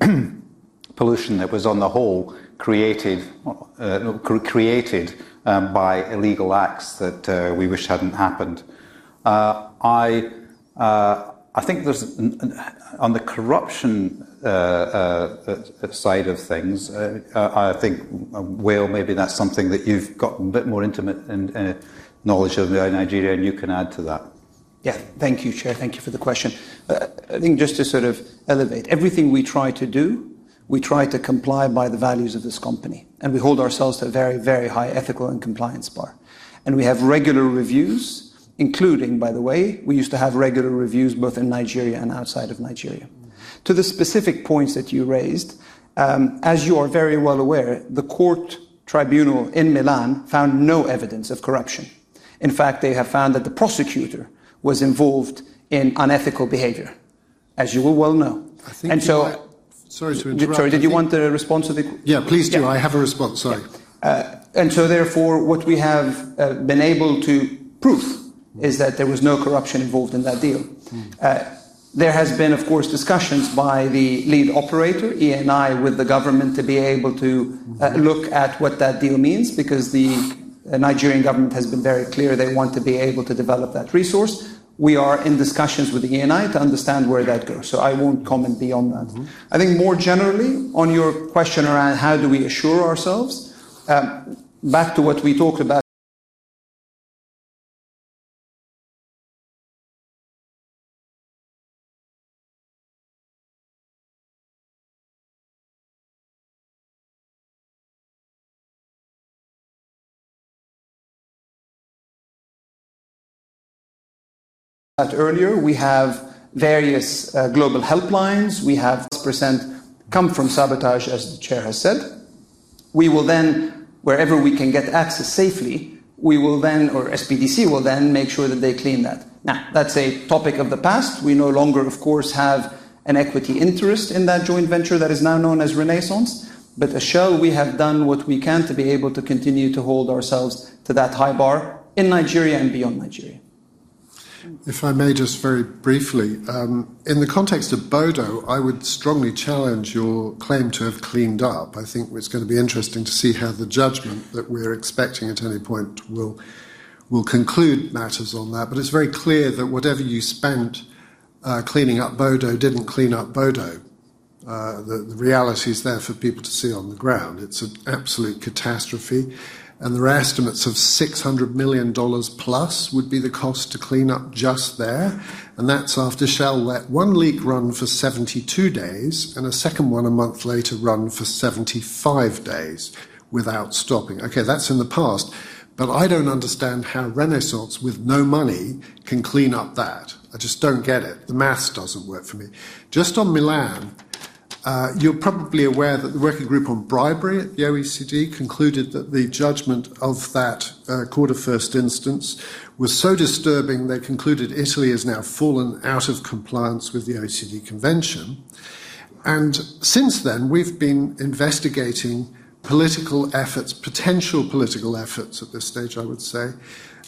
pollution that was on the whole created by illegal acts that we wish hadn't happened. I think there's an on the corruption side of things, I think, Wael, maybe that's something that you've got a bit more intimate and knowledge of Nigeria, and you can add to that. Yeah. Thank you, Chair. Thank you for the question. I think just to sort of elevate, everything we try to do, we try to comply by the values of this company, and we hold ourselves to a very, very high ethical and compliance bar. We have regular reviews, including, by the way, we used to have regular reviews both in Nigeria and outside of Nigeria. To the specific points that you raised, as you are very well aware, the court tribunal in Milan found no evidence of corruption. In fact, they have found that the prosecutor was involved in unethical behavior. As you will well know. I think- And so- Sorry to interrupt. Sorry, did you want a response to the q- Yeah, please do. I have a response. Sorry. Therefore, what we have been able to prove is that there was no corruption involved in that deal. There has been, of course, discussions by the lead operator, Eni, with the government to be able to look at what that deal means because the Nigerian government has been very clear they want to be able to develop that resource. We are in discussions with Eni to understand where that goes, so I won't comment beyond that. I think more generally, on your question around how do we assure ourselves, back to what we talked about earlier, we have various, global helplines. We have percent come from sabotage, as the chair has said. We will then, wherever we can get access safely, we will then, or SPDC will then make sure that they clean that. Now, that's a topic of the past. We no longer, of course, have an equity interest in that joint venture that is now known as Renaissance. At Shell, we have done what we can to be able to continue to hold ourselves to that high bar in Nigeria and beyond Nigeria. If I may just very briefly, in the context of Bodo, I would strongly challenge your claim to have cleaned up. I think it's gonna be interesting to see how the judgment that we're expecting at any point will conclude matters on that. It's very clear that whatever you spent cleaning up Bodo didn't clean up Bodo. The reality is there for people to see on the ground. It's an absolute catastrophe, and there are estimates of $600 million plus would be the cost to clean up just there, and that's after Shell let one leak run for 72 days and a second one a month later run for 75 days without stopping. Okay, that's in the past, but I don't understand how Renaissance, with no money, can clean up that. I just don't get it. The math doesn't work for me. Just on Milan, you're probably aware that the working group on bribery at the OECD concluded that the judgment of that court of first instance was so disturbing they concluded Italy has now fallen out of compliance with the OECD convention. Since then, we've been investigating political efforts, potential political efforts at this stage, I would say,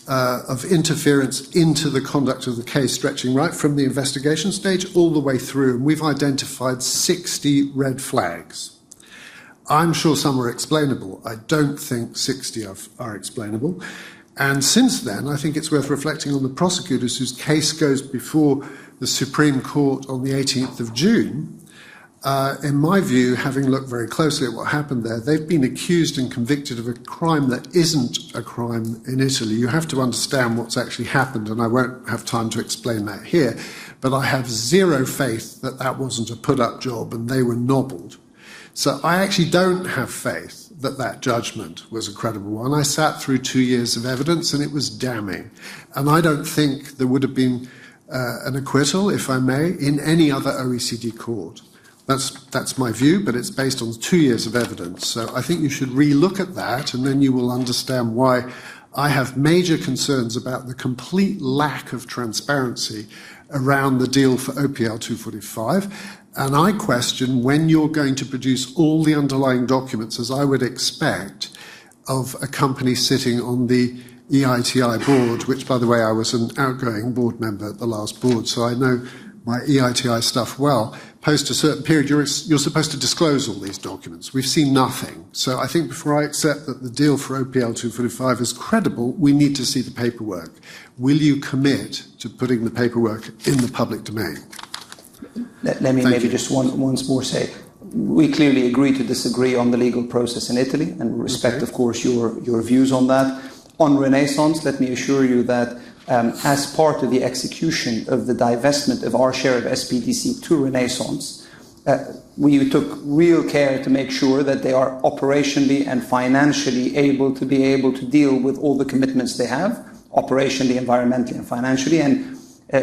of interference into the conduct of the case stretching right from the investigation stage all the way through, and we've identified 60 red flags. I'm sure some are explainable. I don't think 60 of are explainable. Since then, I think it's worth reflecting on the prosecutors whose case goes before the Supreme Court on the 18th of June. In my view, having looked very closely at what happened there, they've been accused and convicted of a crime that isn't a crime in Italy. You have to understand what's actually happened, and I won't have time to explain that here. I have zero faith that that wasn't a put up job and they were nobbled. I actually don't have faith that that judgment was a credible one. I sat through two years of evidence, and it was damning. I don't think there would have been an acquittal, if I may, in any other OECD court. That's my view, but it's based on two years of evidence. I think you should relook at that, and then you will understand why I have major concerns about the complete lack of transparency around the deal for OPL 245, and I question when you're going to produce all the underlying documents, as I would expect of a company sitting on the EITI board, which by the way, I was an outgoing board member at the last board, so I know my EITI stuff well. Post a certain period, you're supposed to disclose all these documents. We've seen nothing. I think before I accept that the deal for OPL 245 is credible, we need to see the paperwork. Will you commit to putting the paperwork in the public domain? Thank you. Let me maybe just once more say we clearly agree to disagree on the legal process in Italy- Okay. -and respect, of course, your views on that. On Renaissance, let me assure you that as part of the execution of the divestment of our share of SPDC to Renaissance, we took real care to make sure that they are operationally and financially able to be able to deal with all the commitments they have, operationally, environmentally and financially.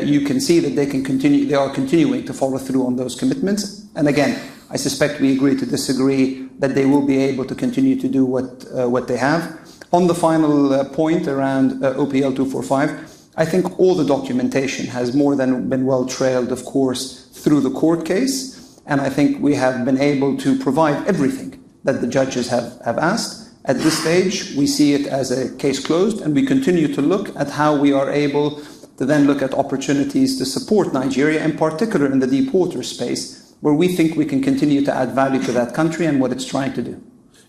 you can see that they are continuing to follow through on those commitments. again, I suspect we agree to disagree that they will be able to continue to do what they have. On the final point around OPL 245, I think all the documentation has more than been well trailed, of course, through the court case, and I think we have been able to provide everything that the judges have asked. At this stage, we see it as a case closed, and we continue to look at how we are able to then look at opportunities to support Nigeria, in particular in the deep water space, where we think we can continue to add value to that country and what it's trying to do.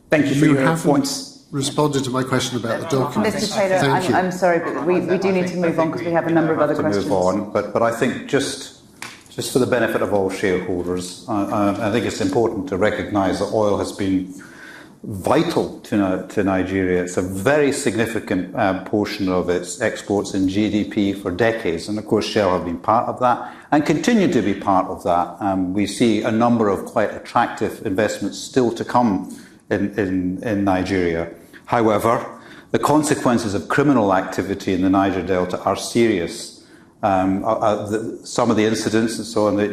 Thank you for your points. You haven't responded to my question about the documents. Thank you. Mr. Taylor, I'm sorry, but we do need to move on because we have a number of other questions. I think we do have to move on. I think just for the benefit of all shareholders, I think it's important to recognize that oil has been vital to Nigeria. It's a very significant portion of its exports and GDP for decades. Of course, Shell have been part of that and continue to be part of that. We see a number of quite attractive investments still to come in Nigeria. However, the consequences of criminal activity in the Niger Delta are serious. Some of the incidents and so on that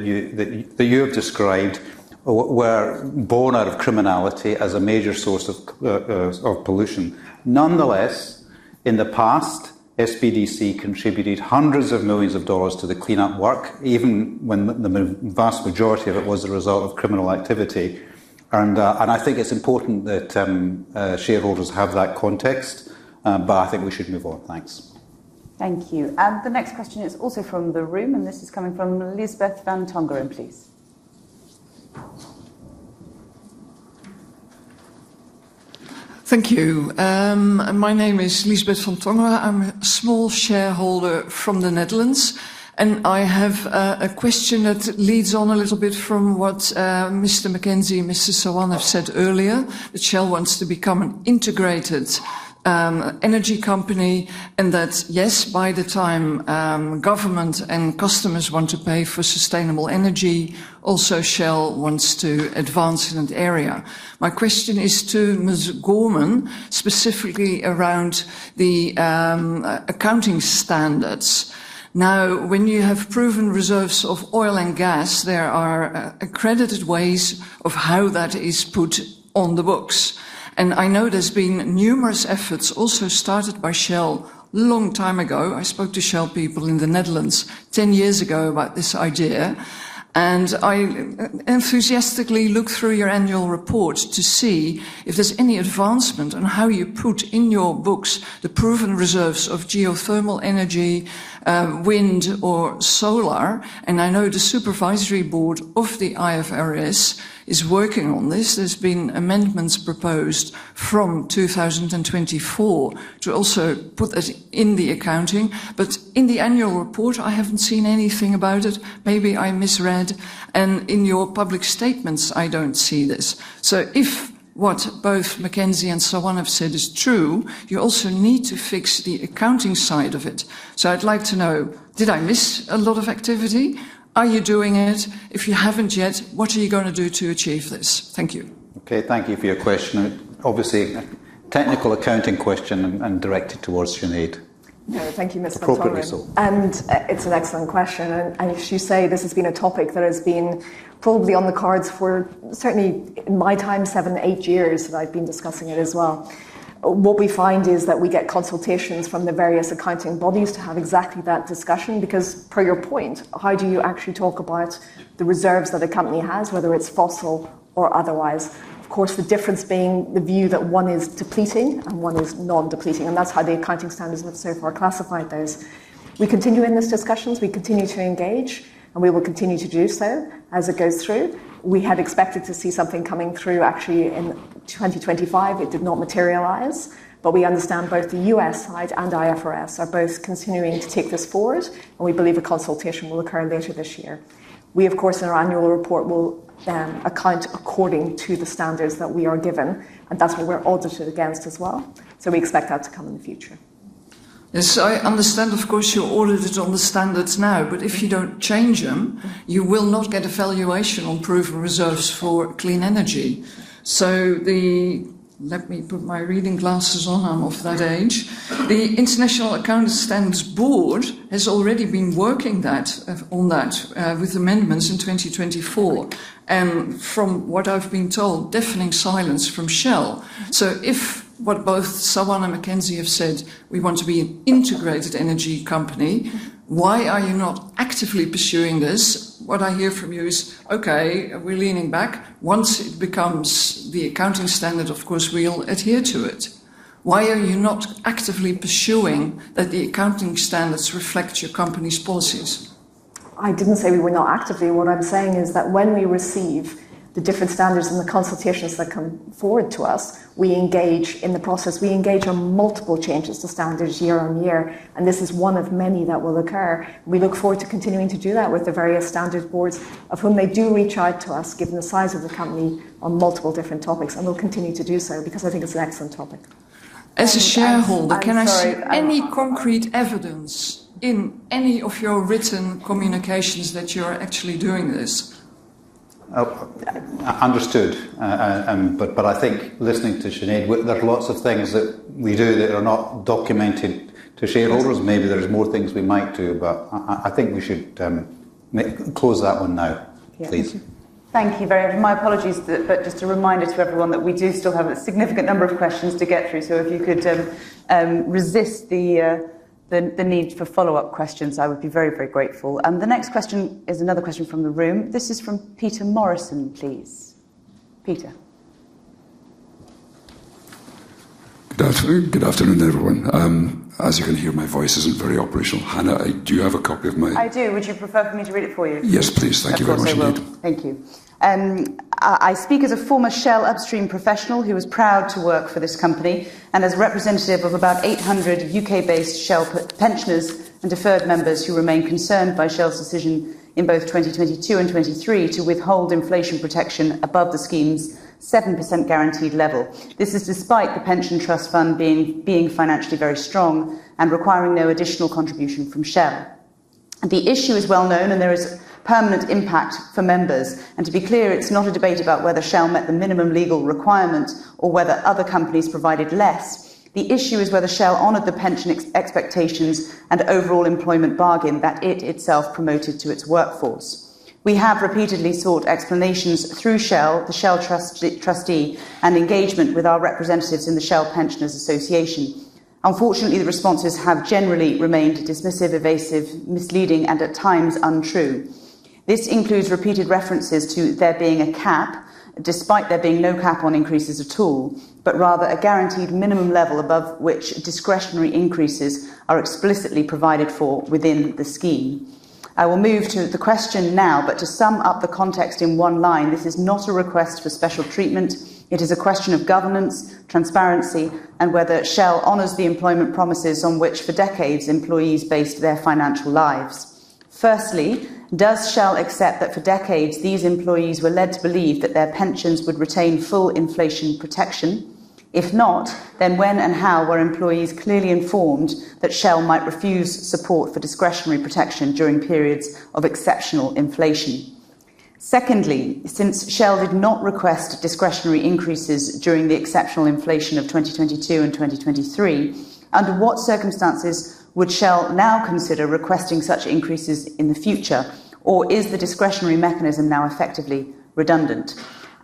you have described were born out of criminality as a major source of pollution. Nonetheless, in the past, SPDC contributed hundreds of millions of dollars to the cleanup work, even when the vast majority of it was a result of criminal activity and I think it's important that shareholders have that context, but I think we should move on. Thanks. Thank you. The next question is also from the room, and this is coming from Liesbeth van Tongeren, please. Thank you. My name is Liesbeth van Tongeren. I'm a small shareholder from the Netherlands, and I have a question that leads on a little bit from what Mr. Mackenzie and Mr. Sawan have said earlier, that Shell wants to become an integrated energy company. That, yes, by the time government and customers want to pay for sustainable energy, also Shell wants to advance in that area. My question is to Ms. Gorman, specifically around the accounting standards. Now, when you have proven reserves of oil and gas, there are accredited ways of how that is put on the books. I know there's been numerous efforts also started by Shell long time ago. I spoke to Shell people in the Netherlands 10 years ago about this idea, and I enthusiastically looked through your annual report to see if there's any advancement on how you put in your books the proven reserves of geothermal energy, wind or solar. I know the supervisory board of the IFRS is working on this. There's been amendments proposed from 2024 to also put that in the accounting. In the annual report, I haven't seen anything about it. Maybe I misread. In your public statements, I don't see this. If what both Mackenzie and Sawan have said is true, you also need to fix the accounting side of it. I'd like to know, did I miss a lot of activity? Are you doing it? If you haven't yet, what are you gonna do to achieve this? Thank you. Okay. Thank you for your question. Obviously, a technical accounting question and directed towards Sinead. No. Thank you, Ms. van Tongeren. Appropriately so. It's an excellent question. As you say, this has been a topic that has been probably on the cards for certainly in my time, seven, eight years that I've been discussing it as well. What we find is that we get consultations from the various accounting bodies to have exactly that discussion, because per your point, how do you actually talk about the reserves that a company has, whether it's fossil or otherwise? Of course, the difference being the view that one is depleting and one is non-depleting, and that's how the accounting standards have so far classified those. We continue in these discussions. We continue to engage, and we will continue to do so as it goes through. We had expected to see something coming through actually in 2025. It did not materialize. We understand both the U.S. side and IFRS are both continuing to take this forward, and we believe a consultation will occur later this year. We, of course, in our annual report will account according to the standards that we are given, and that's what we're audited against as well. We expect that to come in the future. Yes. I understand, of course, you're audited on the standards now, but if you don't change them, you will not get a valuation on proven reserves for clean energy. Let me put my reading glasses on. I'm of that age. The International Accounting Standards Board has already been working that on that with amendments in 2024. From what I've been told, deafening silence from Shell. If what both Sawan and Mackenzie have said, we want to be an integrated energy company, why are you not actively pursuing this? What I hear from you is, "Okay, we're leaning back." Once it becomes the accounting standard, of course, we'll adhere to it. Why are you not actively pursuing that the accounting standards reflect your company's policies? I didn't say we were not actively. What I'm saying is that when we receive the different standards and the consultations that come forward to us, we engage in the process. We engage on multiple changes to standards year on year, and this is one of many that will occur. We look forward to continuing to do that with the various standard boards of whom they do reach out to us, given the size of the company on multiple different topics, and we'll continue to do so because I think it's an excellent topic. As a shareholder- I'm sorry. Can I see any concrete evidence in any of your written communications that you're actually doing this? Understood. I think listening to Sinead, there are lots of things that we do that are not documented to shareholders. Maybe there's more things we might do, but I think we should close that one now, please. Thank you very much. My apologies. Just a reminder to everyone that we do still have a significant number of questions to get through. If you could resist the need for follow-up questions, I would be very, very grateful. The next question is another question from the room. This is from Peter Morrison, please. Peter. Good afternoon. Good afternoon, everyone. As you can hear, my voice isn't very operational. Hannah, do you have a copy of my- I do. Would you prefer for me to read it for you? Yes, please. Thank you very much. Of course I will. Thank you. I speak as a former Shell upstream professional who was proud to work for this company, and as a representative of about 800 U.K.-based Shell pensioners and deferred members who remain concerned by Shell's decision in both 2022 and 2023 to withhold inflation protection above the scheme's 7% guaranteed level. This is despite the pension trust fund being financially very strong and requiring no additional contribution from Shell. The issue is well known, and there is permanent impact for members. To be clear, it's not a debate about whether Shell met the minimum legal requirement or whether other companies provided less. The issue is whether Shell honored the pension expectations and overall employment bargain that it itself promoted to its workforce. We have repeatedly sought explanations through Shell, the Shell Trustee, and engagement with our representatives in the Shell Pensioners Association. Unfortunately, the responses have generally remained dismissive, evasive, misleading, and at times untrue. This includes repeated references to there being a cap, despite there being no cap on increases at all, but rather a guaranteed minimum level above which discretionary increases are explicitly provided for within the scheme. I will move to the question now to sum up the context in one line, this is not a request for special treatment. It is a question of governance, transparency, and whether Shell honors the employment promises on which for decades employees based their financial lives. Does Shell accept that for decades these employees were led to believe that their pensions would retain full inflation protection? If not, then when and how were employees clearly informed that Shell might refuse support for discretionary protection during periods of exceptional inflation? Secondly, since Shell did not request discretionary increases during the exceptional inflation of 2022 and 2023, under what circumstances would Shell now consider requesting such increases in the future? Or is the discretionary mechanism now effectively redundant?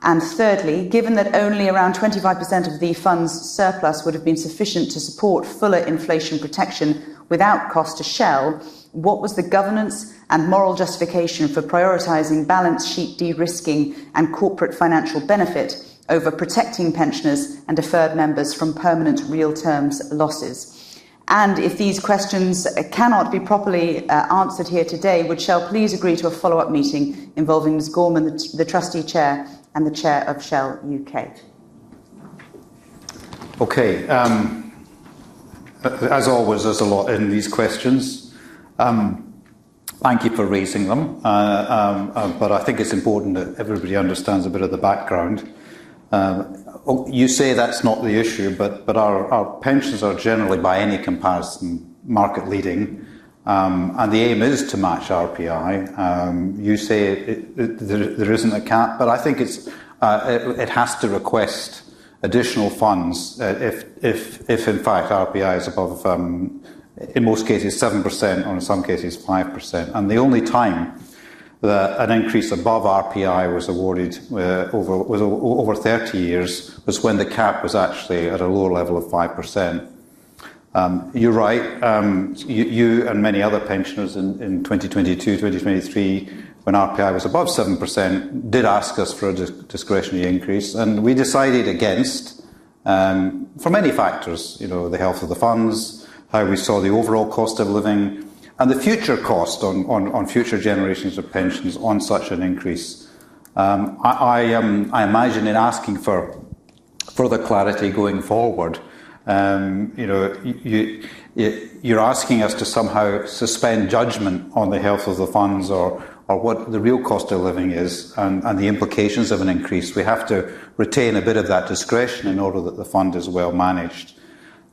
Thirdly, given that only around 25% of the fund's surplus would have been sufficient to support fuller inflation protection without cost to Shell, what was the governance and moral justification for prioritizing balance sheet de-risking and corporate financial benefit over protecting pensioners and deferred members from permanent real terms losses? If these questions cannot be properly answered here today, would Shell please agree to a follow-up meeting involving Ms. Gorman, the Trustee Chair, and the Chair of Shell in U.K.? Okay. As always, there's a lot in these questions. Thank you for raising them. I think it's important that everybody understands a bit of the background. You say that's not the issue, but our pensions are generally by any comparison, market leading. The aim is to match RPI. You say there isn't a cap, but I think it has to request additional funds if in fact RPI is above in most cases 7% or in some cases 5%. The only time that an increase above RPI was awarded over 30 years was when the cap was actually at a lower level of 5%. You're right. You and many other pensioners in 2022, 2023, when RPI was above 7%, did ask us for a discretionary increase, we decided against for many factors. You know, the health of the funds, how we saw the overall cost of living and the future cost on, on future generations of pensions on such an increase. I imagine in asking for the clarity going forward, you know, you're asking us to somehow suspend judgment on the health of the funds or what the real cost of living is and the implications of an increase. We have to retain a bit of that discretion in order that the fund is well managed.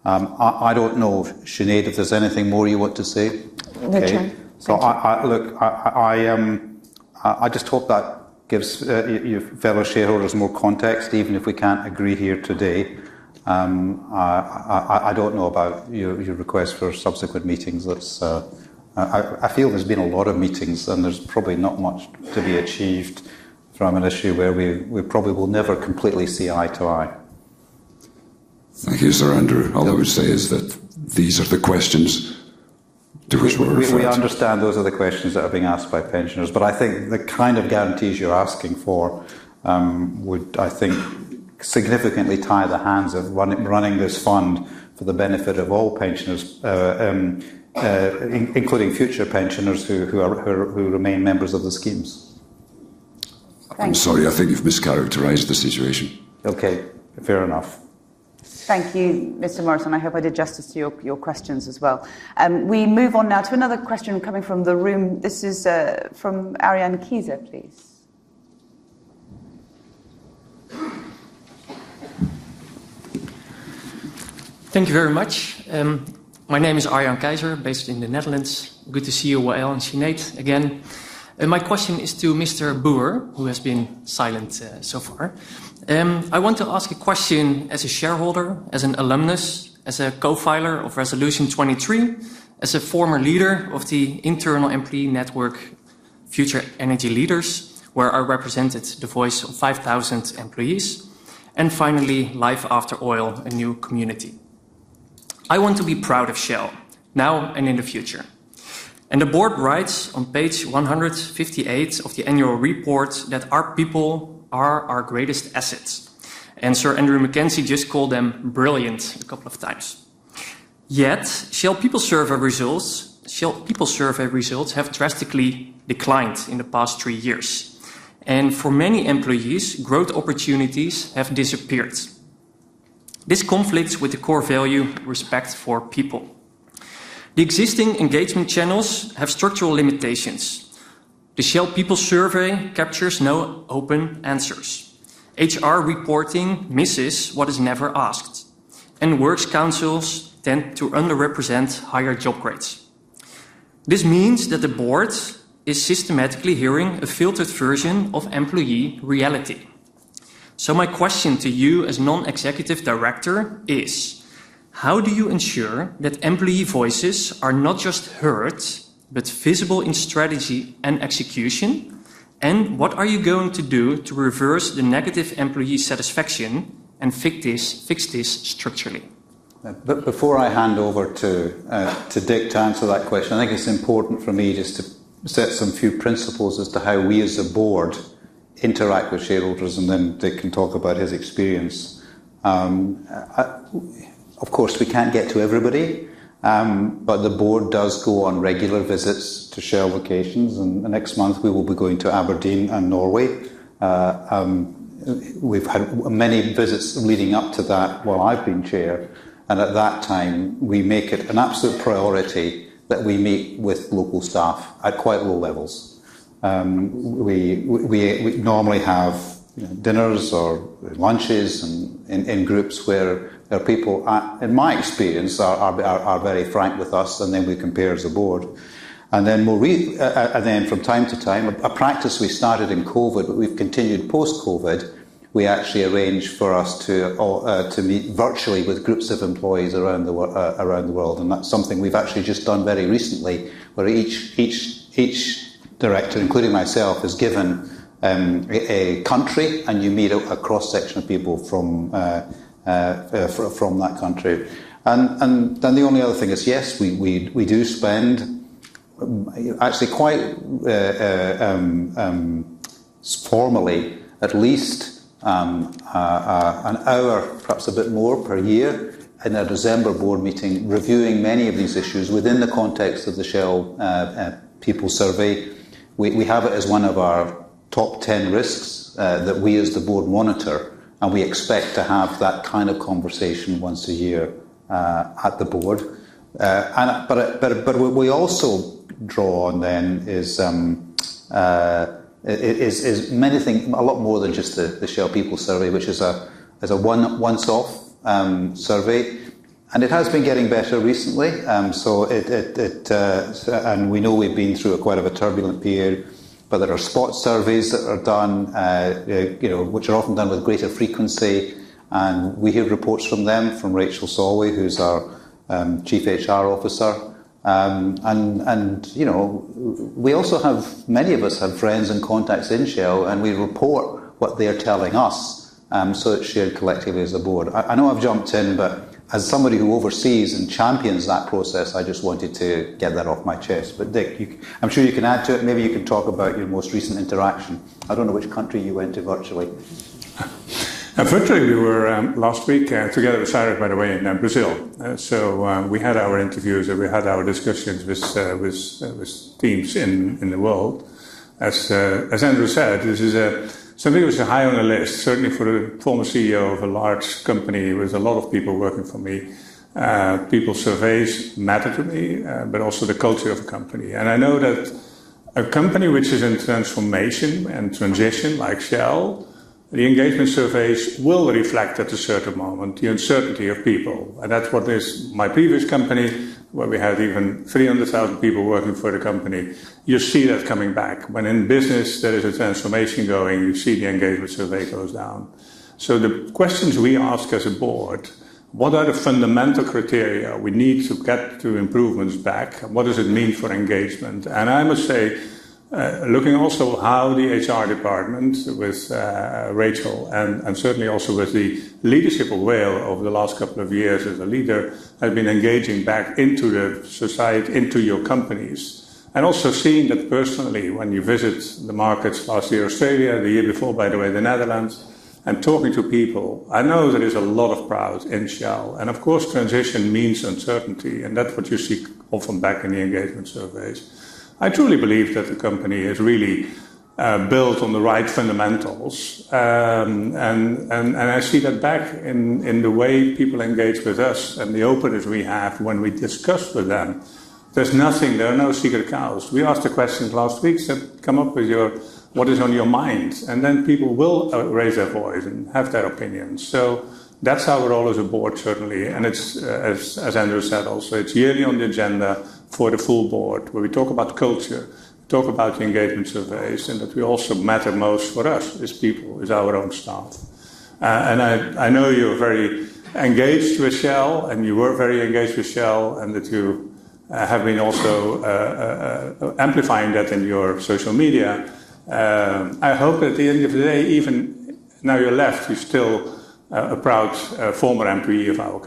I don't know, Sinead, if there's anything more you want to say. No Chair. Thank you. I just hope that gives your fellow shareholders more context, even if we can't agree here today. I don't know about your request for subsequent meetings. Let's I feel there's been a lot of meetings, and there's probably not much to be achieved from an issue where we probably will never completely see eye to eye. Thank you, Sir Andrew. All I would say is that these are the questions to which we're referred. We understand those are the questions that are being asked by pensioners, but I think the kind of guarantees you're asking for would, I think, significantly tie the hands of running this fund for the benefit of all pensioners, including future pensioners who remain members of the schemes. Thank you. I'm sorry. I think you've mischaracterized the situation. Okay. Fair enough. Thank you, Mr. Morrison. I hope I did justice to your questions as well. We move on now to another question coming from the room. This is from Arjan Keizer, please. Thank you very much. My name is Arjan Keizer, based in the Netherlands. Good to see you, Wael and Sinead again. My question is to Boer, who has been silent so far. I want to ask a question as a shareholder, as an alumnus, as a co-filer of Resolution 23, as a former leader of the internal employee network, Future Energy Leaders, where I represented the voice of 5,000 employees, and finally, Life After Oil, a new community. I want to be proud of Shell now and in the future. The board writes on page 158 of the annual report that our people are our greatest assets. Sir Andrew Mackenzie just called them brilliant a couple of times. Yet, Shell People Survey results have drastically declined in the past three years, and for many employees, growth opportunities have disappeared. This conflicts with the core value, respect for people. The existing engagement channels have structural limitations. The Shell People Survey captures no open answers. HR reporting misses what is never asked, and works councils tend to underrepresent higher job grades. This means that the boards is systematically hearing a filtered version of the employee reality. My question to you as non-executive director is: How do you ensure that employee voices are not just heard, but visible in strategy and execution? What are you going to do to reverse the negative employee satisfaction and fix this structurally? Before I hand over to Dick to answer that question, I think it's important for me just to set some few principles as to how we as a board interact with shareholders, and then Dick can talk about his experience. Of course, we can't get to everybody, the board does go on regular visits to Shell locations, and next month we will be going to Aberdeen and Norway. We've had many visits leading up to that while I've been chair, at that time, we make it an absolute priority that we meet with local staff at quite low levels. We normally have dinners or lunches and in groups where there are people, in my experience are very frank with us, we compare as a board. From time to time, a practice we started in COVID, but we've continued post-COVID, we actually arrange for us to meet virtually with groups of employees around the world. That's something we've actually just done very recently, where each director, including myself, is given a country, and you meet a cross-section of people from that country. The only other thing is, yes, we do spend actually quite formally at least an hour, perhaps a bit more per year in a December board meeting, reviewing many of these issues within the context of the Shell People Survey. We have it as one of our top 10 risks that we as the board monitor, and we expect to have that kind of conversation once a year at the board. But we also draw on then is many things, a lot more than just the Shell People Survey, which is a one-off survey. It has been getting better recently, and we know we've been through quite of a turbulent period, but there are spot surveys that are done, you know, which are often done with greater frequency, and we hear reports from them, from Rachel Salway, who's our chief HR officer. You know, we also have, many of us have friends and contacts in Shell, and we report what they are telling us, so it's shared collectively as a board. I know I've jumped in, but as somebody who oversees and champions that process, I just wanted to get that off my chest. Dick, you, I'm sure you can add to it. Maybe you can talk about your most recent interaction. I don't know which country you went to virtually. virtually we were last week together with Cyrus Taraporevala, by the way, in Brazil. We had our interviews, and we had our discussions with teams in the world. As Andrew said, this is something which is high on the list, certainly for a former CEO of a large company with a lot of people working for me. People surveys matter to me, but also the culture of a company. I know that a company which is in transformation and transition like Shell, the engagement surveys will reflect at a certain moment the uncertainty of people. That's what is my previous company, where we had even 300,000 people working for the company. You see that coming back. When in business, there is a transformation going, you see the engagement survey goes down. The questions we ask as a board, what are the fundamental criteria we need to get to improvements back. What does it mean for engagement? I must say, looking also how the HR department with Rachel and certainly also with the leadership of Wael over the last couple of years as a leader, have been engaging back into the society, into your companies. Also seeing that personally, when you visit the markets, last year, Australia, the year before, by the way, the Netherlands, and talking to people, I know there is a lot of pride in Shell. Of course, transition means uncertainty, and that's what you see often back in the engagement surveys. I truly believe that the company is really built on the right fundamentals. I see that back in the way people engage with us and the openness we have when we discuss with them. There's nothing. There are no sacred cows. We asked the questions last week, said, "Come up with what is on your mind." Then people will raise their voice and have their opinion. That's our role as a board, certainly. It's, as Andrew said, also, it's yearly on the agenda for the full board, where we talk about culture, talk about the engagement surveys, and that we also matter most for us as people, as our own staff. I know you're very engaged with Shell, and you were very engaged with Shell, and that you have been also amplifying that in your social media. I hope at the end of the day, even now you left, you're still a proud former employee of our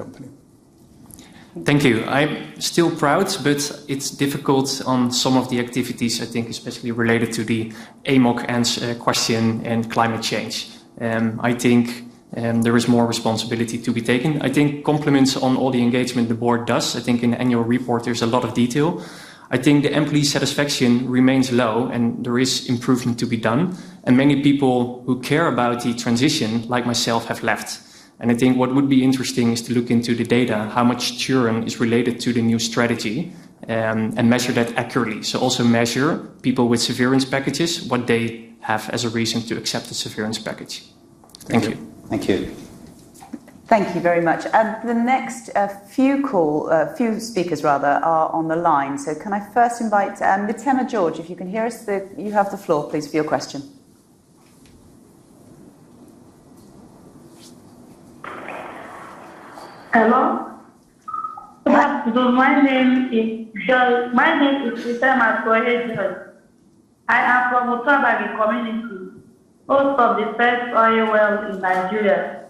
company. Thank you. I'm still proud, but it's difficult on some of the activities, I think especially related to the AMOC answer and question in climate change. I think there is more responsibility to be taken. I think compliments on all the engagement the board does. I think in the annual report, there's a lot of detail. I think the employee satisfaction remains low, and there is improvement to be done. Many people who care about the transition, like myself, have left. I think what would be interesting is to look into the data, how much churn is related to the new strategy, and measure that accurately. Also measure people with severance packages, what they have as a reason to accept the severance package. Thank you. Thank you. Thank you very much. The next few speakers rather are on the line. Can I first invite Mitama George, if you can hear us, you have the floor, please, for your questions. Hello. Good afternoon. My name is Mitama Kohe George. I am from Otuabagi community, host of the first oil well in Nigeria.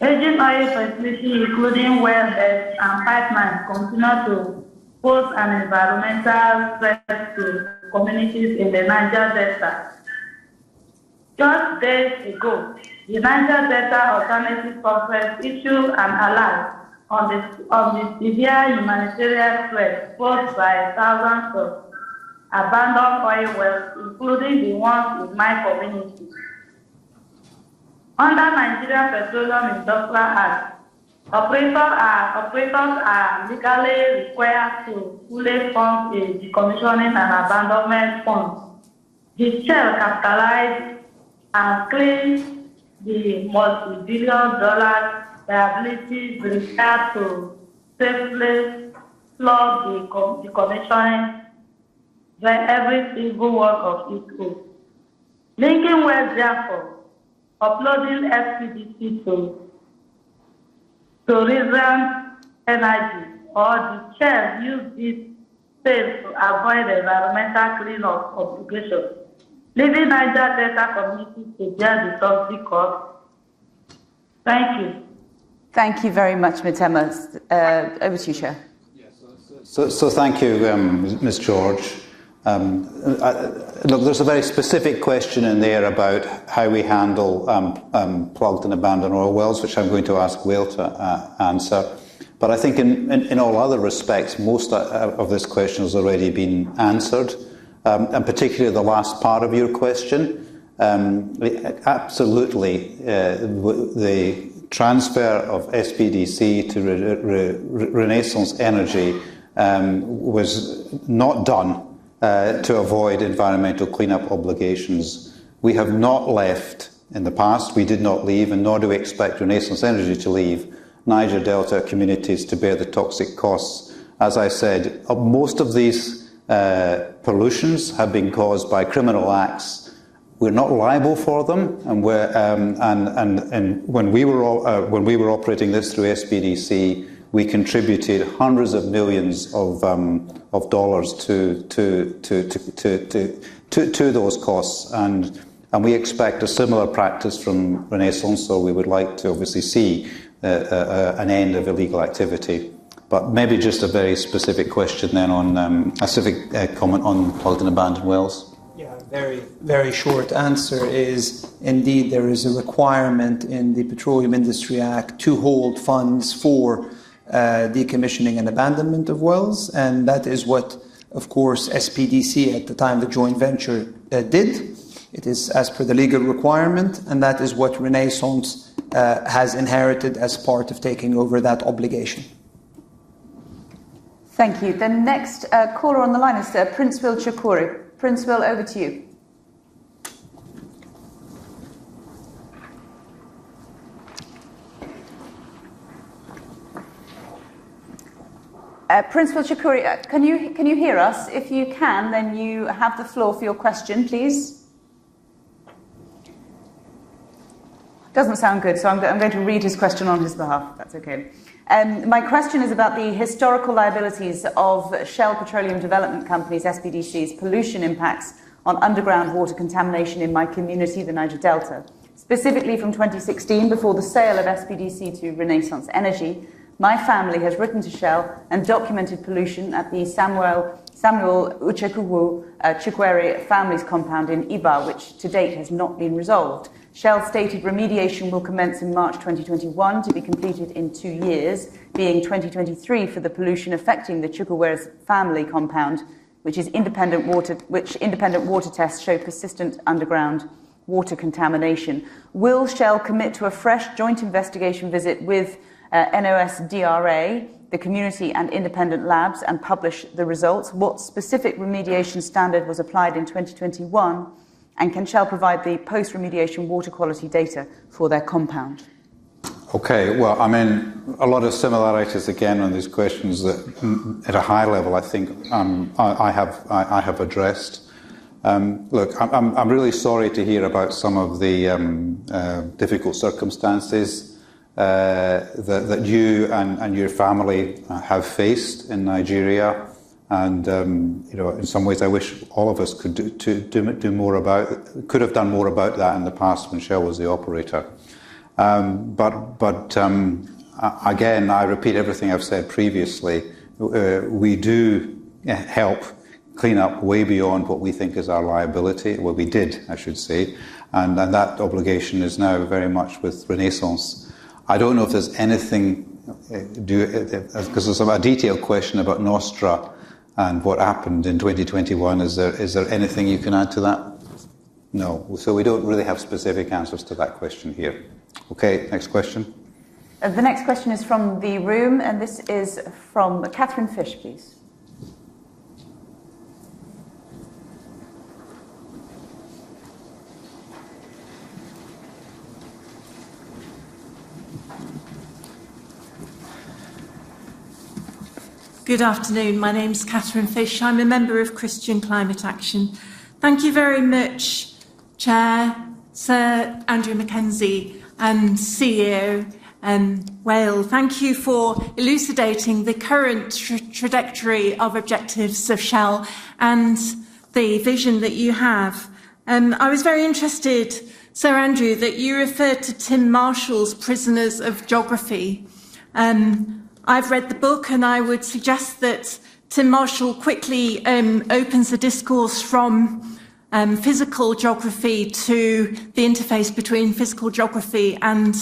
Aging oil facilities, including wells and pipelines, continue to pose an environmental threat to communities in the Niger Delta. Just days ago, the Niger Delta Basin Development Authority published an alert on the severe humanitarian threat posed by thousands of abandoned oil wells, including the ones in my community. Under Petroleum Industry Act, operators are legally required to fully fund a decommissioning and abandonment fund. Shell capitalized and claimed the multi-billion dollar liability with regard to safely plug and decommission their every single well of its own. Leaving well therefore offloading SPDC to Renaissance Energy or Shell use this space to avoid environmental cleanup obligations, leaving Niger Delta communities to bear the toxic cost. Thank you. Thank you very much, Mitama. Over to you, Chair. Thank you, Ms. George. There's a very specific question in there about how we handle plugged and abandoned oil wells, which I'm going to ask Wael to answer. I think in all other respects, most of this question has already been answered. And particularly the last part of your question. Absolutely, the transfer of SPDC to Renaissance Energy was not done to avoid environmental cleanup obligations. We have not left in the past, we did not leave, and nor do we expect Renaissance Energy to leave Niger Delta communities to bear the toxic costs. As I said, most of these pollutions have been caused by criminal acts. We're not liable for them, and when we were operating this through SPDC, we contributed hundreds of millions of dollars to those costs. We expect a similar practice from Renaissance, so we would like to obviously see an end of illegal activity. Maybe just a very specific question then on a specific comment on plugged and abandoned wells. Yeah. Very short answer is indeed there is a requirement in the Petroleum Industry Act to hold funds for decommissioning and abandonment of wells, and that is what, of course, SPDC at the time, the joint venture, did. It is as per the legal requirement, and that is what Renaissance has inherited as part of taking over that obligation. Thank you. The next caller on the line is Princewill Chukwuru. Princewill, over to you. Princewill Chukwuru, can you hear us? If you can, you have the floor for your question, please. Doesn't sound good, I'm going to read his question on his behalf, if that's okay. My question is about the historical liabilities of Shell Petroleum Development Companies, SPDCs, pollution impacts on underground water contamination in my community, the Niger Delta. Specifically from 2016 before the sale of SPDC to Renaissance Energy, my family has written to Shell and documented pollution at the Samuel Uchekwu Chukwuru family's compound in Ibaa, which to date has not been resolved. Shell stated remediation will commence in March 2021 to be completed in two years, being 2023 for the pollution affecting the Chukwuru's family compound, which is independent water, which independent water tests show persistent underground water contamination. Will Shell commit to a fresh joint investigation visit with NOSDRA, the community and independent labs, and publish the results? What specific remediation standard was applied in 2021? Can Shell provide the post-remediation water quality data for their compound? Well, a lot of similarities again on these questions that at a high level I think, I have addressed. I'm really sorry to hear about some of the difficult circumstances that you and your family have faced in Nigeria. You know, in some ways I wish all of us could do more about, could have done more about that in the past when Shell was the operator. Again, I repeat everything I've said previously. We do help clean up way beyond what we think is our liability. Well, we did, I should say. That obligation is now very much with Renaissance. I don't know if there's anything, 'cause it's a detailed question about NOSDRA and what happened in 2021. Is there anything you can add to that? No. We don't really have specific answers to that question here. Okay, next question. The next question is from the room, and this is from Catherine Fish, please. Good afternoon. My name is Catherine Fish. I am a member of Christian Climate Action. Thank you very much, Chair, Sir Andrew Mackenzie, and CEO, Wael. Thank you for elucidating the current trajectory of objectives of Shell and the vision that you have. I was very interested, Sir Andrew, that you referred to Tim Marshall's Prisoners of Geography. I have read the book, I would suggest that Tim Marshall quickly opens the discourse from physical geography to the interface between physical geography and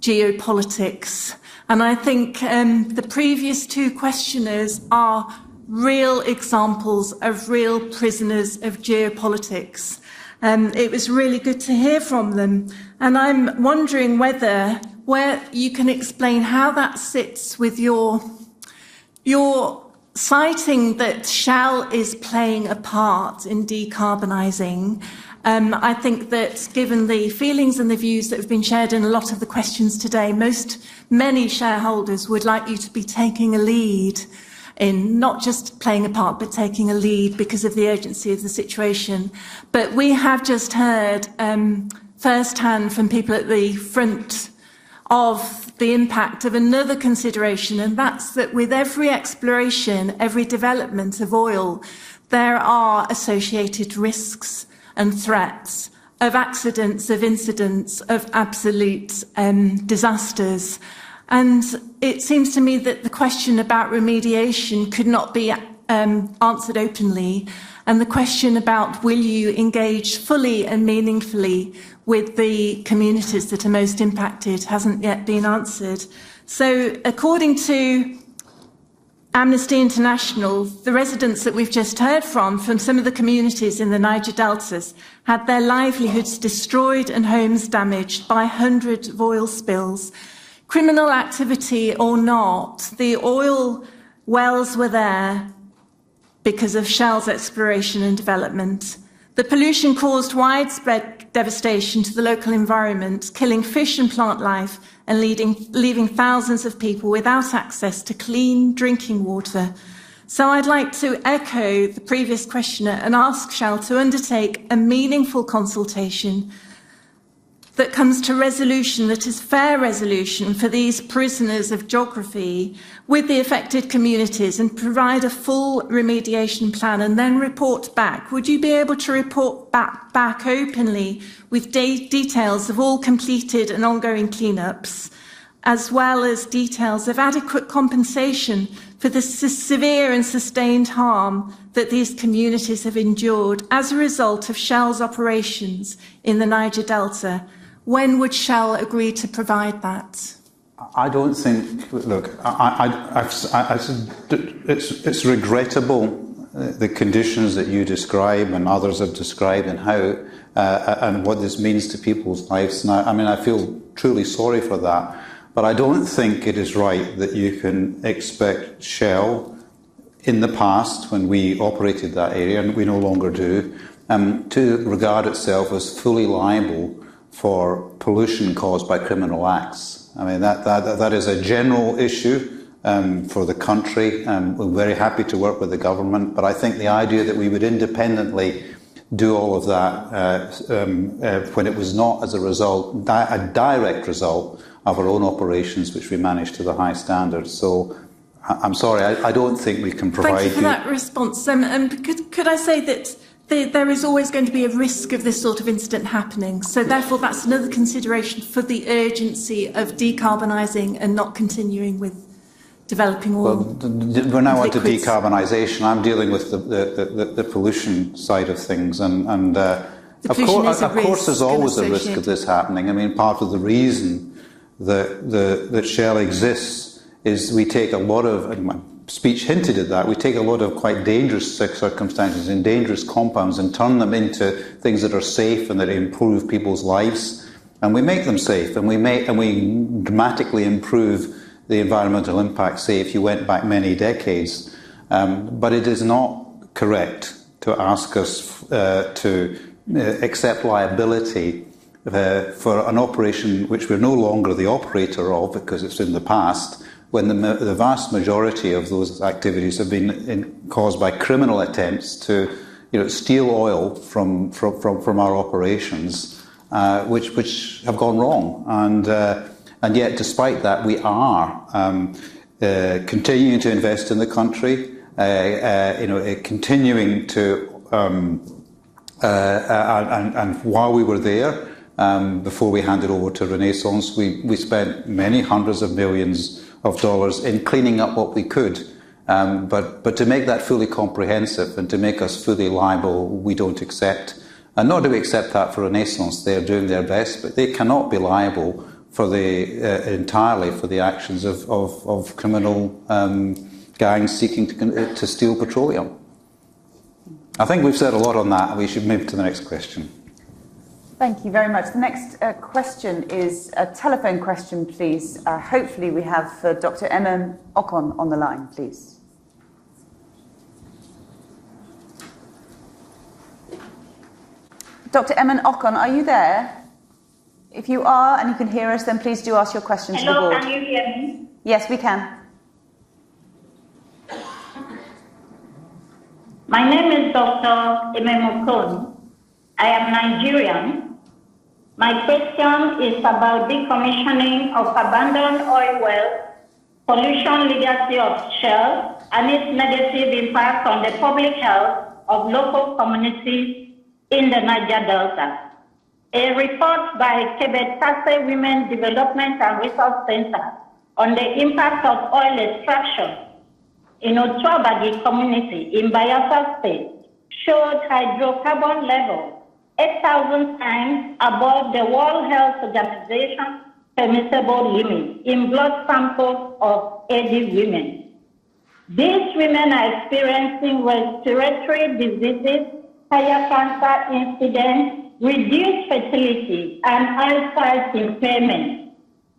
geopolitics. I think, the previous two questioners are real examples of real prisoners of geopolitics. It was really good to hear from them and I am wondering where you can explain how that sits with your citing that Shell is playing a part in decarbonizing. I think that given the feelings and the views that have been shared in a lot of the questions today, many shareholders would like you to be taking a lead in not just playing a part, but taking a lead because of the urgency of the situation. We have just heard firsthand from people at the front of the impact of another consideration, and that's that with every exploration, every development of oil, there are associated risks and threats of accidents, of incidents, of absolute disasters. It seems to me that the question about remediation could not be answered openly, and the question about will you engage fully and meaningfully with the communities that are most impacted hasn't yet been answered. According to Amnesty International, the residents that we've just heard from some of the communities in the Niger Delta, had their livelihoods destroyed and homes damaged by hundreds of oil spills. Criminal activity or not, the oil wells were there because of Shell's exploration and development. The pollution caused widespread devastation to the local environment, killing fish and plant life and leaving thousands of people without access to clean drinking water. I'd like to echo the previous questioner and ask Shell to undertake a meaningful consultation that comes to resolution, that is fair resolution for these Prisoners of Geography with the affected communities and provide a full remediation plan and then report back. Would you be able to report back openly with details of all completed and ongoing cleanups, as well as details of adequate compensation for the severe and sustained harm that these communities have endured as a result of Shell's operations in the Niger Delta? When would Shell agree to provide that? Look, it's regrettable, the conditions that you describe and others have described and what this means to people's lives now. I mean, I feel truly sorry for that. I don't think it is right that you can expect Shell in the past when we operated that area, and we no longer do, to regard itself as fully liable for pollution caused by criminal acts. I mean, that is a general issue for the country, and we're very happy to work with the government. I think the idea that we would independently do all of that when it was not as a result, a direct result of our own operations, which we manage to the high standard. I'm sorry, I don't think we can provide you. Thank you for that response. Could I say that there is always going to be a risk of this sort of incident happening, therefore, that's another consideration for the urgency of decarbonizing and not continuing with developing oil. Well, we're now into decarbonization. I'm dealing with the pollution side of things. The pollution is a risk. Of course, there's always a risk of this happening. I mean, part of the reason that Shell exists is we take a lot of, and my speech hinted at that, we take a lot of quite dangerous circumstances and dangerous compounds and turn them into things that are safe and that improve people's lives, and we make them safe, and we dramatically improve the environmental impact, say, if you went back many decades. It is not correct to ask us to accept liability for an operation which we're no longer the operator of because it's in the past when the vast majority of those activities have been caused by criminal attempts to, you know, steal oil from our operations which have gone wrong. Yet despite that, we are continuing to invest in the country, you know, continuing to, and while we were there, before we handed over to Renaissance, we spent many hundreds of millions of dollars in cleaning up what we could. But to make that fully comprehensive and to make us fully liable, we don't accept. Nor do we accept that for Renaissance. They're doing their best, but they cannot be liable for the entirely for the actions of criminal gangs seeking to steal petroleum. I think we've said a lot on that. We should move to the next question. Thank you very much. The next question is a telephone question, please. Hopefully, we have Dr. Emem Okon on the line, please. Dr. Emem Okon, are you there? If you are and you can hear us, please do ask your questions to the board. Hello, can you hear me? Yes, we can. My name is Dr. Emem Okon. I am Nigerian. My question is about decommissioning of abandoned oil wells, pollution legacy of Shell, and its negative impact on the public health of local communities in the Niger Delta. A report by Kebetkache Women Development & Resource Centre on the impact of oil extraction in Otuabagi community in Bayelsa State showed hydrocarbon levels 8,000 times above the World Health Organization permissible limit in blood samples of 80 women. These women are experiencing respiratory diseases, higher cancer incidents, reduced fertility, and eyesight impairment.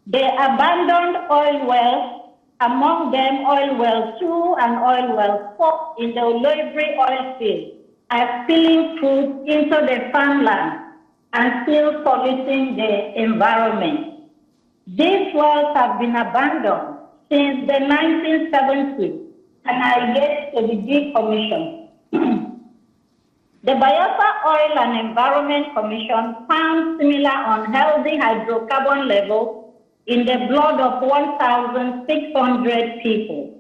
The abandoned oil wells, among them Oil Well Two and Oil Well Four in the Oloibiri oil field, are still put into the farmland and still polluting the environment. These wells have been abandoned since the 1970s and are yet to be decommissioned. The Bayelsa State Oil and Environmental Commission found similar unhealthy hydrocarbon levels in the blood of 1,600 people.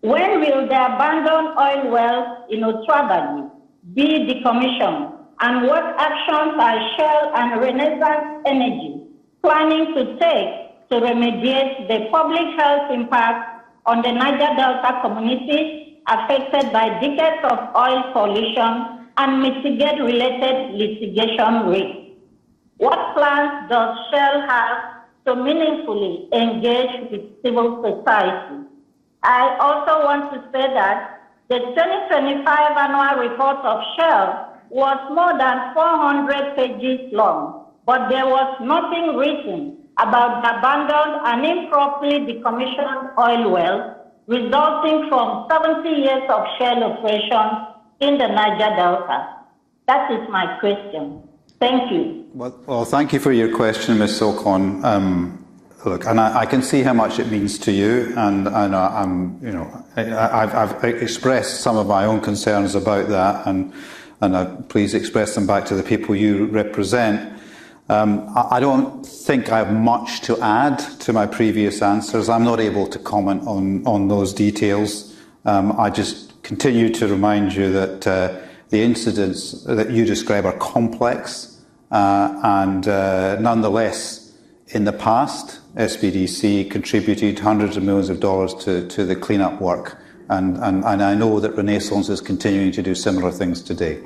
When will the abandoned oil wells in Otuabagi be decommissioned? What actions are Shell and Renaissance Energy planning to take to remediate the public health impact on the Niger Delta community affected by decades of oil pollution and mitigate related litigation risk? What plans does Shell have to meaningfully engage with civil society? I also want to say that the 2025 annual report of Shell was more than 400 pages long, but there was nothing written about abandoned and improperly decommissioned oil wells resulting from 70 years of Shell operations in the Niger Delta. That is my question. Thank you. Well, thank you for your question, Ms. Okon. Look, I can see how much it means to you. I'm, you know, I've expressed some of my own concerns about that. Please express them back to the people you represent. I don't think I have much to add to my previous answers. I'm not able to comment on those details. I just continue to remind you that the incidents that you describe are complex. Nonetheless, in the past, SPDC contributed hundreds of millions of dollars to the cleanup work. I know that Renaissance is continuing to do similar things today.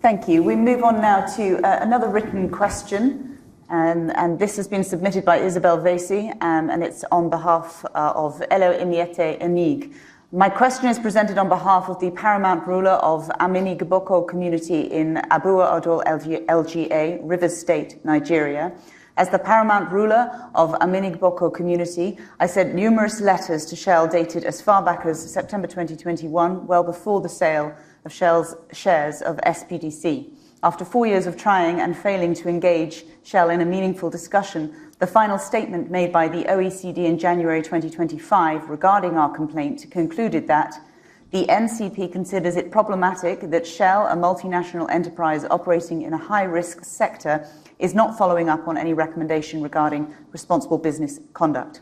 Thank you. We move on now to another written question. This has been submitted by Isabelle Vasey, and it's on behalf of Elo Imiete Inig. My question is presented on behalf of the paramount ruler of Aminigboko community in Abua Odual, LGA, Rivers State, Nigeria. As the paramount ruler of Aminigboko community, I sent numerous letters to Shell dated as far back as September 2021, well before the sale of Shell's shares of SPDC. After four years of trying and failing to engage Shell in a meaningful discussion, the final statement made by the OECD in January 2025 regarding our complaint concluded that the NCP considers it problematic that Shell, a multinational enterprise operating in a high-risk sector, is not following up on any recommendation regarding responsible business conduct.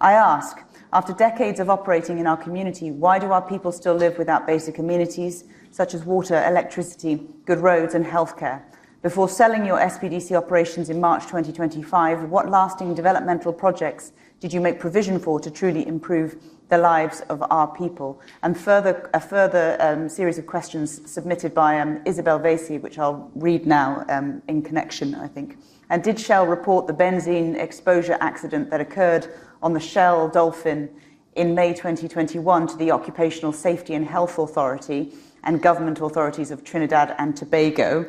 I ask, after decades of operating in our community, why do our people still live without basic amenities such as water, electricity, good roads, and healthcare? Before selling your SPDC operations in March 2025, what lasting developmental projects did you make provision for to truly improve the lives of our people? Further, a series of questions submitted by Isabelle Vasey, which I'll read now, in connection, I think. Did Shell report the benzene exposure accident that occurred on the Shell Dolphin in May 2021 to the Occupational Safety and Health Authority and government authorities of Trinidad and Tobago?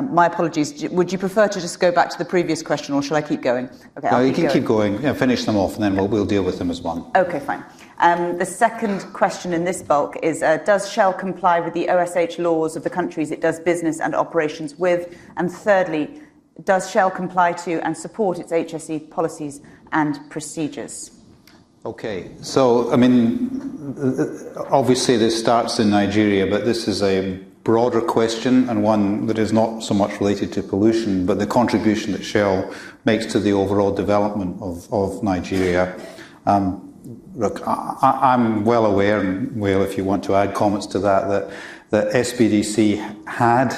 My apologies. Would you prefer to just go back to the previous question, or shall I keep going? Okay, I'll keep going. No, you can keep going. Yeah, finish them off, and then we'll deal with them as one. Okay, fine. The second question in this bulk is, does Shell comply with the OSH laws of the countries it does business and operations with? Thirdly, does Shell comply to and support its HSE policies and procedures? Obviously, this starts in Nigeria, but this is a broader question and one that is not so much related to pollution, but the contribution that Shell makes to the overall development of Nigeria. Look, I'm well aware, and Wael, if you want to add comments to that SPDC had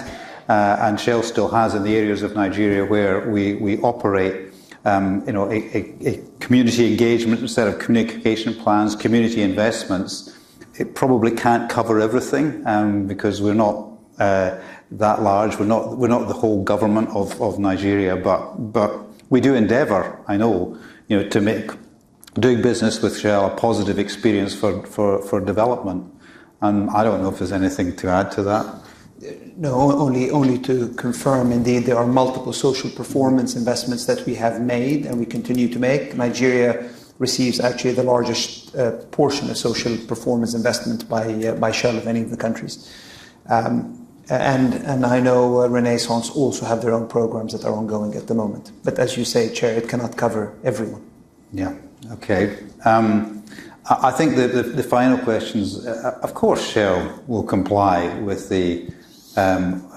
and Shell still has in the areas of Nigeria where we operate, a community engagement set of communication plans, community investments. It probably can't cover everything, because we're not that large. We're not the whole government of Nigeria. We do endeavor to make doing business with Shell a positive experience for development. I don't know if there's anything to add to that. No, only to confirm indeed there are multiple social performance investments that we have made and we continue to make. Nigeria receives actually the largest portion of social performance investment by Shell of any of the countries. I know Renaissance also have their own programs that are ongoing at the moment. As you say, Chair, it cannot cover everyone. I think the final question is, of course, Shell will comply with the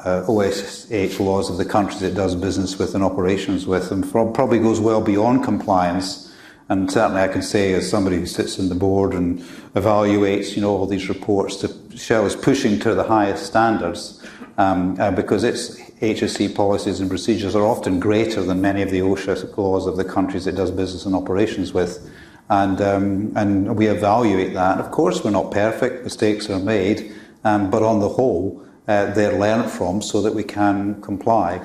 OSH laws of the countries it does business with and operations with, and probably goes well beyond compliance. Certainly, I can say as somebody who sits in the board and evaluates, you know, all these reports that Shell is pushing to the highest standards, because its HSE policies and procedures are often greater than many of the OSHA laws of the countries it does business and operations with. We evaluate that. Of course, we're not perfect. Mistakes are made. On the whole, they're learned from so that we can comply.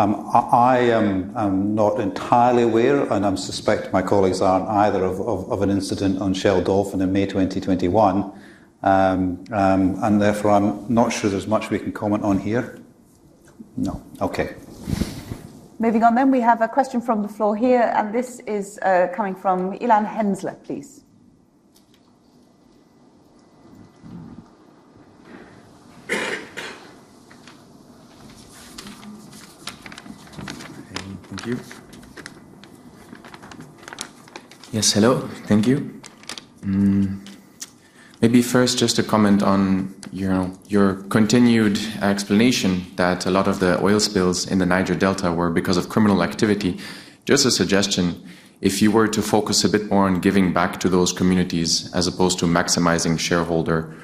I am not entirely aware, and I suspect my colleagues aren't either of an incident on Shell Dolphin in May 2021. Therefore, I'm not sure there's much we can comment on here. No. Okay. Moving on, we have a question from the floor here, and this is coming from Ilan Hensler, please. Thank you. Yes, hello. Thank you. Maybe first just to comment on your continued explanation that a lot of the oil spills in the Niger Delta were because of criminal activity. Just a suggestion, if you were to focus a bit more on giving back to those communities as opposed to maximizing shareholder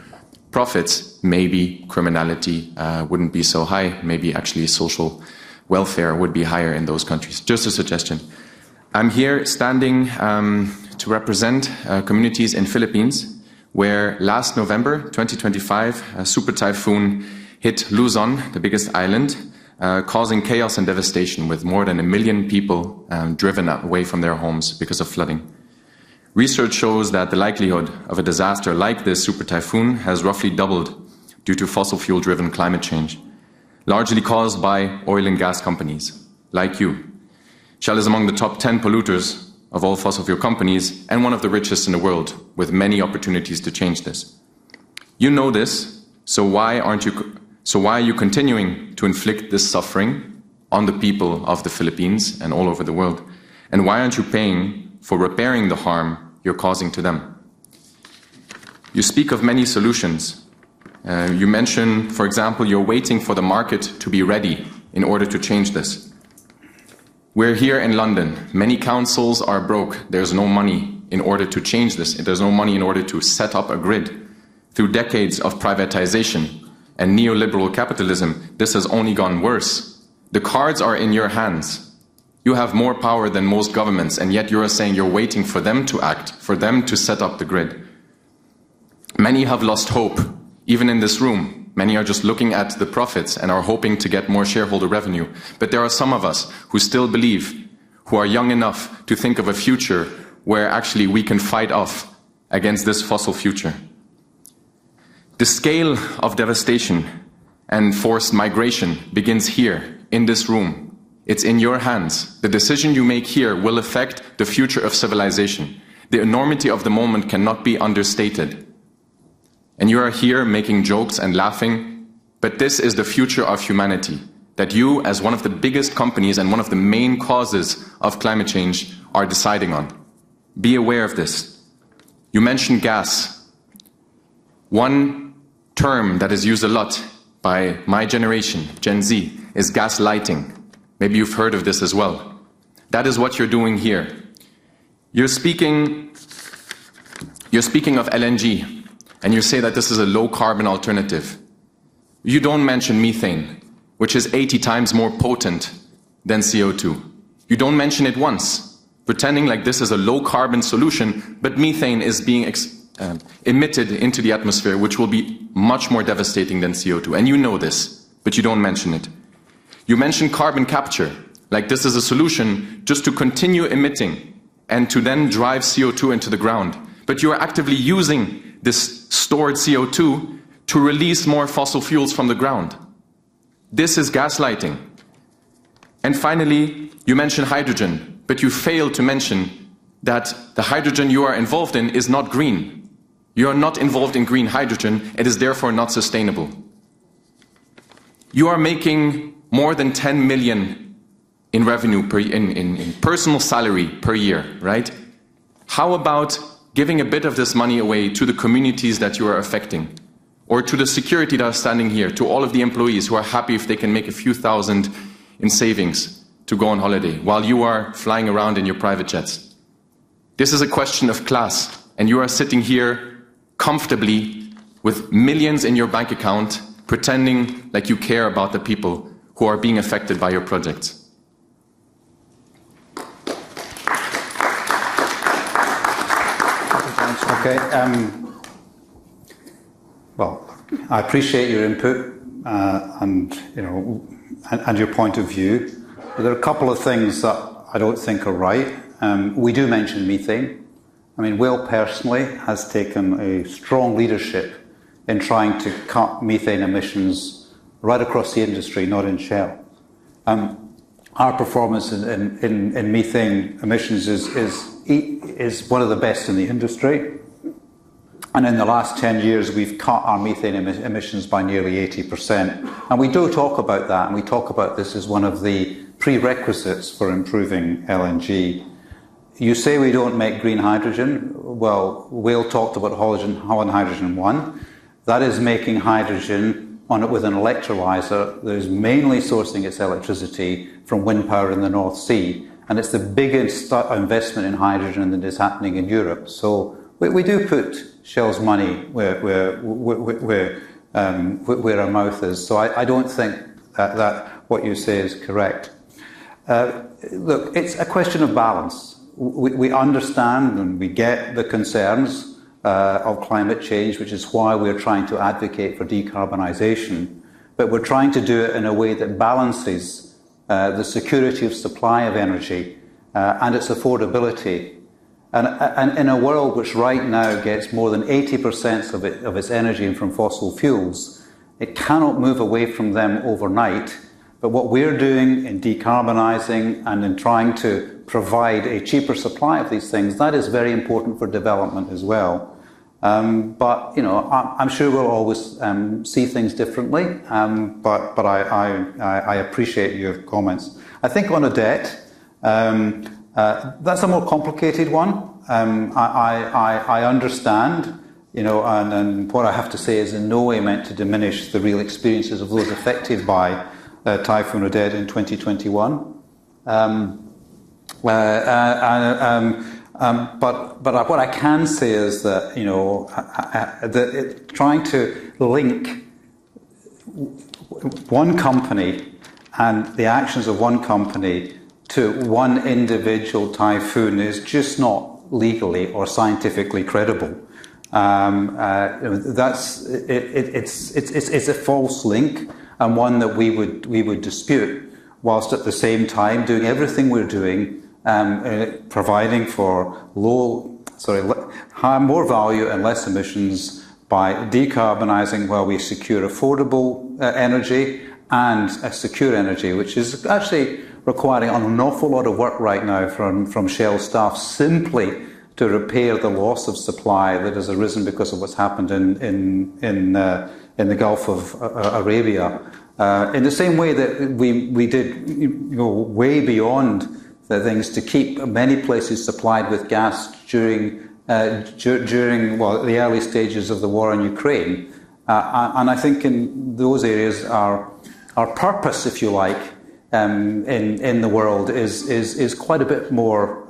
profits, maybe criminality wouldn't be so high. Maybe actually social welfare would be higher in those countries. Just a suggestion. I'm here standing to represent communities in Philippines, where last November 2025, a super typhoon hit Luzon, the biggest island, causing chaos and devastation with more than 1 million people driven away from their homes because of flooding. Research shows that the likelihood of a disaster like this super typhoon has roughly doubled due to fossil fuel driven climate change, largely caused by oil and gas companies like you. Shell is among the top ten polluters of all fossil fuel companies and one of the richest in the world, with many opportunities to change this. You know this, so why are you continuing to inflict this suffering on the people of the Philippines and all over the world? Why aren't you paying for repairing the harm you're causing to them? You speak of many solutions. You mention, for example, you're waiting for the market to be ready in order to change this. We're here in London. Many councils are broke. There's no money in order to change this. There's no money in order to set up a grid. Through decades of privatization and neoliberal capitalism, this has only gotten worse. The cards are in your hands. You have more power than most governments, and yet you are saying you're waiting for them to act, for them to set up the grid. Many have lost hope, even in this room. Many are just looking at the profits and are hoping to get more shareholder revenue. There are some of us who still believe, who are young enough to think of a future where actually we can fight off against this fossil future. The scale of devastation and forced migration begins here in this room. It's in your hands. The decision you make here will affect the future of civilization. The enormity of the moment cannot be understated. You are here making jokes and laughing, but this is the future of humanity that you, as one of the biggest companies and one of the main causes of climate change, are deciding on. Be aware of this. You mentioned gas. One term that is used a lot by my generation, Gen Z, is gaslighting. Maybe you've heard of this as well. That is what you're doing here. You're speaking of LNG, and you say that this is a low carbon alternative. You don't mention methane, which is 80 times more potent than CO2. You don't mention it once, pretending like this is a low carbon solution, but methane is being emitted into the atmosphere, which will be much more devastating than CO2. You know this, but you don't mention it. You mention carbon capture like this is a solution just to continue emitting and to then drive CO2 into the ground. You are actively using this stored CO2 to release more fossil fuels from the ground. This is gaslighting. Finally, you mention hydrogen, but you fail to mention that the hydrogen you are involved in is not green. You are not involved in green hydrogen. It is therefore not sustainable. You are making more than 10 million in revenue per personal salary per year, right? How about giving a bit of this money away to the communities that you are affecting or to the security that are standing here, to all of the employees who are happy if they can make a few thousand GBP in savings to go on holiday while you are flying around in your private jets? This is a question of class. You are sitting here comfortably with millions of GBP in your bank account pretending like you care about the people who are being affected by your projects. Well, I appreciate your input, you know, and your point of view. There are a couple of things that I don't think are right. We do mention methane. I mean, Wael personally has taken a strong leadership in trying to cut methane emissions right across the industry, not in Shell. Our performance in methane emissions is one of the best in the industry. In the last 10 years, we've cut our methane emissions by nearly 80%. We do talk about that, and we talk about this as one of the prerequisites for improving LNG. You say we don't make green hydrogen. Well, Wael talked about Holland Hydrogen I. That is making hydrogen with an electrolyzer that is mainly sourcing its electricity from wind power in the North Sea, and it's the biggest investment in hydrogen that is happening in Europe. We, we do put Shell's money where our mouth is. I don't think that what you say is correct. Look, it's a question of balance. We understand and we get the concerns of climate change, which is why we're trying to advocate for decarbonization. We're trying to do it in a way that balances the security of supply of energy and its affordability. In a world which right now gets more than 80% of it, of its energy from fossil fuels, it cannot move away from them overnight. What we're doing in decarbonizing and in trying to provide a cheaper supply of these things, that is very important for development as well. You know, I'm sure we'll always see things differently. I appreciate your comments. I think on Odette, that's a more complicated one. I understand, you know, and what I have to say is in no way meant to diminish the real experiences of those affected by Typhoon Odette in 2021. What I can say is that, you know, that trying to link one company and the actions of one company to one individual typhoon is just not legally or scientifically credible. It's a false link and one that we would dispute, whilst at the same time doing everything we're doing, providing for low, sorry, high, more value and less emissions by decarbonizing while we secure affordable energy and a secure energy, which is actually requiring an awful lot of work right now from Shell staff simply to repair the loss of supply that has arisen because of what's happened in the Arabian Gulf. In the same way that we did, you know, way beyond the things to keep many places supplied with gas during, well, the early stages of the war in Ukraine. I think in those areas, our purpose, if you like, in the world is quite a bit more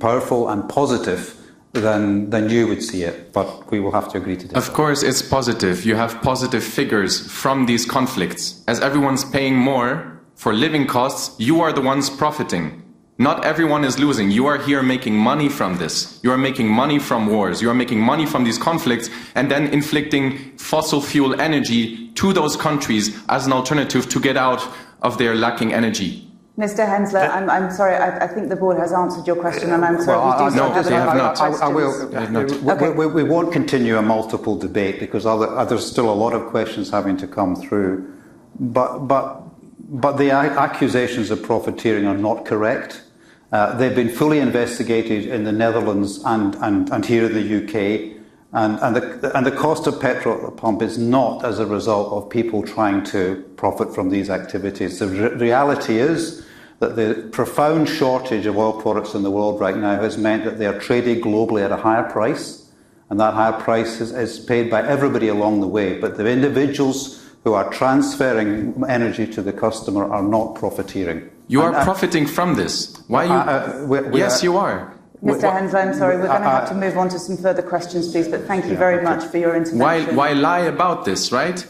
powerful and positive than you would see it. We will have to agree to differ. Of course, it's positive. You have positive figures from these conflicts. As everyone's paying more for living costs, you are the ones profiting. Not everyone is losing. You are here making money from this. You are making money from wars. You are making money from these conflicts and then inflicting fossil fuel energy to those countries as an alternative to get out of their lacking energy. Mr. Hensler, I'm sorry. I think the board has answered your question, and I'm sorry. We do still have other parties to listen to. No, obviously not. I will. Okay. We won't continue a multiple debate because other, there's still a lot of questions having to come through. The accusations of profiteering are not correct. They've been fully investigated in the Netherlands and here in the U.K. The cost of petrol at the pump is not as a result of people trying to profit from these activities. The reality is that the profound shortage of oil products in the world right now has meant that they are traded globally at a higher price, and that higher price is paid by everybody along the way. The individuals who are transferring energy to the customer are not profiteering. You are profiting from this. We are- Yes, you are. Mr. Hensler, I'm sorry. We're gonna have to move on to some further questions, please. Thank you very much for your intervention. Why lie about this, right?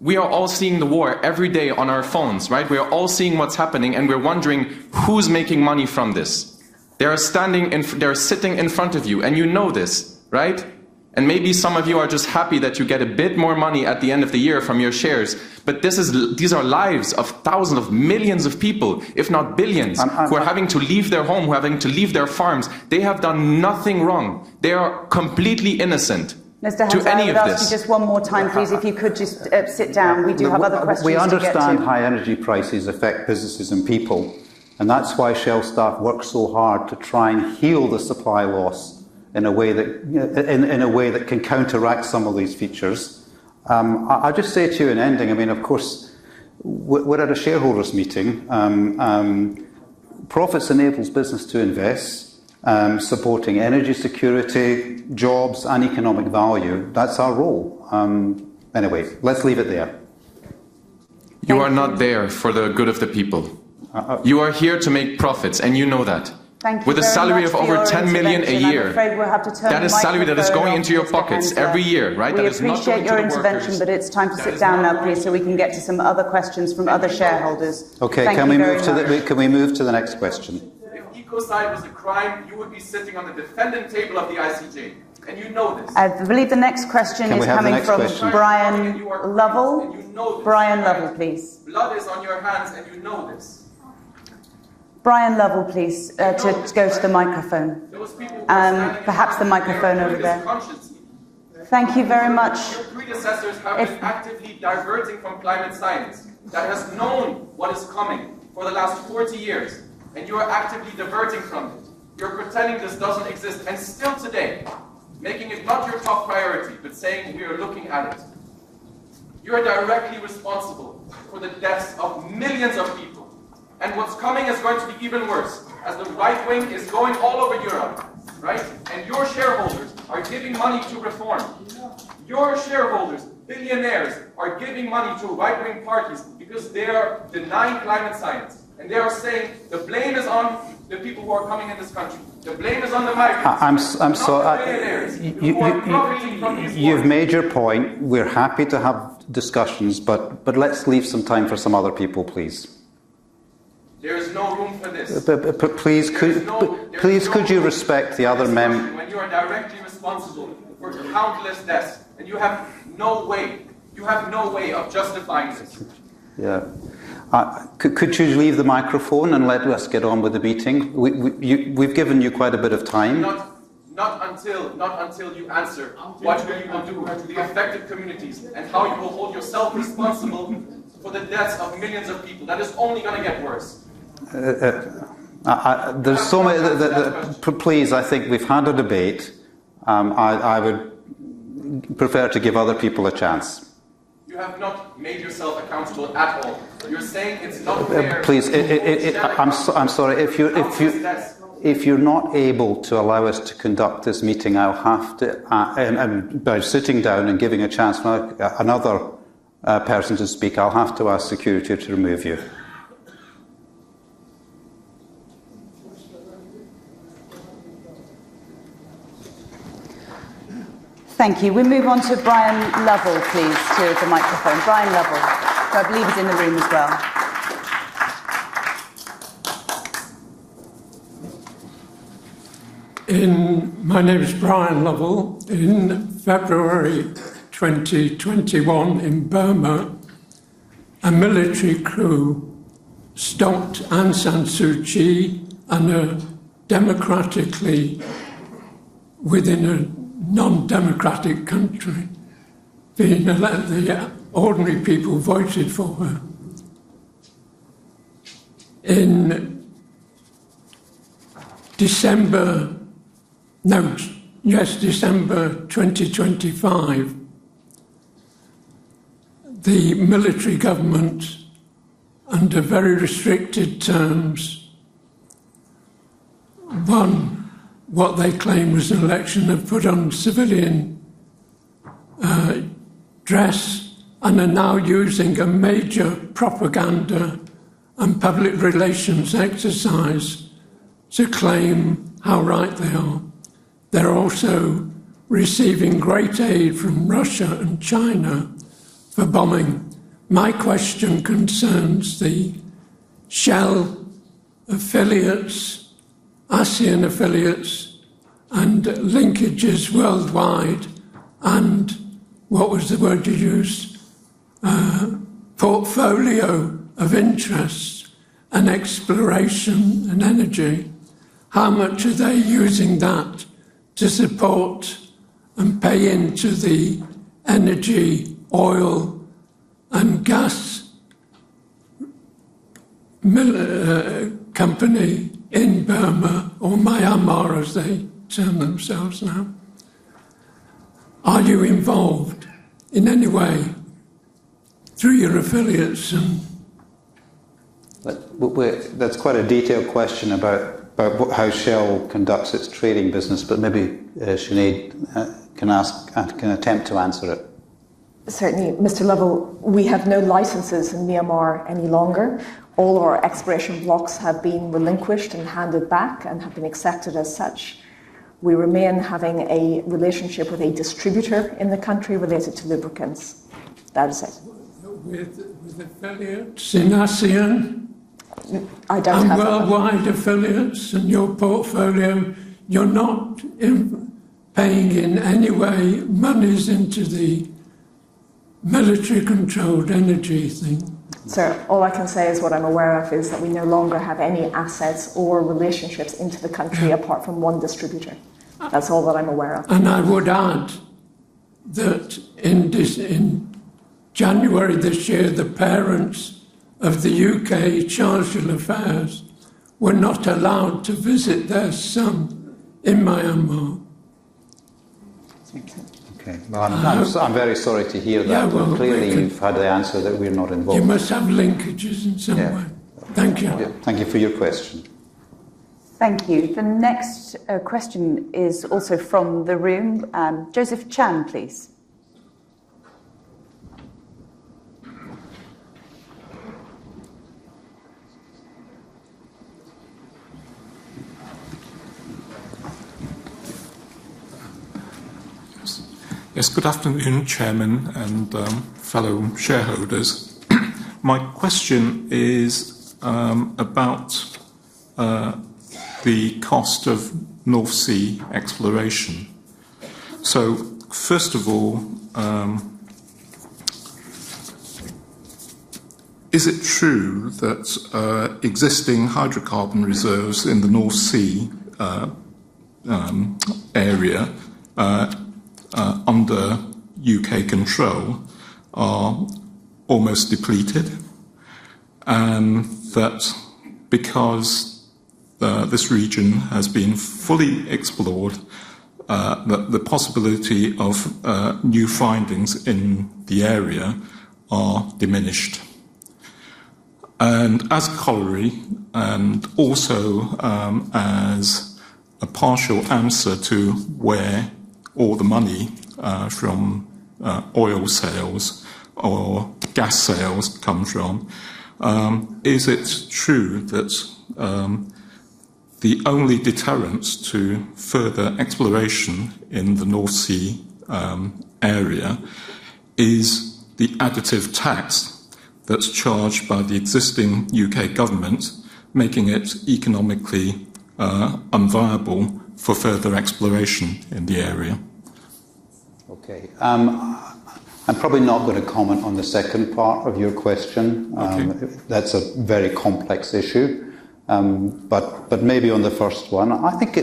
We are all seeing the war every day on our phones, right? We are all seeing what's happening, we're wondering who's making money from this. They are sitting in front of, and you know this, right? Maybe some of you are just happy that you get a bit more money at the end of the year from your shares. These are lives of thousands, of millions of people, if not billions, who are having to leave their home, who are having to leave their farms. They have done nothing wrong. They are completely innocent- Mr. Hensler- -to any of this. -I'll ask you just one more time, please. If you could just sit down. We do have other questions to get to. We understand high energy prices affect businesses and people. That's why Shell staff work so hard to try and heal the supply loss in a way that can counteract some of these features. I'll just say to you in ending, I mean, of course, we're at a shareholders' meeting. Profits enables business to invest, supporting energy security, jobs, and economic value. That's our role. Anyway, let's leave it there. You are not there for the good of the people. You are here to make profits, and you know that. Thank you very much for your intervention. With a salary of over 10 million a year. I'm afraid we'll have to turn the microphone off, Mr. Hensler. That is salary that is going into your pockets every year, right? We appreciate your intervention, but it's time to sit down now, please, so we can get to some other questions from other shareholders. Okay. Thank you very much. Can we move to the next question? If ecocide was a crime, you would be sitting on the defendant table of the ICJ, and you know this. I believe the next question is coming from Brian Lovell. Can we have the next question? You know this. Brian Lovell, please. Blood is on your hands, and you know this. Brian Lovell, please, to go to the microphone. Perhaps the microphone over there. Thank you very much. Your predecessors have been actively diverting from climate science that has known what is coming for the last 40 years, and you are actively diverting from it. You're pretending this doesn't exist, and still today making it not your top priority, but saying we are looking at it. You are directly responsible for the deaths of millions of people, and what's coming is going to be even worse as the right wing is going all over Europe, right? Your shareholders are giving money to Reform UK. Your shareholders, billionaires, are giving money to right-wing parties because they are denying climate science, and they are saying the blame is on the people who are coming in this country. The blame is on the migrants. I'm sorry. You've made your point. We're happy to have discussions, but let's leave some time for some other people, please. There is no room for this. Please, could you respect the other mem- When you are directly responsible for countless deaths, and you have no way of justifying it. Could you leave the microphone and let us get on with the meeting? We've given you quite a bit of time. Not until you answer what you are gonna do to the affected communities and how you will hold yourself responsible for the deaths of millions of people. That is only gonna get worse. There's so much- I have not had an answer to that question. Please, I think we've had a debate. I would prefer to give other people a chance. You have not made yourself accountable at all. You're saying it's not fair. Please. You hold Shell accountable- I'm sorry. -for countless deaths. If you're not able to allow us to conduct this meeting, I'll have to, and by sitting down and giving a chance another person to speak, I'll have to ask security to remove you. Thank you. We move on to Brian Lovell, please, to the microphone. Brian Lovell, who I believe is in the room as well. My name is Brian Lovell. In February 2021, in Burma, a military coup stopped Aung San Suu Kyi and her democratically within a non-democratic country. The ordinary people voted for her. In December 2025, the military government, under very restricted terms, won what they claim was an election. They've put on civilian dress and are now using a major propaganda and public relations exercise to claim how right they are. They're also receiving great aid from Russia and China for bombing. My question concerns the Shell affiliates, ASEAN affiliates, and linkages worldwide and, what was the word you used, portfolio of interests and exploration and energy. How much are they using that to support and pay into the energy, oil, and gas company in Burma or Myanmar, as they term themselves now. Are you involved in any way through your affiliates and- That's quite a detailed question about what how Shell conducts its trading business, but maybe Sinead can ask can attempt to answer it. Certainly. Mr. Lovell, we have no licenses in Myanmar any longer. All our exploration blocks have been relinquished and handed back and have been accepted as such. We remain having a relationship with a distributor in the country related to lubricants. That is it. With affiliates in ASEAN- I don't have- -and worldwide affiliates in your portfolio, you're not paying in any way monies into the military-controlled energy thing? Sir, all I can say is what I'm aware of is that we no longer have any assets or relationships into the country apart from one distributor. That's all that I'm aware of. I would add that in January this year, the parents of the U.K. chargé d'affaires were not allowed to visit their son in Myanmar. Thank you. Okay. Well, I'm very sorry to hear that. Yeah, well, good. Clearly you've had the answer that we're not involved. You must have linkages in some way. Yeah. Thank you. Thank you for your question. Thank you. The next question is also from the room. Joseph Chan, please. Yes. Good afternoon, Chairman and fellow shareholders. My question is about the cost of North Sea exploration. First of all, is it true that existing hydrocarbon reserves in the North Sea area under U.K. control are almost depleted, and that because this region has been fully explored, that the possibility of new findings in the area are diminished? As a corollary, and also, as a partial answer to where all the money from oil sales or gas sales comes from, is it true that the only deterrence to further exploration in the North Sea area is the additive tax that's charged by the existing U.K. government, making it economically unviable for further exploration in the area? Okay. I'm probably not gonna comment on the second part of your question. Okay. That's a very complex issue. Maybe on the first one. I think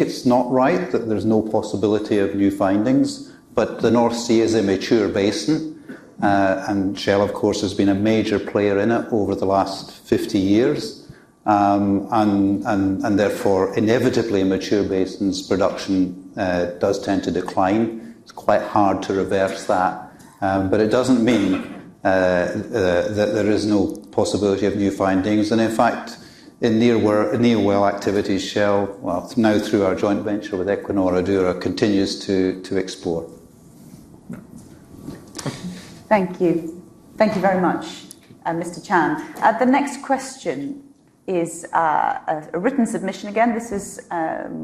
it's not right that there's no possibility of new findings, but the North Sea is a mature basin, and Shell of course has been a major player in it over the last 50 years. Therefore, inevitably a mature basin's production does tend to decline. It's quite hard to reverse that. It doesn't mean that there is no possibility of new findings. In fact, in near-well activity, Shell, well now through our joint venture with Equinor, Adura, continues to explore. Thank you. Thank you very much, Mr. Chan. The next question is a written submission. Again, this is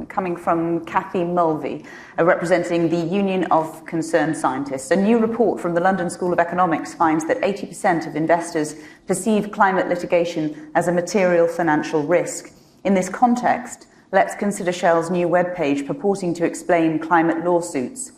coming from Kathy Mulvey, representing the Union of Concerned Scientists. A new report from the London School of Economics finds that 80% of investors perceive climate litigation as a material financial risk. In this context, let's consider Shell's new webpage purporting to explain climate lawsuits.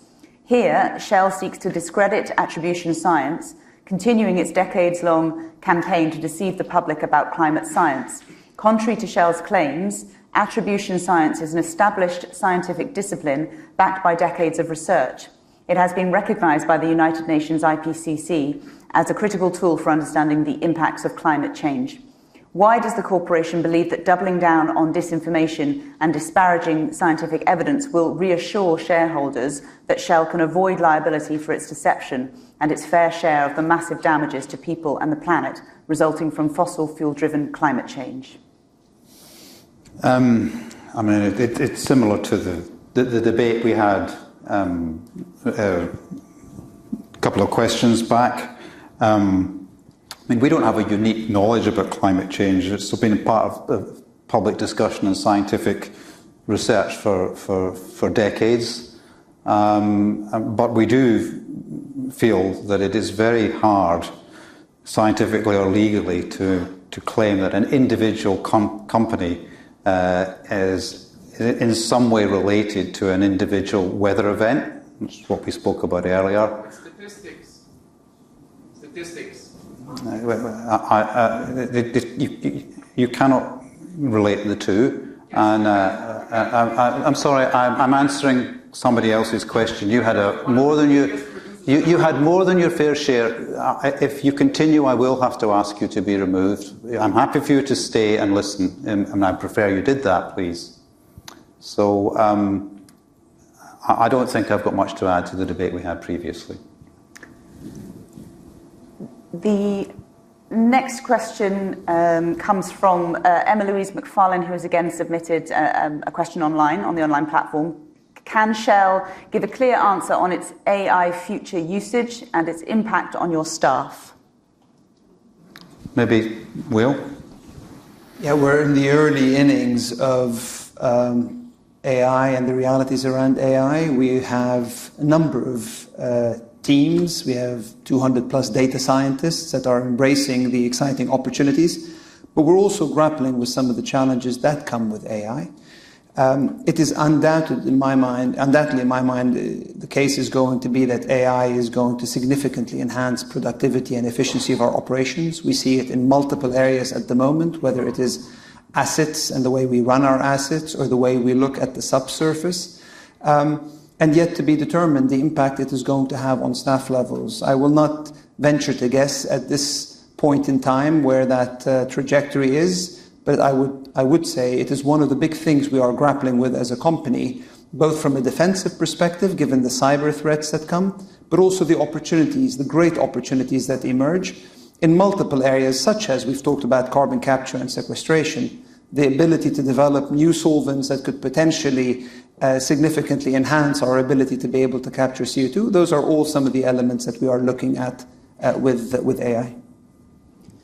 Here, Shell seeks to discredit attribution science, continuing its decades-long campaign to deceive the public about climate science. Contrary to Shell's claims, attribution science is an established scientific discipline backed by decades of research. It has been recognized by the United Nations' IPCC as a critical tool for understanding the impacts of climate change. Why does the corporation believe that doubling down on disinformation and disparaging scientific evidence will reassure shareholders that Shell can avoid liability for its deception and its fair share of the massive damages to people and the planet resulting from fossil fuel-driven climate change? I mean, it's similar to the debate we had, a couple of questions back. I mean, we don't have a unique knowledge about climate change. It's been a part of public discussion and scientific research for decades. We do feel that it is very hard, scientifically or legally, to claim that an individual company is in some way related to an individual weather event, which is what we spoke about earlier. Statistics. You cannot relate the two. I'm sorry, I'm answering somebody else's question. You had more than your fair share. If you continue, I will have to ask you to be removed. I'm happy for you to stay and listen, and I'd prefer you did that, please. I don't think I've got much to add to the debate we had previously. The next question comes from Emma Louise McFarlane, who has again submitted a question online, on the online platform. Can Shell give a clear answer on its AI future usage and its impact on your staff? Maybe Wael? Yeah. We're in the early innings of AI and the realities around AI. We have a number of teams. We have 200 plus data scientists that are embracing the exciting opportunities, but we're also grappling with some of the challenges that come with AI. It is undoubtedly in my mind, the case is going to be that AI is going to significantly enhance productivity and efficiency of our operations. We see it in multiple areas at the moment, whether it is assets and the way we run our assets or the way we look at the subsurface. Yet to be determined the impact it is going to have on staff levels. I will not venture to guess at this point in time where that trajectory is, but I would say it is one of the big things we are grappling with as a company, both from a defensive perspective, given the cyber threats that come, but also the opportunities, the great opportunities that emerge in multiple areas, such as we've talked about carbon capture and sequestration, the ability to develop new solvents that could potentially significantly enhance our ability to be able to capture CO2. Those are all some of the elements that we are looking at with AI.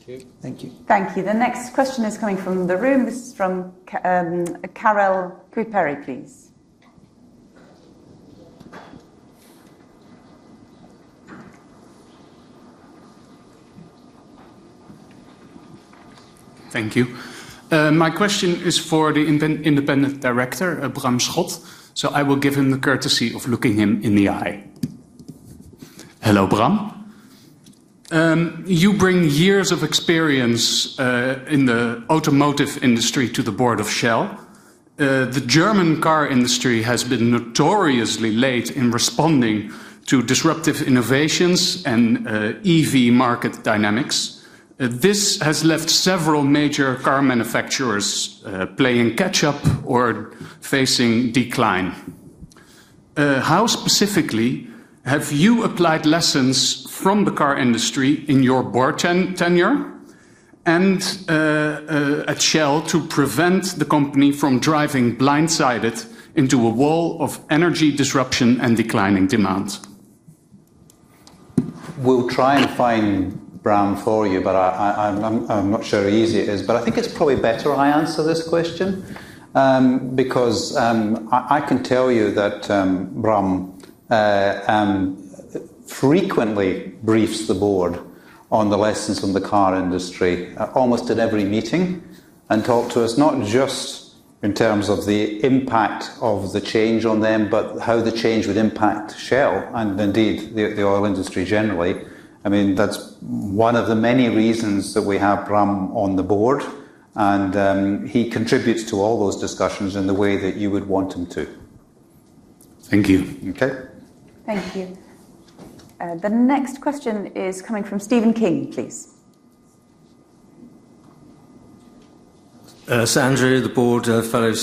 Thank you. Thank you. Thank you. The next question is coming from the room. This is from Karel Priperi, please. Thank you. My question is for the independent director, Bram Schot, so I will give him the courtesy of looking him in the eye. Hello, Bram. You bring years of experience in the automotive industry to the board of Shell. The German car industry has been notoriously late in responding to disruptive innovations and EV market dynamics. This has left several major car manufacturers playing catch-up or facing decline. How specifically have you applied lessons from the car industry in your board tenure at Shell to prevent the company from driving blindsided into a wall of energy disruption and declining demand? We'll try and find Bram for you, but I'm not sure how easy it is. I think it's probably better I answer this question, because I can tell you that Bram frequently briefs the board on the lessons from the car industry almost at every meeting, and talk to us not just in terms of the impact of the change on them, but how the change would impact Shell and indeed the oil industry generally. I mean, that's one of the many reasons that we have Bram on the board, and he contributes to all those discussions in the way that you would want him to. Thank you. Okay. Thank you. The next question is coming from Steven King, please. Sir Andrew, the Board, fellow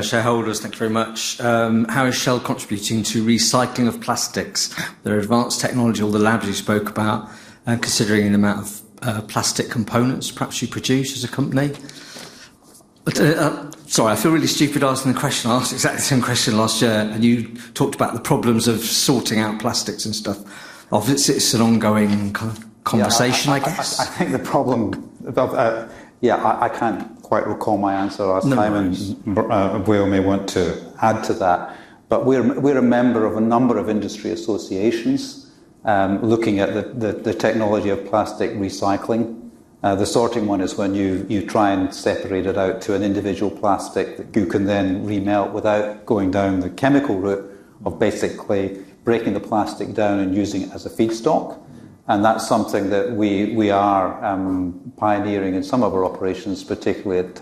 shareholders, thank you very much. How is Shell contributing to recycling of plastics? There are advanced technology, all the labs you spoke about, considering the amount of plastic components perhaps you produce as a company. Sorry, I feel really stupid asking the question. I asked exactly the same question last year, you talked about the problems of sorting out plastics and stuff. It's an ongoing kind of conversation, I guess. Yeah. I think the problemabout that, yeah, I can't quite recall my answer last time. No worries. Bram may want to add to that. We're a member of a number of industry associations, looking at the technology of plastic recycling. The sorting one is when you try and separate it out to an individual plastic that you can then remelt without going down the chemical route of basically breaking the plastic down and using it as a feedstock. That's something that we are pioneering in some of our operations, particularly at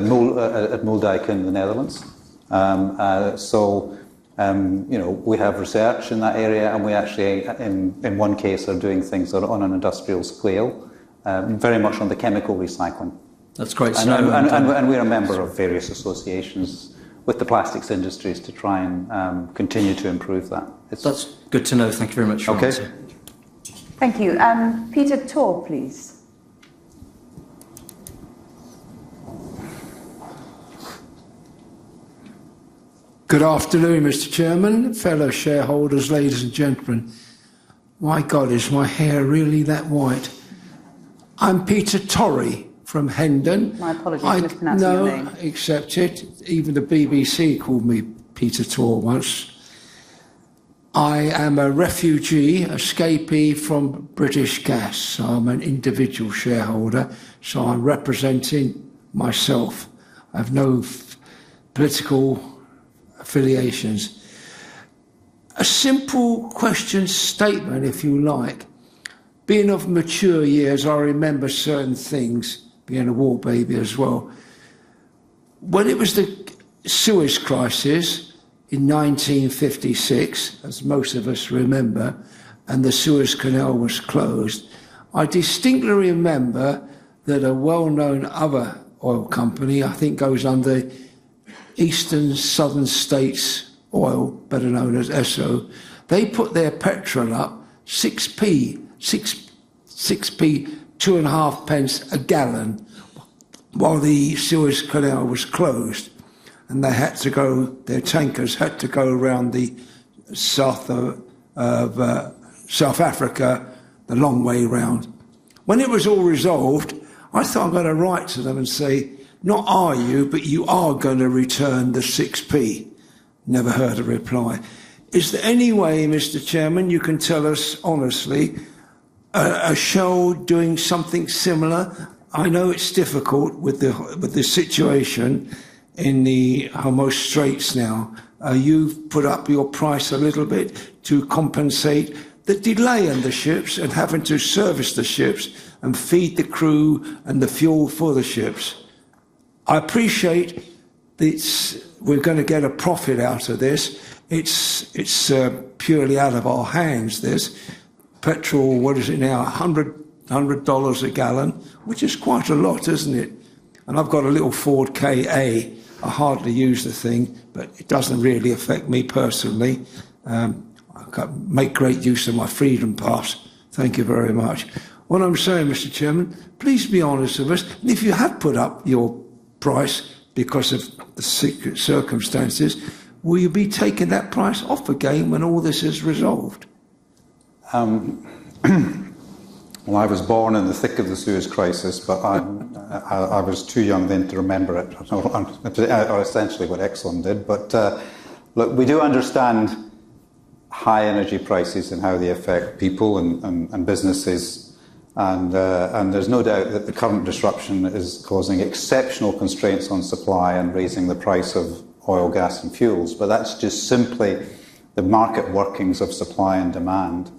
Moerdijk in the Netherlands. You know, we have research in that area, we actually in one case are doing things that are on an industrial scale, very much on the chemical recycling. That's great to know. We're members of various associations with the plastics industries to try and continue to improve that. That's good to know. Thank you very much for that, sir. Okay. Thank you. Peter Torry, please. Good afternoon, Mr. Chairman, fellow shareholders, ladies and gentlemen. My God, is my hair really that white? I'm Peter Torry from Hendon. My apologies for mispronouncing your name. No, accept it. Even the BBC called me Peter Torry once. I am a refugee, escapee from British Gas. I'm an individual shareholder, I'm representing myself. I have no political affiliations. A simple question, statement if you like. Being of mature years, I remember certain things, being a war baby as well. When it was the Suez Crisis in 1956, as most of us remember, and the Suez Canal was closed, I distinctly remember that a well-known other oil company, I think it was under Eastern States Standard Oil, better known as Esso, they put their petrol up 0.06, 0.025 a gallon, while the Suez Canal was closed, and they had to go, their tankers had to go around the south of South Africa, the long way around. When it was all resolved, I thought I'm gonna write to them and say, "Not are you, but you are gonna return the 0.06." Never heard a reply. Is there any way, Mr. Chairman, you can tell us honestly, are Shell doing something similar? I know it's difficult with the situation in the Hormuz Straits now. You've put up your price a little bit to compensate the delay in the ships and having to service the ships and feed the crew and the fuel for the ships. I appreciate we're gonna get a profit out of this. It's purely out of our hands, this. Petrol, what is it now? $100 a gallon, which is quite a lot, isn't it? I've got a little Ford Ka. I hardly use the thing, but it doesn't really affect me personally. I can make great use of my freedom pass. Thank you very much. What I'm saying, Mr. Chairman, please be honest with us. If you have put up your price because of circumstances, will you be taking that price off again when all this is resolved? I was born in the thick of the Suez Crisis, but I was too young then to remember it. I know essentially what Exxon did. Look, we do understand high energy prices and how they affect people and, and businesses. There's no doubt that the current disruption is causing exceptional constraints on supply and raising the price of oil, gas, and fuels. That's just simply the market workings of supply and demand.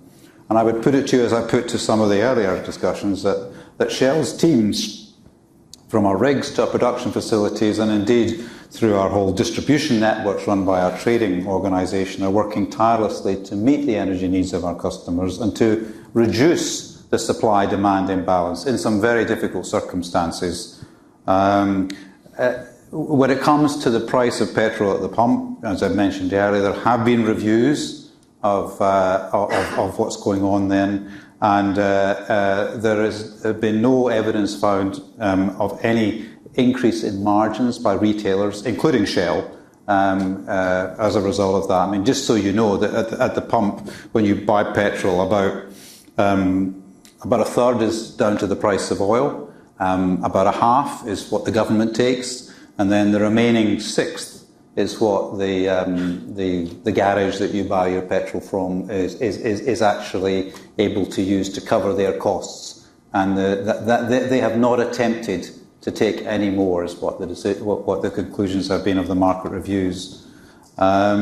I would put it to you, as I put to some of the earlier discussions, that Shell's teams, from our rigs to our production facilities, and indeed through our whole distribution networks run by our trading organization, are working tirelessly to meet the energy needs of our customers and to reduce the supply-demand imbalance in some very difficult circumstances. When it comes to the price of petrol at the pump, as I mentioned earlier, there have been reviews of what's going on then, there have been no evidence found of any increase in margins by retailers, including Shell, as a result of that. I mean, just so you know that at the pump, when you buy petrol about a third is down to the price of oil, about a half is what the government takes, and then the remaining sixth is what the garage that you buy your petrol from is actually able to use to cover their costs. That they have not attempted to take any more is what the conclusions have been of the market reviews. I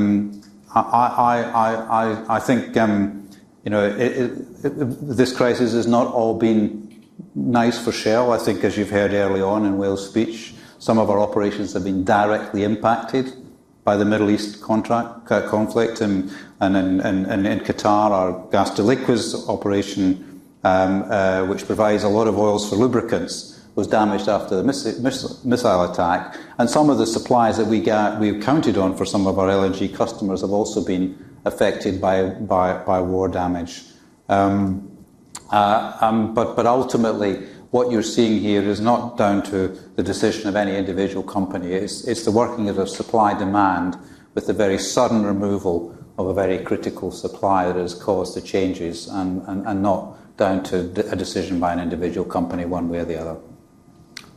think, you know, this crisis has not all been nice for Shell. I think as you've heard early on in Wael's speech, some of our operations have been directly impacted by the Middle East conflict and in Qatar, our gas to liquids operation, which provides a lot of oils for lubricants, was damaged after the missile attack. Some of the supplies that we counted on for some of our LNG customers have also been affected by war damage. But ultimately, what you're seeing here is not down to the decision of any individual company. It's the working of a supply-demand with the very sudden removal of a very critical supply that has caused the changes and not down to a decision by an individual company one way or the other.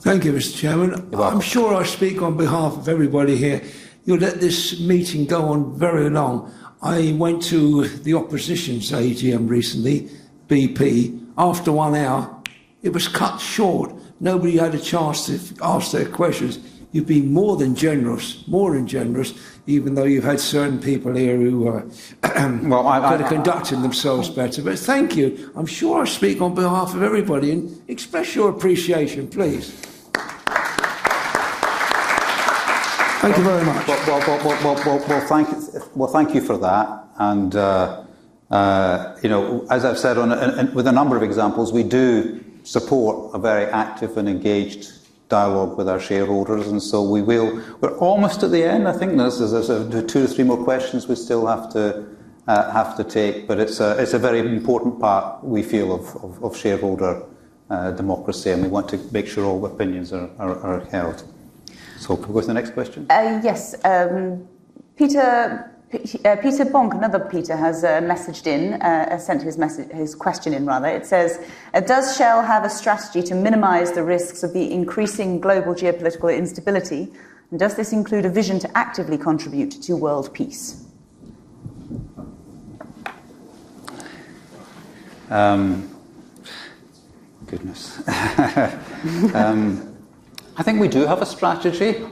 Thank you, Mr. Chairman. You're welcome. I'm sure I speak on behalf of everybody here. You let this meeting go on very long. I went to the opposition's AGM recently, BP. After one hour, it was cut short. Nobody had a chance to ask their questions. You've been more than generous, even though you've had certain people here who could have conducted themselves better. Thank you. I'm sure I speak on behalf of everybody, and express your appreciation, please. Thank you very much. Well, thank you. Well, thank you for that. You know, as I've said on with a number of examples, we do support a very active and engaged dialogue with our shareholders, and so we will. We're almost at the end, I think. There's two or three more questions we still have to take. It's a very important part we feel of shareholder democracy, and we want to make sure all opinions are heard. Can we go to the next question? Yes. Peter Bonk, another Peter, has messaged in, sent his question in, rather. It says, "Does Shell have a strategy to minimize the risks of the increasing global geopolitical instability, and does this include a vision to actively contribute to world peace? I think we do have a strategy.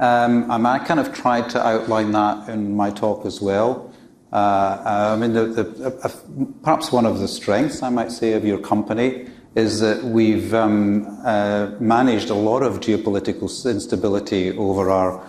I kind of tried to outline that in my talk as well. Perhaps one of the strengths I might say of your company is that we've managed a lot of geopolitical stability over our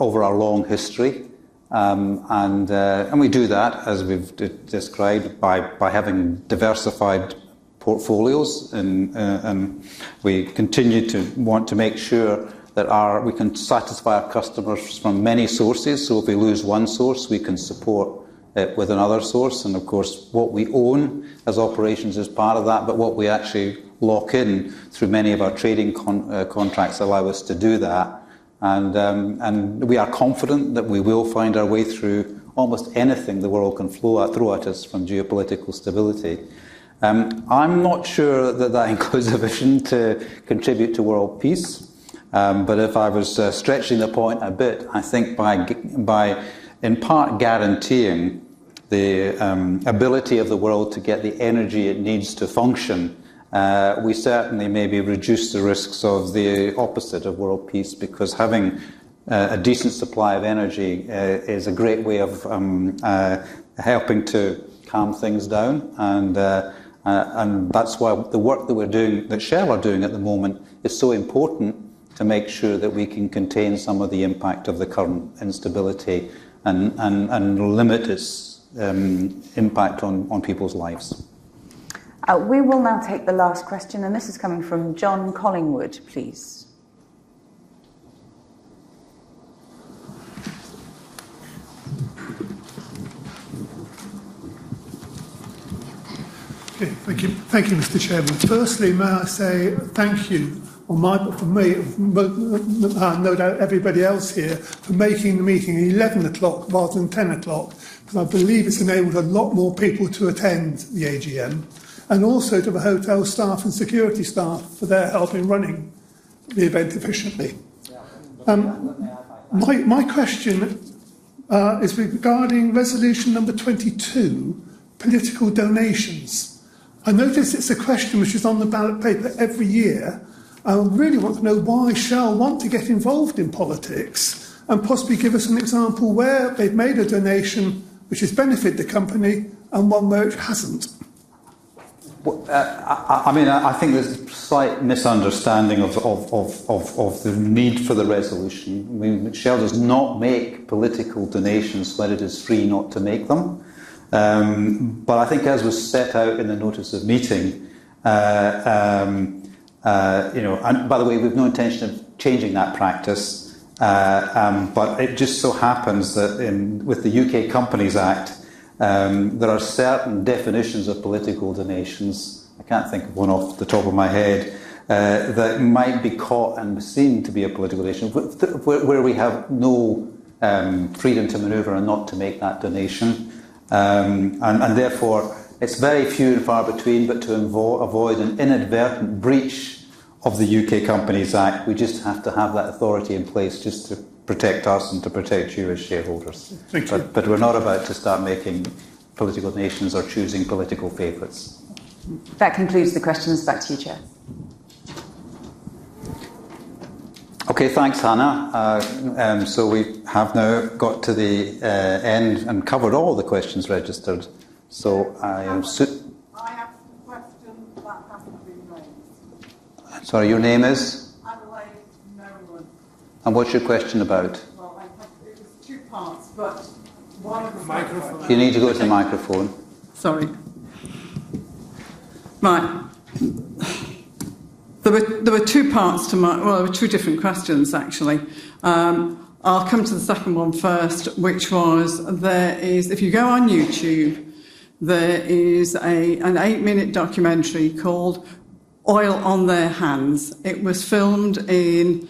long history. We do that, as we've described, by having diversified portfolios and we continue to want to make sure that we can satisfy our customers from many sources. If we lose one source, we can support it with another source. Of course, what we own as operations is part of that, but what we actually lock in through many of our trading contracts allow us to do that. We are confident that we will find our way through almost anything the world can throw at us from geopolitical stability. I'm not sure that that includes a vision to contribute to world peace. If I was stretching the point a bit, I think by in part guaranteeing the ability of the world to get the energy it needs to function, we certainly maybe reduce the risks of the opposite of world peace, because having a decent supply of energy is a great way of helping to calm things down. That's why the work that we're doing, that Shell are doing at the moment is so important to make sure that we can contain some of the impact of the current instability and limit its impact on people's lives. We will now take the last question, and this is coming from John Collingwood, please. Okay. Thank you. Thank you, Mr. Chairman. Firstly, may I say thank you on my for me, but no doubt everybody else here for making the meeting 11:00 rather than 10:00, because I believe it's enabled a lot more people to attend the AGM, and also to the hotel staff and security staff for their help in running the event efficiently. My question is regarding resolution number 22, political donations. I notice it's a question which is on the ballot paper every year. I really want to know why Shell want to get involved in politics, and possibly give us an example where they've made a donation which has benefited the company and one where it hasn't. I think there's a slight misunderstanding of the need for the resolution. Shell does not make political donations, but it is free not to make them. I think as was set out in the notice of meeting, you know, by the way, we've no intention of changing that practice. It just so happens that in, with the U.K. Companies Act 2006, there are certain definitions of political donations, I can't think of one off the top of my head, that might be caught and seen to be a political donation where we have no freedom to maneuver and not to make that donation. Therefore, it's very few and far between, but to avoid an inadvertent breach of the U.K. Companies Act 2006, we just have to have that authority in place just to protect us and to protect you as shareholders. Thank you. We're not about to start making political donations or choosing political favorites. That concludes the questions. Back to you, Chair. Okay. Thanks, Hannah. We have now got to the end and covered all the questions registered. I have a question that hasn't been raised. Sorry, your name is? Ada Louise Nolan. What's your question about? Well, it was two parts, but one of them- You need to go to the microphone. Sorry. There were two parts to my- Well, there were two different questions, actually. I'll come to the second one first, which was there is, if you go on YouTube, there is an eight-minute documentary called Oil on Their Hands. It was filmed in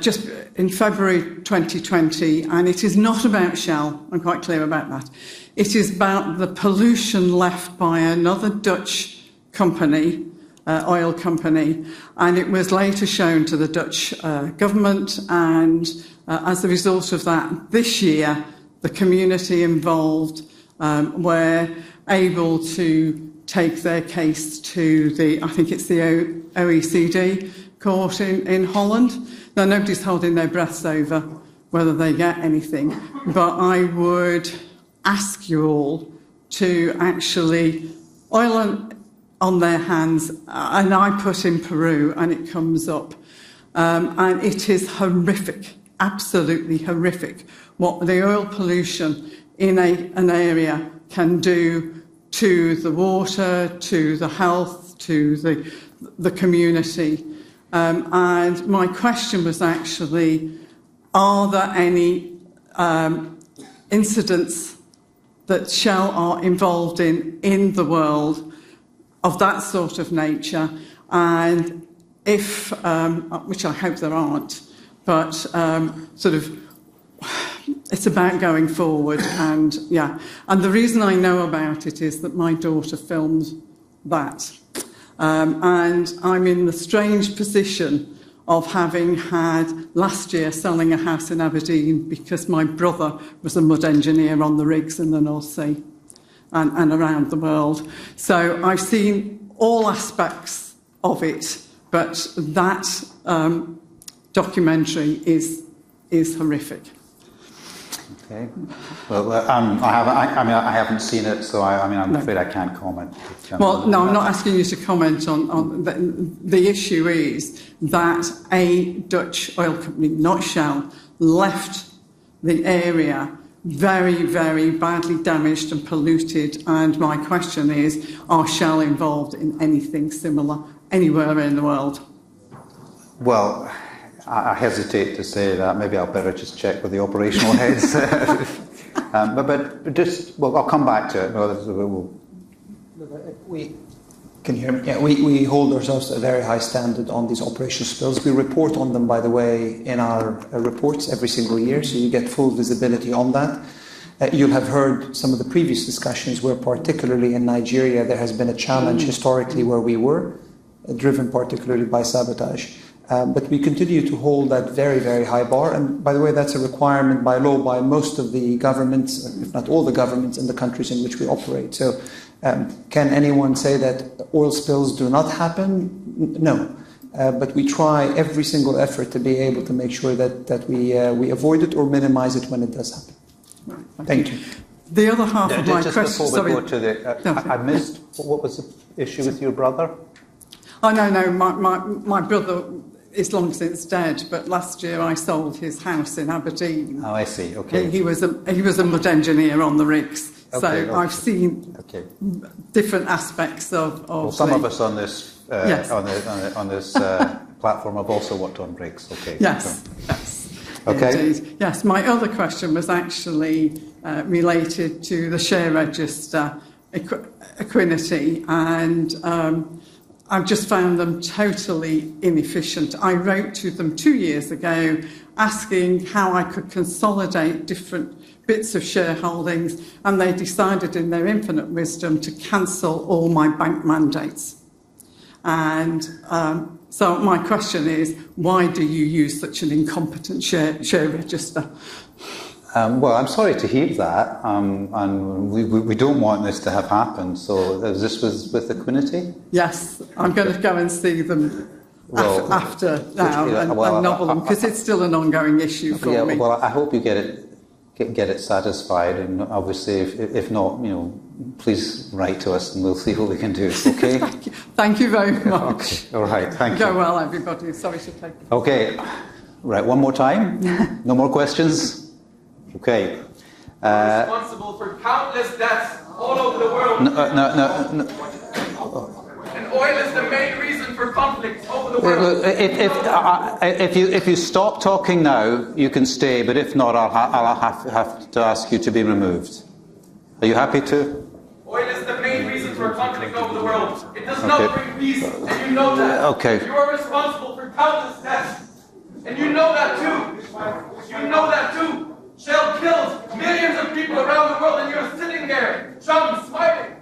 just in February 2020. It is not about Shell. I'm quite clear about that. It is about the pollution left by another Dutch company, oil company. It was later shown to the Dutch government. As a result of that, this year, the community involved were able to take their case to the, I think it's the OECD court in Holland. Now, nobody's holding their breaths over whether they get anything, but I would ask you all to actually Oil on Their Hands, and I put in Peru, and it comes up. It is horrific, absolutely horrific what the oil pollution in an area can do to the water, to the health, to the community. My question was actually, are there any incidents that Shell are involved in the world of that sort of nature? Which I hope there aren't, but sort of, it's about going forward. The reason I know about it is that my daughter filmed that. I'm in the strange position of having had last year selling a house in Aberdeen because my brother was a mud engineer on the rigs in the North Sea and around the world. I've seen all aspects of it, but that documentary is horrific. Okay. Well, I mean, I haven't seen it, so I mean, I'm afraid I can't comment. Well, no, I'm not asking you to comment on the issue is that a Dutch oil company, not Shell, left the area very, very badly damaged and polluted, and my question is, are Shell involved in anything similar anywhere around the world? Well, I hesitate to say that. Maybe I'd better just check with the operational heads. I'll come back to it. No, we will. Look, can you hear me? Yeah. We hold ourselves to a very high standard on these operational spills. We report on them, by the way, in our reports every single year, so you get full visibility on that. You'll have heard some of the previous discussions where particularly in Nigeria, there has been a challenge historically where we were driven particularly by sabotage. We continue to hold that very, very high bar, and by the way, that's a requirement by law by most of the governments, if not all the governments in the countries in which we operate. Can anyone say that oil spills do not happen? No. We try every single effort to be able to make sure that we avoid it or minimize it when it does happen. Right. Thank you. The other half of my question- Just before we go. Sorry. I missed. What was the issue with your brother? Oh, no. My brother is long since dead, but last year I sold his house in Aberdeen. Oh, I see. Okay. He was a mud engineer on the rigs. Okay. So I've seen- Okay -different aspects of. Well, some of us on this- Yes. -on this platform have also worked on rigs. Okay. Yes. Yes. Okay. Indeed. Yes. My other question was actually related to the share register, Equiniti. I've just found them totally inefficient. I wrote to them two years ago asking how I could consolidate different bits of shareholdings. They decided in their infinite wisdom to cancel all my bank mandates. My question is, why do you use such an incompetent share register? Well, I'm sorry to hear that. We don't want this to have happened. This was with Equiniti? Yes. I'm gonna go and see them. Well- -after, um- Yeah, well- Nobble them 'cause it's still an ongoing issue for me. Yeah. Well, I hope you get it satisfied. Obviously if not, you know, please write to us. We'll see what we can do. Okay. Thank you. Thank you very much. All right. Thank you. Go well, everybody. Okay. Right, one more time. No more questions? Okay. You're responsible for countless deaths all over the world. No. Oil is the main reason for conflict over the world. Look, if you stop talking now, you can stay, but if not, I'll have to ask you to be removed. Are you happy to? Oil is the main reason for conflict over the world. It does not bring peace, and you know that. Okay. You are responsible for countless deaths. You know that too. You know that too. Shell kills millions of people around the world, and you're sitting there, some smiling.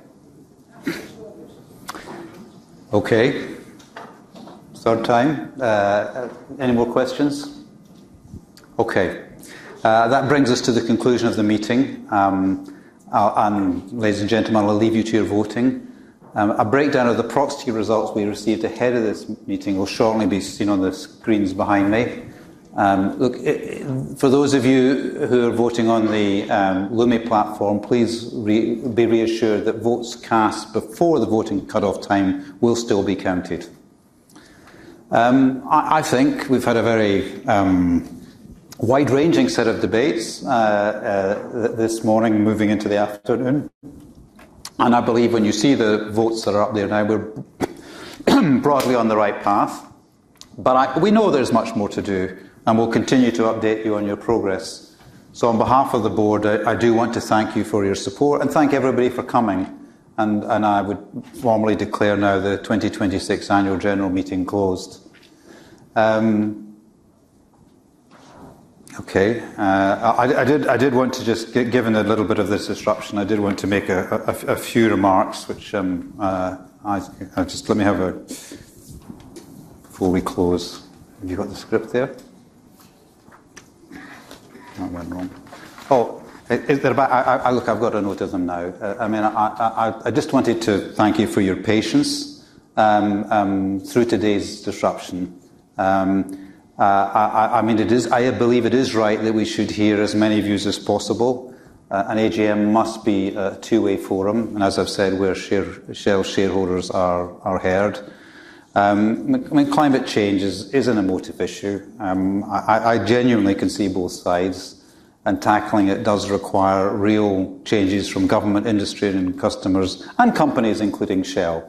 Okay. Third time. Any more questions? Okay. That brings us to the conclusion of the meeting. Ladies and gentlemen, we'll leave you to your voting. A breakdown of the proxy results we received ahead of this meeting will shortly be seen on the screens behind me. For those of you who are voting on the Lumi platform, please be reassured that votes cast before the voting cutoff time will still be counted. I think we've had a very wide-ranging set of debates this morning moving into the afternoon. I believe when you see the votes that are up there now, we're broadly on the right path. We know there's much more to do, and we'll continue to update you on your progress. On behalf of the board, I do want to thank you for your support and thank everybody for coming, and I would formally declare now the 2026 annual general meeting closed. Okay. I did want to just given a little bit of this disruption, I did want to make a few remarks which, just let me have before we close. Have you got the script there? That went wrong. Look, I've got a note of them now. I mean, I just wanted to thank you for your patience through today's disruption. I mean I believe it is right that we should hear as many views as possible. An AGM must be a two-way forum, as I've said, Shell shareholders are heard. I mean, climate change is an emotive issue. I genuinely can see both sides, tackling it does require real changes from government, industry, and customers and companies, including Shell.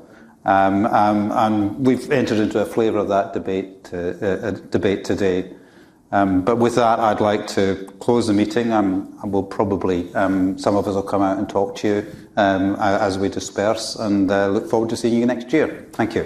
We've entered into a flavor of that debate today. With that, I'd like to close the meeting, we'll probably some of us will come out and talk to you as we disperse, look forward to seeing you next year. Thank you.